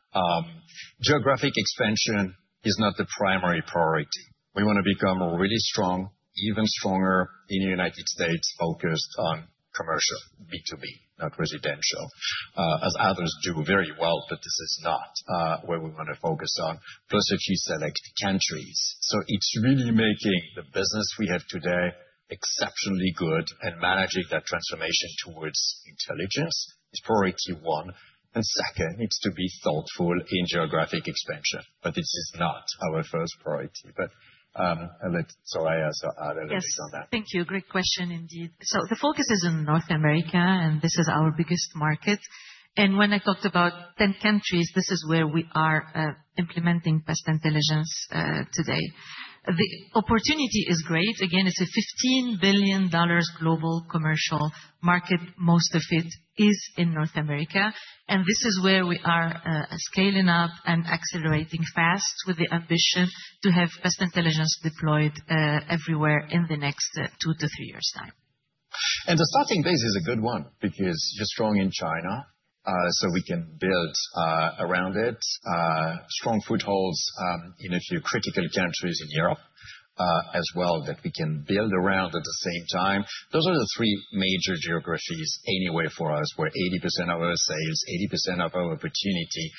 Geographic expansion is not the primary priority. We want to become really strong, even stronger in the United States, focused on commercial, B2B, not residential, as others do very well, but this is not where we want to focus on. Plus a few select countries. So it's really making the business we have today exceptionally good and managing that transformation towards intelligence is priority one, and second, needs to be thoughtful in geographic expansion. But this is not our first priority. But, I'll let Soraya add a little bit on that. Yes. Thank you. Great question, indeed. So the focus is in North America, and this is our biggest market. And when I talked about 10 countries, this is where we are implementing Pest Intelligence today. The opportunity is great. Again, it's a $15 billion global commercial market. Most of it is in North America, and this is where we are scaling up and accelerating fast with the ambition to have Pest Intelligence deployed everywhere in the next two to three years' time. The starting base is a good one because you're strong in China, so we can build around it. Strong footholds in a few critical countries in Europe, as well, that we can build around at the same time. Those are the three major geographies, anyway, for us, where 80% of our sales, 80% of our opportunity,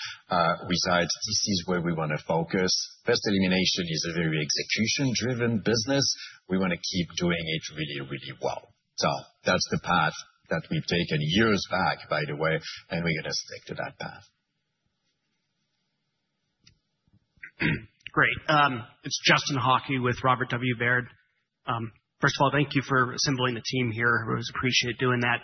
resides. This is where we want to focus. Pest Elimination is a very execution-driven business. We want to keep doing it really, really well. That's the path that we've taken years back, by the way, and we're going to stick to that path. Great. It's Justin Kleber with Robert W. Baird. First of all, thank you for assembling the team here. Always appreciate doing that.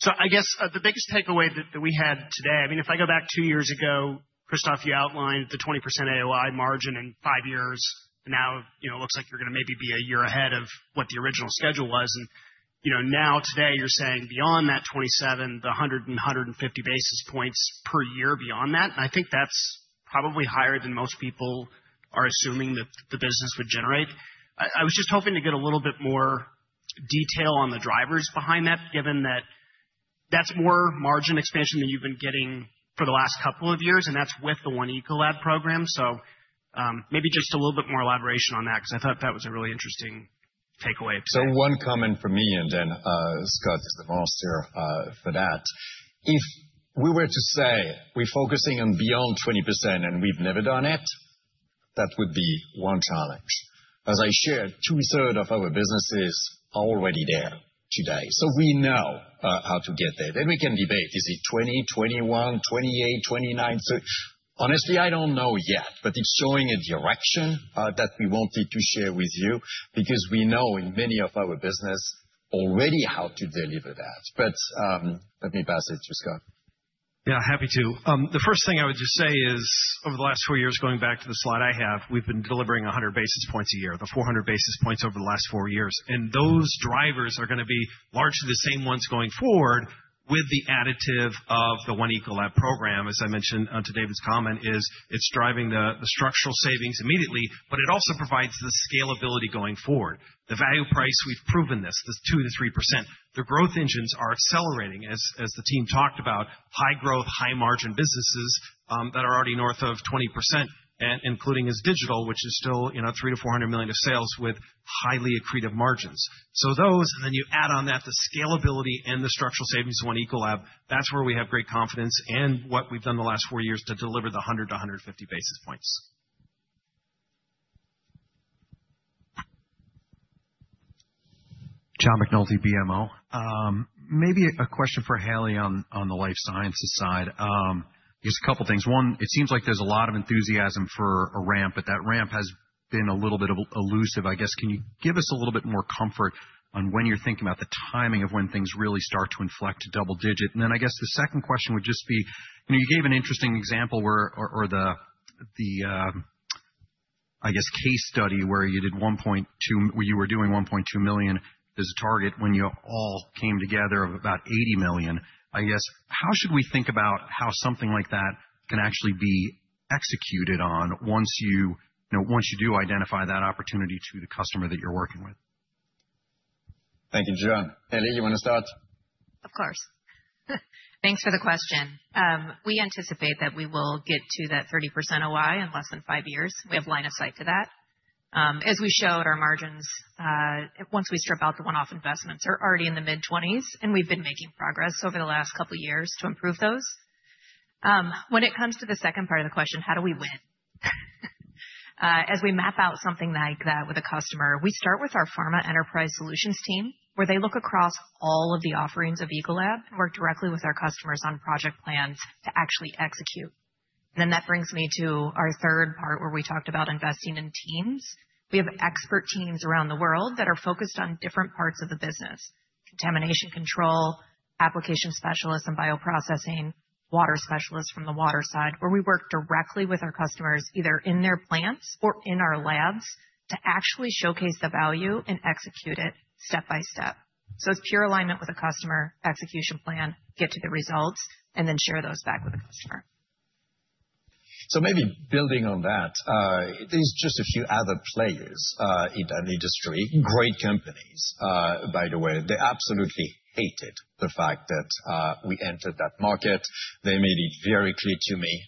So I guess the biggest takeaway that we had today, I mean, if I go back two years ago, Christophe, you outlined the 20% OI margin in five years. Now, you know, it looks like you're going to maybe be a year ahead of what the original schedule was. And, you know, now, today, you're saying beyond that 27%, the 150 basis points per year beyond that, and I think that's probably higher than most people are assuming that the business would generate. I was just hoping to get a little bit more detail on the drivers behind that, given that that's more margin expansion than you've been getting for the last couple of years, and that's with the One Ecolab program, so maybe just a little bit more elaboration on that, 'cause I thought that was a really interesting takeaway. One comment from me, and then Scott is the answer for that. If we were to say we're focusing on beyond 20% and we've never done it, that would be one challenge. As I shared, two-thirds of our businesses are already there today, so we know how to get there. We can debate, is it 20%, 21%, 28%, 29%? Honestly, I don't know yet, but it's showing a direction that we wanted to share with you because we know in many of our businesses already how to deliver that. Let me pass it to Scott. Yeah, happy to. The first thing I would just say is, over the last four years, going back to the slide I have, we've been delivering 100 basis points a year, the 400 basis points over the last four years, and those drivers are gonna be largely the same ones going forward with the additive of the One Ecolab program. As I mentioned, to David's comment, is it's driving the structural savings immediately, but it also provides the scalability going forward. The value price, we've proven this, is 2%-3%. The growth engines are accelerating as the team talked about, high growth, high margin businesses, that are already north of 20% and including as digital, which is still, you know, $300-400 million of sales with highly accretive margins. So those, and then you add on that the scalability and the structural savings of One Ecolab. That's where we have great confidence in what we've done in the last four years to deliver the 100-150 basis points. John McNulty, BMO. Maybe a question for Hayley on the Life Sciences side. Just a couple things. One, it seems like there's a lot of enthusiasm for a ramp, but that ramp has been a little bit elusive, I guess. Can you give us a little bit more comfort on when you're thinking about the timing of when things really start to inflect to double digit? And then I guess the second question would just be: You know, you gave an interesting example where or the case study where you were doing $1.2 million as a target when you all came together of about $80 million. I guess, how should we think about how something like that can actually be executed on once you, you know, once you do identify that opportunity to the customer that you're working with? Thank you, John. Hayley, you want to start? Of course. Thanks for the question. We anticipate that we will get to that 30% OI in less than five years. We have line of sight to that. As we showed our margins, once we strip out the one-off investments, are already in the mid-twenties, and we've been making progress over the last couple of years to improve those. When it comes to the second part of the question: How do we win? As we map out something like that with a customer, we start with our Pharma Enterprise Solutions team, where they look across all of the offerings of Ecolab and work directly with our customers on project plans to actually execute. And then that brings me to our third part, where we talked about investing in teams. We have expert teams around the world that are focused on different parts of the business: contamination control, application specialists, and bioprocessing, water specialists from the water side, where we work directly with our customers, either in their plants or in our labs, to actually showcase the value and execute it step by step, so it's pure alignment with the customer, execution plan, get to the results, and then share those back with the customer. So maybe building on that, there's just a few other players in an industry, great companies. By the way, they absolutely hated the fact that we entered that market. They made it very clear to me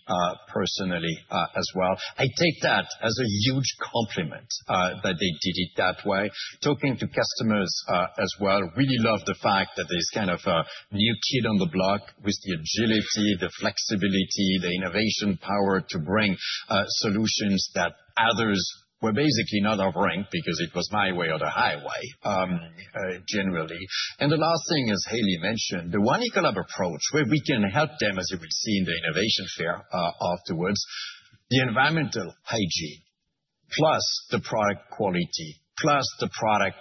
personally as well. I take that as a huge compliment that they did it that way. Talking to customers as well really love the fact that there's kind of a new kid on the block with the agility, the flexibility, the innovation power to bring solutions that others were basically not offering, because it was my way or the highway generally. And the last thing, as Hayley mentioned, the One Ecolab approach, where we can help them, as you will see in the innovation fair afterwards, the environmental hygiene, plus the product quality, plus the product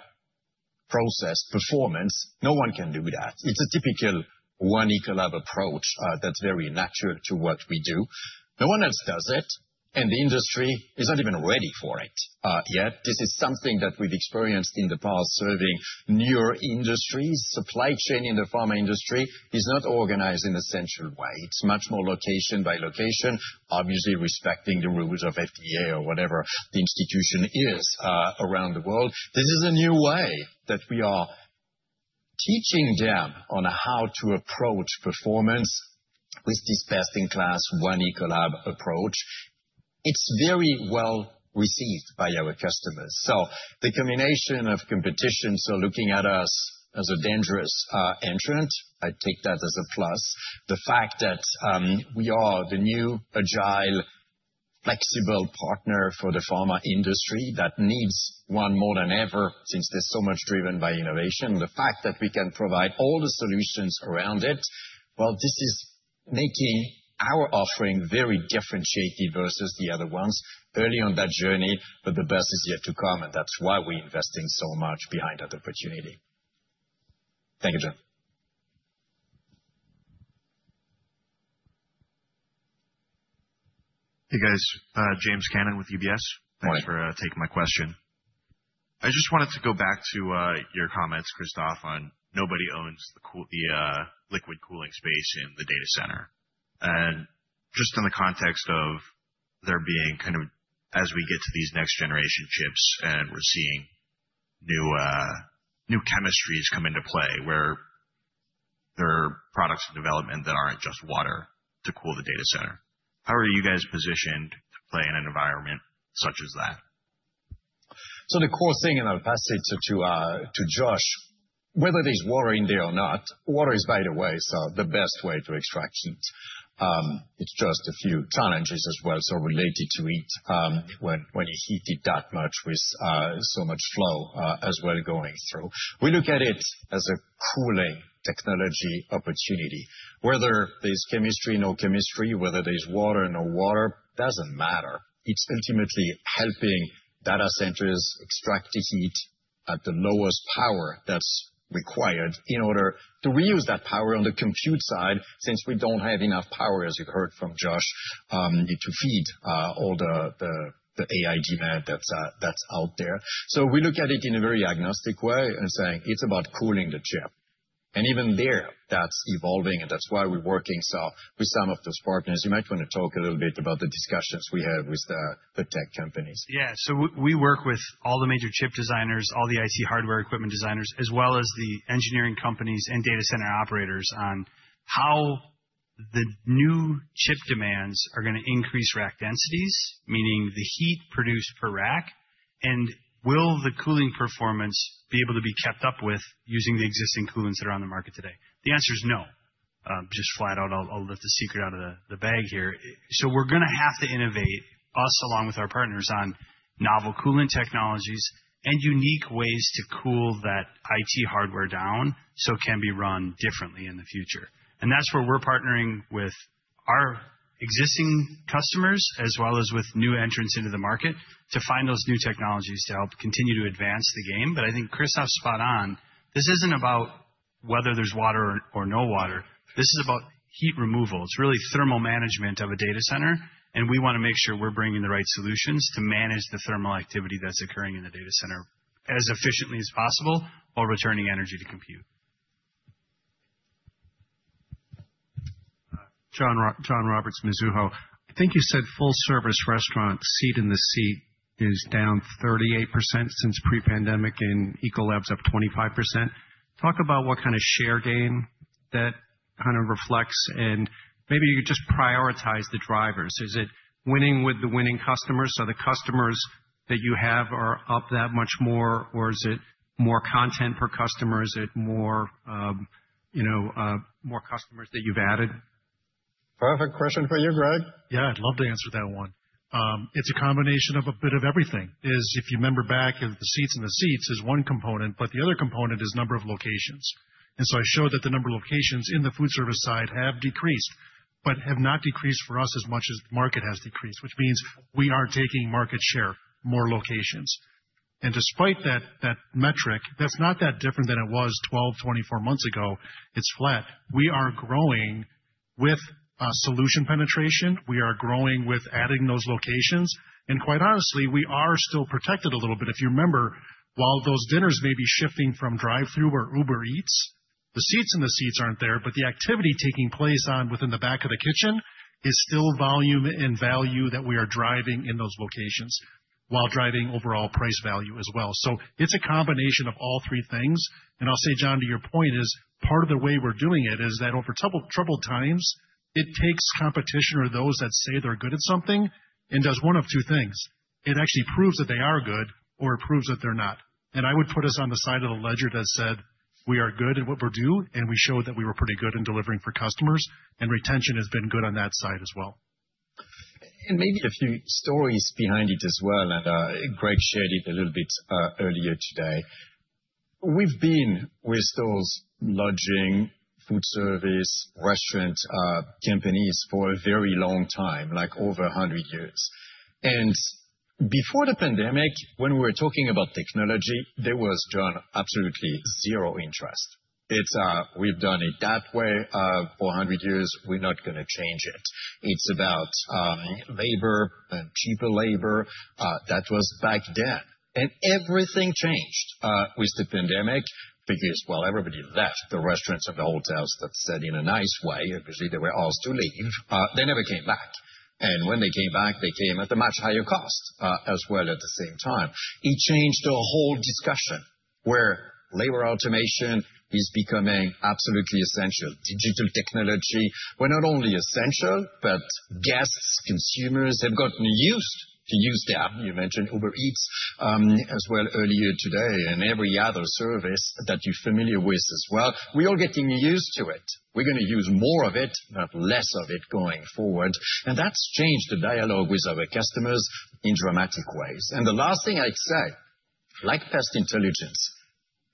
process performance, no one can do that. It's a typical One Ecolab approach, that's very natural to what we do. No one else does it, and the industry is not even ready for it, yet. This is something that we've experienced in the past, serving newer industries. Supply chain in the pharma industry is not organized in a central way. It's much more location by location, obviously respecting the rules of FDA or whatever the institution is, around the world. This is a new way that we are teaching them on how to approach performance with this best-in-class One Ecolab approach. It's very well received by our customers. The combination of competition, so looking at us as a dangerous entrant, I take that as a plus. The fact that we are the new, agile, flexible partner for the pharma industry, that needs one more than ever since there's so much driven by innovation. The fact that we can provide all the solutions around it. Well, this is making our offering very differentiated versus the other ones early on that journey, but the best is yet to come, and that's why we're investing so much behind that opportunity. Thank you, John. Hey, guys, James Cannon with UBS. Thanks for taking my question. I just wanted to go back to your comments, Christophe, on nobody owns the liquid cooling space in the data center. And just in the context of there being kind of as we get to these next-generation chips, and we're seeing new chemistries come into play, where there are products in development that aren't just water to cool the data center, how are you guys positioned to play in an environment such as that? So the core thing, and I'll pass it to Josh, whether there's water in there or not, water is, by the way, so the best way to extract heat. It's just a few challenges as well, so related to heat, when you heat it that much with so much flow as well, going through. We look at it as a cooling technology opportunity. Whether there's chemistry, no chemistry, whether there's water, no water, doesn't matter. It's ultimately helping data centers extract the heat at the lowest power that's required in order to reuse that power on the compute side, since we don't have enough power, as you heard from Josh, to feed all the AI demand that's out there. So we look at it in a very agnostic way and saying it's about cooling the chip. And even there, that's evolving, and that's why we're working so with some of those partners. You might want to talk a little bit about the discussions we have with the tech companies. Yeah. We work with all the major chip designers, all the IT hardware equipment designers, as well as the engineering companies and data center operators on how the new chip demands are gonna increase rack densities, meaning the heat produced per rack, and will the cooling performance be able to be kept up with using the existing coolants that are on the market today? The answer is no. Just flat out, I'll let the secret out of the bag here. So we're gonna have to innovate, us, along with our partners, on novel coolant technologies and unique ways to cool that IT hardware down, so it can be run differently in the future. And that's where we're partnering with our existing customers, as well as with new entrants into the market, to find those new technologies to help continue to advance the game. But I think Christophe's spot on. This isn't about whether there's water or no water. This is about heat removal. It's really thermal management of a data center, and we wanna make sure we're bringing the right solutions to manage the thermal activity that's occurring in the data center as efficiently as possible while returning energy to compute. John Roberts, Mizuho. I think you said full-service restaurant, Seats in the Seats, is down 38% since pre-pandemic and Ecolab's up 25%. Talk about what kind of share gain that kind of reflects? And maybe you just prioritize the drivers. Is it winning with the winning customers? So the customers that you have are up that much more, or is it more content per customer? Is it more, you know, customers that you've added? Perfect question for you, Greg. Yeah, I'd love to answer that one. It's a combination of a bit of everything. If you remember back, the Seats in the Seats is one component, but the other component is number of locations. And so I showed that the number of locations in the food service side have decreased, but have not decreased for us as much as the market has decreased, which means we are taking market share, more locations. And despite that, that metric, that's not that different than it was 12, 24 months ago. It's flat. We are growing with solution penetration. We are growing with adding those locations, and quite honestly, we are still protected a little bit. If you remember, while those dinners may be shifting from drive-through or Uber Eats, the seats in the seats aren't there, but the activity taking place within the back of the kitchen is still volume and value that we are driving in those locations while driving overall price value as well. So it's a combination of all three things, and I'll say, John, to your point, is part of the way we're doing it is that over troubled times, it takes competition or those that say they're good at something and does one of two things: It actually proves that they are good or it proves that they're not. I would put us on the side of the ledger that said we are good at what we do, and we showed that we were pretty good in delivering for customers, and retention has been good on that side as well. And maybe a few stories behind it as well, and Greg shared it a little bit earlier today. We've been with those lodging, food service, restaurant companies for a very long time, like over a hundred years. Before the pandemic, when we were talking about technology, there was, John, absolutely zero interest. It's we've done it that way for a hundred years. We're not gonna change it. It's about labor and cheaper labor. That was back then, and everything changed with the pandemic because while everybody left the restaurants and the hotels, let's say it in a nice way, obviously, they were asked to leave. They never came back, and when they came back, they came at a much higher cost as well at the same time. It changed a whole discussion where labor automation is becoming absolutely essential. Digital technology is not only essential, but guests, consumers, have gotten used to use the app. You mentioned Uber Eats, as well, earlier today, and every other service that you're familiar with as well. We're all getting used to it. We're gonna use more of it, not less of it, going forward, and that's changed the dialogue with our customers in dramatic ways. The last thing I'd say, like guest intelligence,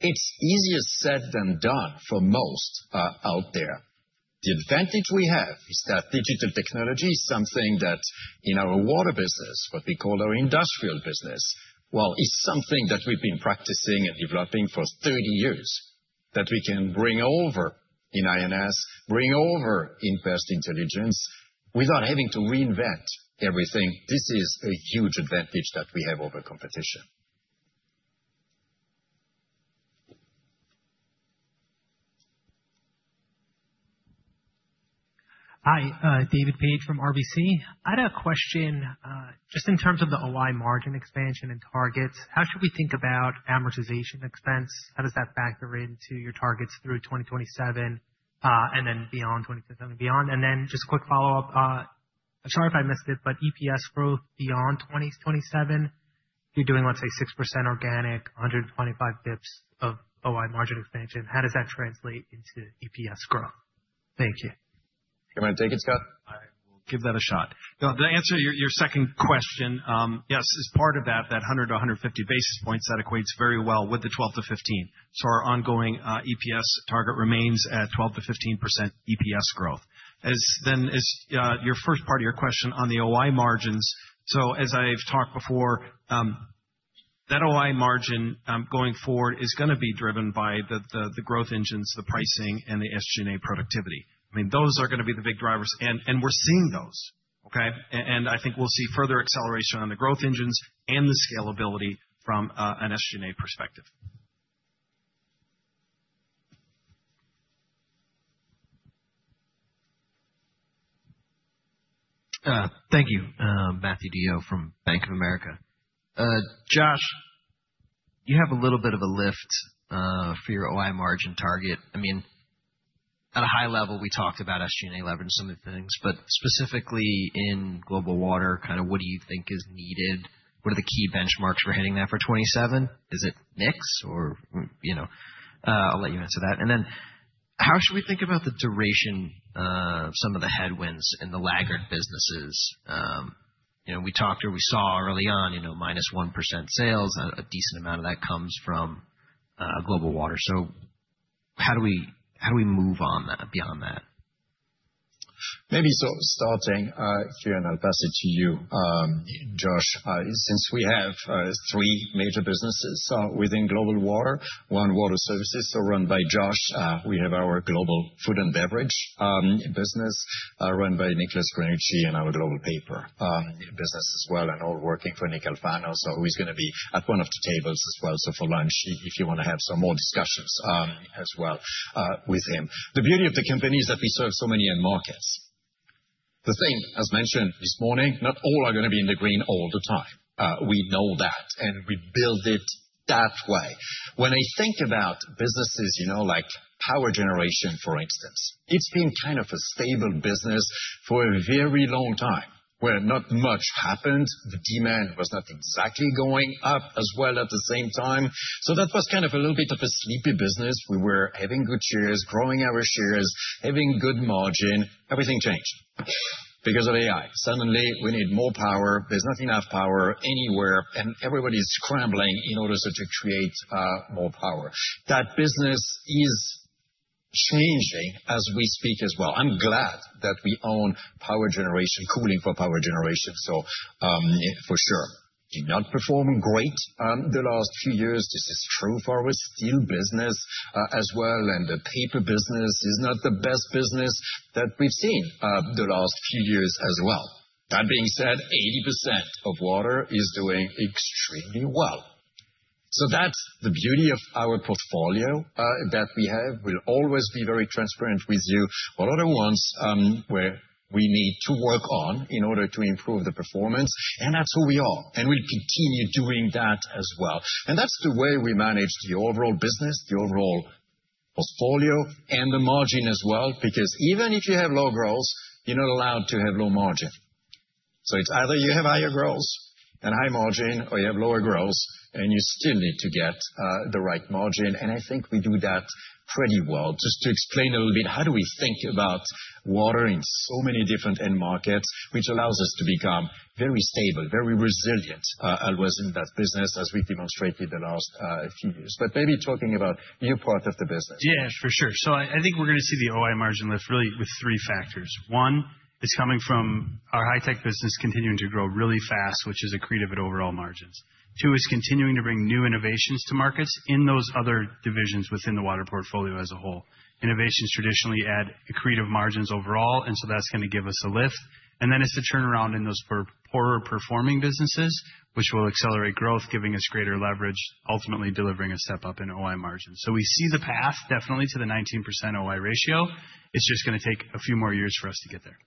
it's easier said than done for most out there. The advantage we have is that digital technology is something that in Water business, what we call our industrial business, while it's something that we've been practicing and developing for 30 years, that we can bring over in institutional, bring over in guest intelligence without having to reinvent everything. This is a huge advantage that we have over competition. Hi, David Paige from RBC. I had a question, just in terms of the OI margin expansion and targets. How should we think about amortization expense? How does that factor into your targets through 2027, and then beyond 2027? And then just a quick follow-up. Sorry if I missed it, but EPS growth beyond 2027, you're doing, let's say, 6% organic, 125 basis points of OI margin expansion. How does that translate into EPS growth? Thank you. You want to take it, Scott? I will give that a shot. To answer your second question, yes, as part of that 100-150 basis points, that equates very well with the 12 to 15. So our ongoing EPS target remains at 12%-15% EPS growth. As your first part of your question on the OI margins. So as I've talked before, that OI margin going forward is gonna be driven by the growth engines, the pricing and the SG&A productivity. I mean, those are gonna be the big drivers, and we're seeing those. Okay? And I think we'll see further acceleration on the growth engines and the scalability from an SG&A perspective. Thank you. Matthew DeYoe from Bank of America. Josh, you have a little bit of a lift for your OI margin target. I mean, at a high level, we talked about SG&A leverage, some of the things, but specifically in global water, kind of what do you think is needed? What are the key benchmarks for hitting that for twenty-seven? Is it mix or, you know, I'll let you answer that. And then how should we think about the duration of some of the headwinds in the laggard businesses? You know, we talked or we saw early on, you know, minus 1% sales. A decent amount of that comes from global water. So how do we move on that, beyond that? Maybe so, starting here, and I'll pass it to you, Josh. Since we have three major businesses within global water. One, Water Services are run by Josh. We have our Global Food & Beverage Business, run by Nicolas Granucci and our Global Paper business as well, and all working for Nick Alfano. So he's gonna be at one of the tables as well. So for lunch, if you want to have some more discussions, as well, with him. The beauty of the company is that we serve so many end markets. The thing, as mentioned this morning, not all are going to be in the green all the time. We know that, and we build it that way. When I think about businesses, you know, like power generation, for instance, it's been kind of a stable business for a very long time, where not much happened. The demand was not exactly going up as well at the same time. So that was kind of a little bit of a sleepy business. We were having good shares, growing our shares, having good margin. Everything changed because of AI. Suddenly, we need more power. There's not enough power anywhere, and everybody's scrambling in order to create more power. That business is changing as we speak as well. I'm glad that we own power generation, cooling for power generation. So, for sure, did not perform great the last few years. This is true for our Steel business, as well, and the Paper business is not the best business that we've seen, the last few years as well. That being said, 80% of Water is doing extremely well. So that's the beauty of our portfolio, that we have. We'll always be very transparent with you. What are the ones, where we need to work on in order to improve the performance, and that's who we are, and we'll continue doing that as well. That's the way we manage the overall business, the overall portfolio, and the margin as well, because even if you have low growth, you're not allowed to have low margin. So it's either you have higher growth and high margin, or you have lower growth and you still need to get the right margin, and I think we do that pretty well. Just to explain a little bit, how do we think about water in so many different end markets, which allows us to become very stable, very resilient, always in that business, as we've demonstrated the last few years. But maybe talking about your part of the business. Yeah, for sure. So I think we're going to see the OI margin lift really with three factors. One is coming from our High-Tech business continuing to grow really fast, which is accretive at overall margins. Two is continuing to bring new innovations to markets in those other divisions within the water portfolio as a whole. Innovations traditionally add accretive margins overall, and so that's going to give us a lift. And then it's the turnaround in those poorer performing businesses, which will accelerate growth, giving us greater leverage, ultimately delivering a step up in OI margins. So we see the path definitely to the 19% OI ratio. It's just going to take a few more years for us to get there.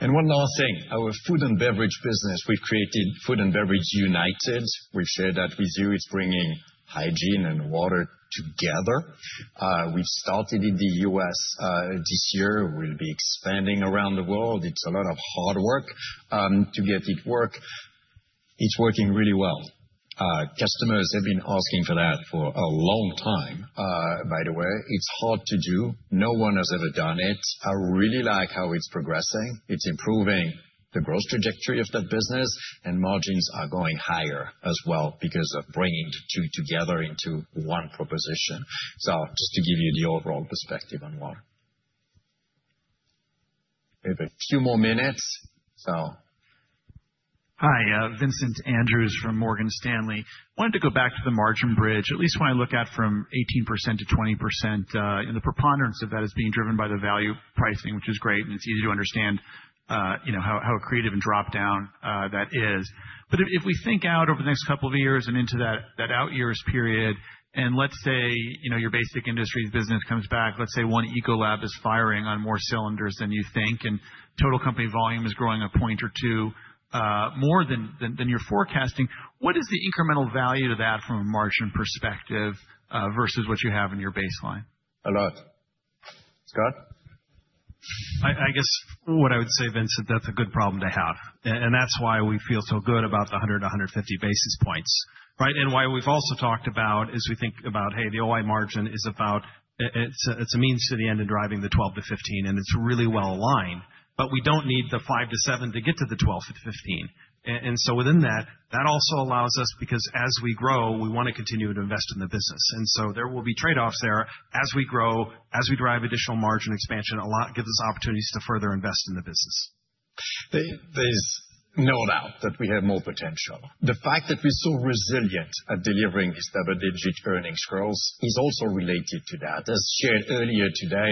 And one last Food & Beverage Business, we've created Food & Beverage United. We've shared that with you. It's bringing hygiene and water together. We started in the U.S., this year. We'll be expanding around the world. It's a lot of hard work, to get it work. It's working really well. Customers have been asking for that for a long time, by the way. It's hard to do. No one has ever done it. I really like how it's progressing. It's improving the growth trajectory of the business, and margins are going higher as well because of bringing the two together into one proposition. So just to give you the overall perspective on water. We have a few more minutes, so. Hi, Vincent Andrews from Morgan Stanley. Wanted to go back to the margin bridge. At least when I look at from 18% to 20%, and the preponderance of that is being driven by the value pricing, which is great, and it's easy to understand, you know, how, how accretive and drop down that is. But if we think out over the next couple of years and into that out years period, and let's say, you know, your basic industries business comes back, let's say, One Ecolab is firing on more cylinders than you think, and total company volume is growing a point or two, more than you're forecasting. What is the incremental value to that from a margin perspective, versus what you have in your baseline? A lot. Scott? I guess what I would say, Vincent, that's a good problem to have, and that's why we feel so good about the 100-150 basis points. Right? And why we've also talked about is we think about, hey, the OI margin is about. It's a means to the end in driving the 12-15, and it's really well aligned, but we don't need the 5-7 to get to the 12-15. And so within that, that also allows us, because as we grow, we want to continue to invest in the business. And so there will be trade-offs there as we grow, as we drive additional margin expansion, a lot gives us opportunities to further invest in the business. There's no doubt that we have more potential. The fact that we're so resilient at delivering these double-digit earnings growth is also related to that. As shared earlier today,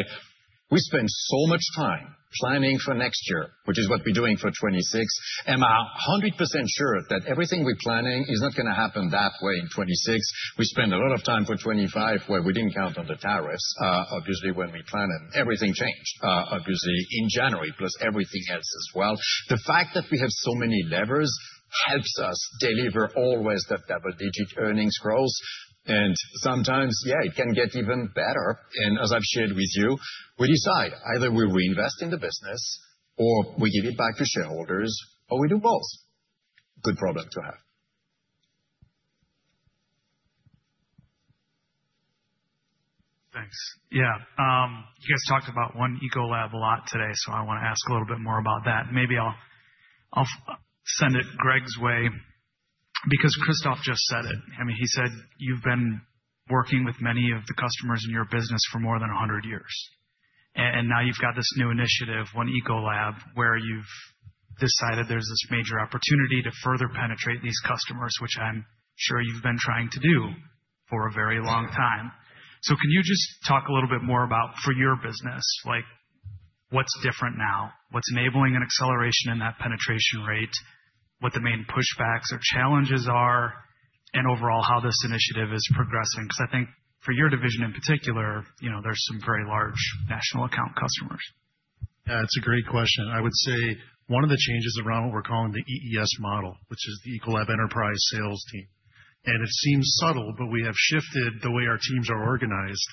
we spend so much time planning for next year, which is what we're doing for 2026. Am I 100% sure that everything we're planning is not going to happen that way in 2026? We spent a lot of time for 2025, where we didn't count on the tariffs. When we planned it, everything changed in January, plus everything else as well. The fact that we have so many levers helps us deliver always the double-digit earnings growth, and sometimes, yeah, it can get even better, and as I've shared with you, we decide, either we reinvest in the business or we give it back to shareholders, or we do both. Good problem to have. Thanks. Yeah, you guys talked about One Ecolab a lot today, so I want to ask a little bit more about that. Maybe I'll send it Greg's way, because Christophe just said it. I mean, he said you've been working with many of the customers in your business for more than a hundred years, and now you've got this new initiative, One Ecolab, where you've decided there's this major opportunity to further penetrate these customers, which I'm sure you've been trying to do for a very long time. So can you just talk a little bit more about, for your business, like, what's different now? What's enabling an acceleration in that penetration rate? What the main pushbacks or challenges are, and overall, how this initiative is progressing? 'Cause I think for your division in particular, you know, there's some very large national account customers. Yeah, it's a great question. I would say one of the changes around what we're calling the EES model, which is the Ecolab Enterprise Sales team, and it seems subtle, but we have shifted the way our teams are organized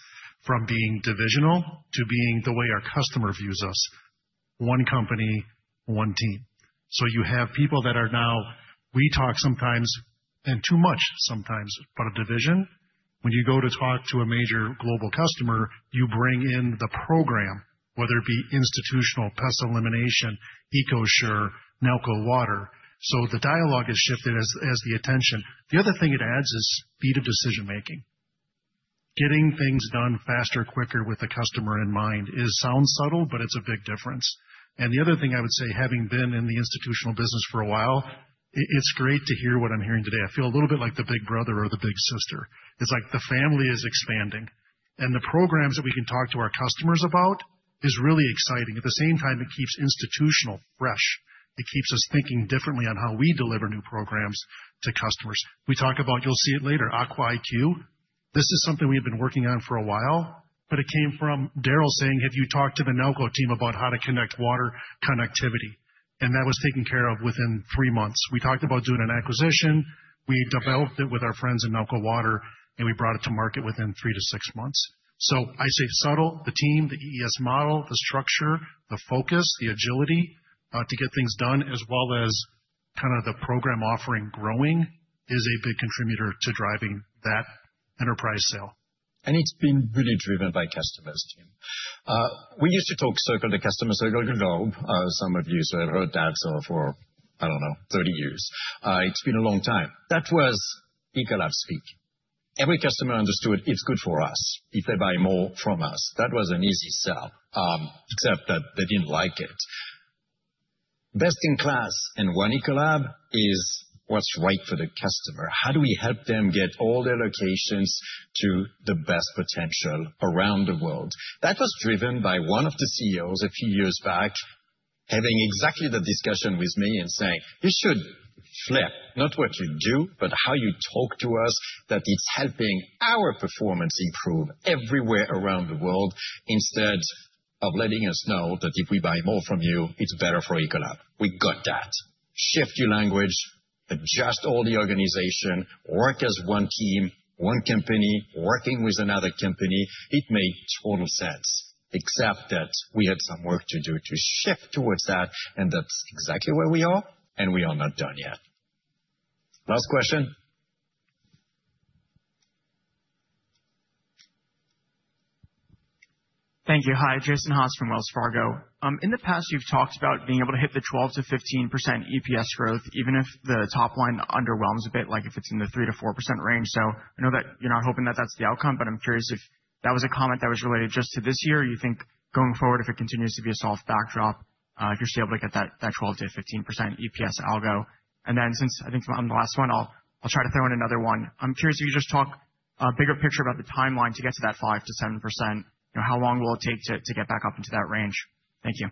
from being divisional to being the way our customer views us, One Company, one team, so you have people that are now. We talk sometimes, and too much sometimes, about a division. When you go to talk to a major global customer, you bring in the program, whether it be institutional Pest Elimination, EcoSure, Nalco Water. So the dialogue has shifted as the attention. The other thing it adds is speed of decision making. Getting things done faster, quicker with the customer in mind, it sounds subtle, but it's a big difference. The other thing I would say, having been in the institutional business for a while, it's great to hear what I'm hearing today. I feel a little bit like the big brother or the big sister. It's like the family is expanding, and the programs that we can talk to our customers about is really exciting. At the same time, it keeps institutional fresh. It keeps us thinking differently on how we deliver new programs to customers. We talk about, you'll see it later, AquaIQ. This is something we've been working on for a while, but it came from Darrell saying: "Have you talked to the Nalco team about how to connect water connectivity?" And that was taken care of within three months. We talked about doing an acquisition. We developed it with our friends in Nalco Water, and we brought it to market within three to six months. So I say subtle, the team, the EES model, the structure, the focus, the agility to get things done, as well as kind of the program offering growing, is a big contributor to driving that enterprise sale. And it's been really driven by customers, too. We used to talk circle the customer, circle the globe. Some of you have heard that for I don't know, thirty years. It's been a long time. That was Ecolab speak. Every customer understood it's good for us if they buy more from us. That was an easy sell, except that they didn't like it. Best-in-class in One Ecolab is what's right for the customer. How do we help them get all their locations to the best potential around the world? That was driven by one of the CEOs a few years back, having exactly the discussion with me and saying, "You should flip, not what you do, but how you talk to us, that it's helping our performance improve everywhere around the world, instead of letting us know that if we buy more from you, it's better for Ecolab." We got that. Shift your language, adjust all the organization, work as one team, One Company, working with another company. It made total sense, except that we had some work to do to shift towards that, and that's exactly where we are, and we are not done yet. Last question? Thank you. Hi, Jason Haas from Wells Fargo. In the past, you've talked about being able to hit the 12%-15% EPS growth, even if the top line underwhelms a bit, like if it's in the 3%-4% range. So I know that you're not hoping that that's the outcome, but I'm curious if that was a comment that was related just to this year, or you think going forward, if it continues to be a soft backdrop, you're still able to get that 12%-15% EPS algo. And then, since I think I'm the last one, I'll try to throw in another one. I'm curious if you could just talk bigger picture about the timeline to get to that 5%-7%. You know, how long will it take to get back up into that range? Thank you.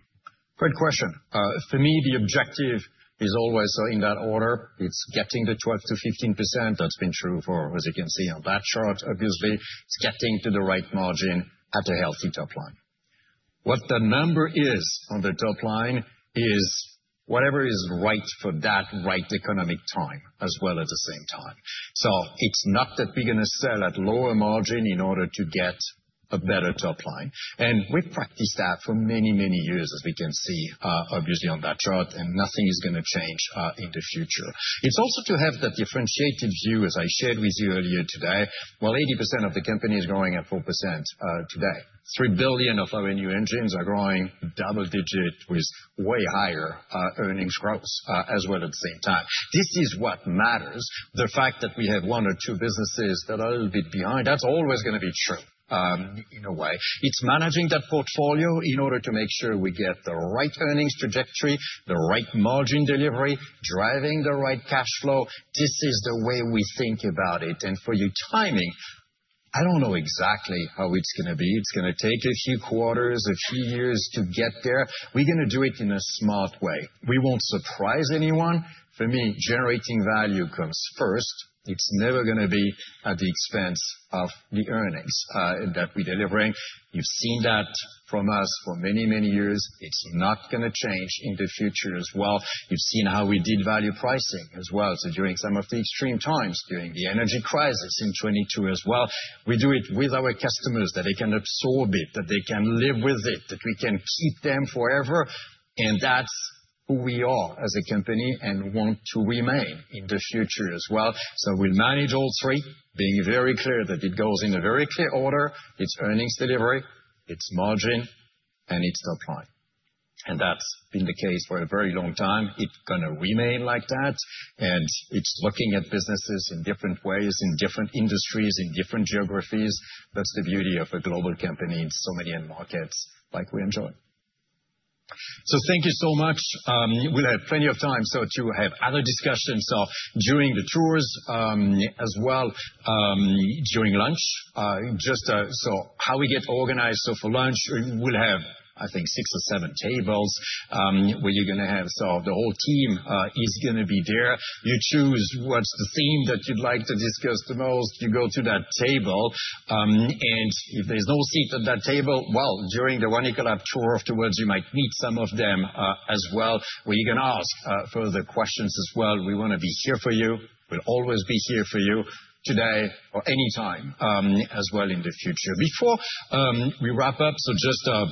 Great question. For me, the objective is always so in that order, it's getting the 12%-15%. That's been true for, as you can see on that chart, obviously. It's getting to the right margin at a healthy top line. What the number is on the top line is whatever is right for that right economic time, as well at the same time. So it's not that we're gonna sell at lower margin in order to get a better top line. And we've practiced that for many, many years, as we can see, obviously on that chart, and nothing is gonna change in the future. It's also to have that differentiated view, as I shared with you earlier today. While 80% of the company is growing at 4%, today, three billion of our new engines are growing double-digit with way higher earnings growth, as well, at the same time. This is what matters. The fact that we have one or two businesses that are a little bit behind, that's always gonna be true, in a way. It's managing that portfolio in order to make sure we get the right earnings trajectory, the right margin delivery, driving the right cash flow. This is the way we think about it. For you, timing, I don't know exactly how it's gonna be. It's gonna take a few quarters, a few years to get there. We're gonna do it in a smart way. We won't surprise anyone. For me, generating value comes first. It's never gonna be at the expense of the earnings that we're delivering. You've seen that from us for many, many years. It's not gonna change in the future as well. You've seen how we did value pricing as well. So during some of the extreme times, during the energy crisis in 2022 as well, we do it with our customers, that they can absorb it, that they can live with it, that we can keep them forever, and that's who we are as a company and want to remain in the future as well. So we manage all three, being very clear that it goes in a very clear order: It's earnings delivery, it's margin, and it's top line and that's been the case for a very long time. It's gonna remain like that, and it's looking at businesses in different ways, in different industries, in different geographies. That's the beauty of a global company in so many markets like we enjoy. So thank you so much. We'll have plenty of time to have other discussions during the tours as well, during lunch. Just, so how we get organized, so for lunch, we'll have, I think, six or seven tables, where you're gonna have. So the whole team is gonna be there. You choose what's the theme that you'd like to discuss the most, you go to that table, and if there's no seat at that table, well, during the One Ecolab tour afterwards, you might meet some of them as well, where you can ask further questions as well. We wanna be here for you. We'll always be here for you, today or anytime as well in the future. Before we wrap up, so just a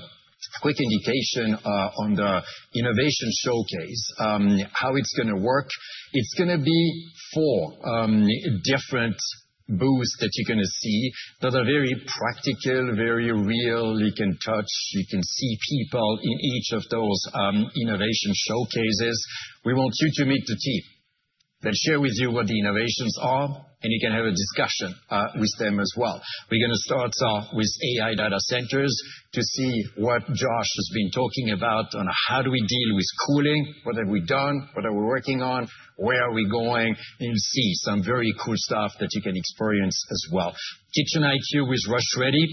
quick indication on the innovation showcase, how it's gonna work. It's gonna be four different booths that you're gonna see that are very practical, very real. You can touch, you can see people in each of those innovation showcases. We want you to meet the team. They'll share with you what the innovations are, and you can have a discussion with them as well. We're gonna start off with AI data centers to see what Josh has been talking about on how do we deal with cooling, what have we done, what are we working on, where are we going, and you'll see some very cool stuff that you can experience as well. KitchenIQ with RushReady,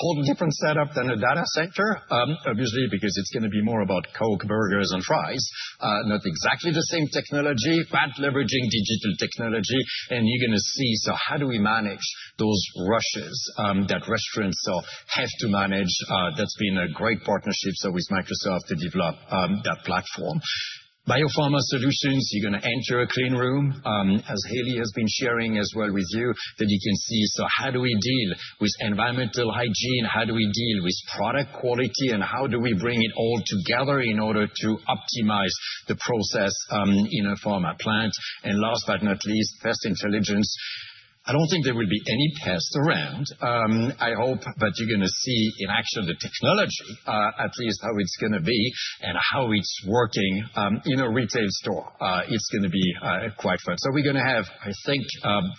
totally different setup than a data center, obviously, because it's gonna be more about Coke, burgers, and fries. Not exactly the same technology, but leveraging digital technology, and you're gonna see, so how do we manage those rushes, that restaurants so have to manage? That's been a great partnership, so with Microsoft to develop, that platform. Biopharma Solutions, you're gonna enter a clean room, as Hayley has been sharing as well with you, that you can see, so how do we deal with environmental hygiene? How do we deal with product quality, and how do we bring it all together in order to optimize the process, in a pharma plant? And last but not least, Pest Intelligence. I don't think there will be any pests around. I hope, but you're gonna see in action the technology, at least how it's gonna be and how it's working, in a retail store. It's gonna be, quite fun. So we're gonna have, I think,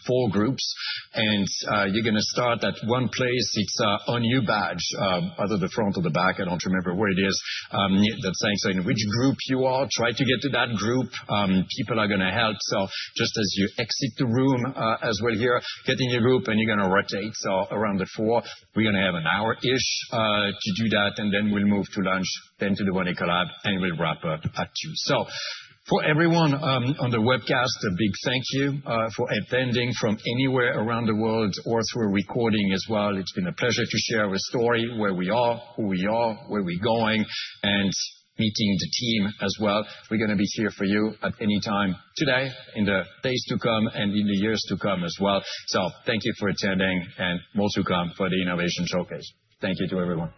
four groups, and you're gonna start at one place. It's on your badge, either the front or the back, I don't remember where it is, that's saying so in which group you are. Try to get to that group. People are gonna help. So just as you exit the room, as we're here, get in your group, and you're gonna rotate, so around the floor. We're gonna have an hour-ish to do that, and then we'll move to lunch, then to the One Ecolab, and we'll wrap up at two. So for everyone on the webcast, a big thank you for attending from anywhere around the world or through a recording as well. It's been a pleasure to share our story, where we are, who we are, where we're going, and meeting the team as well. We're gonna be here for you at any time today, in the days to come, and in the years to come as well. So thank you for attending, and more to come for the innovation showcase. Thank you to everyone.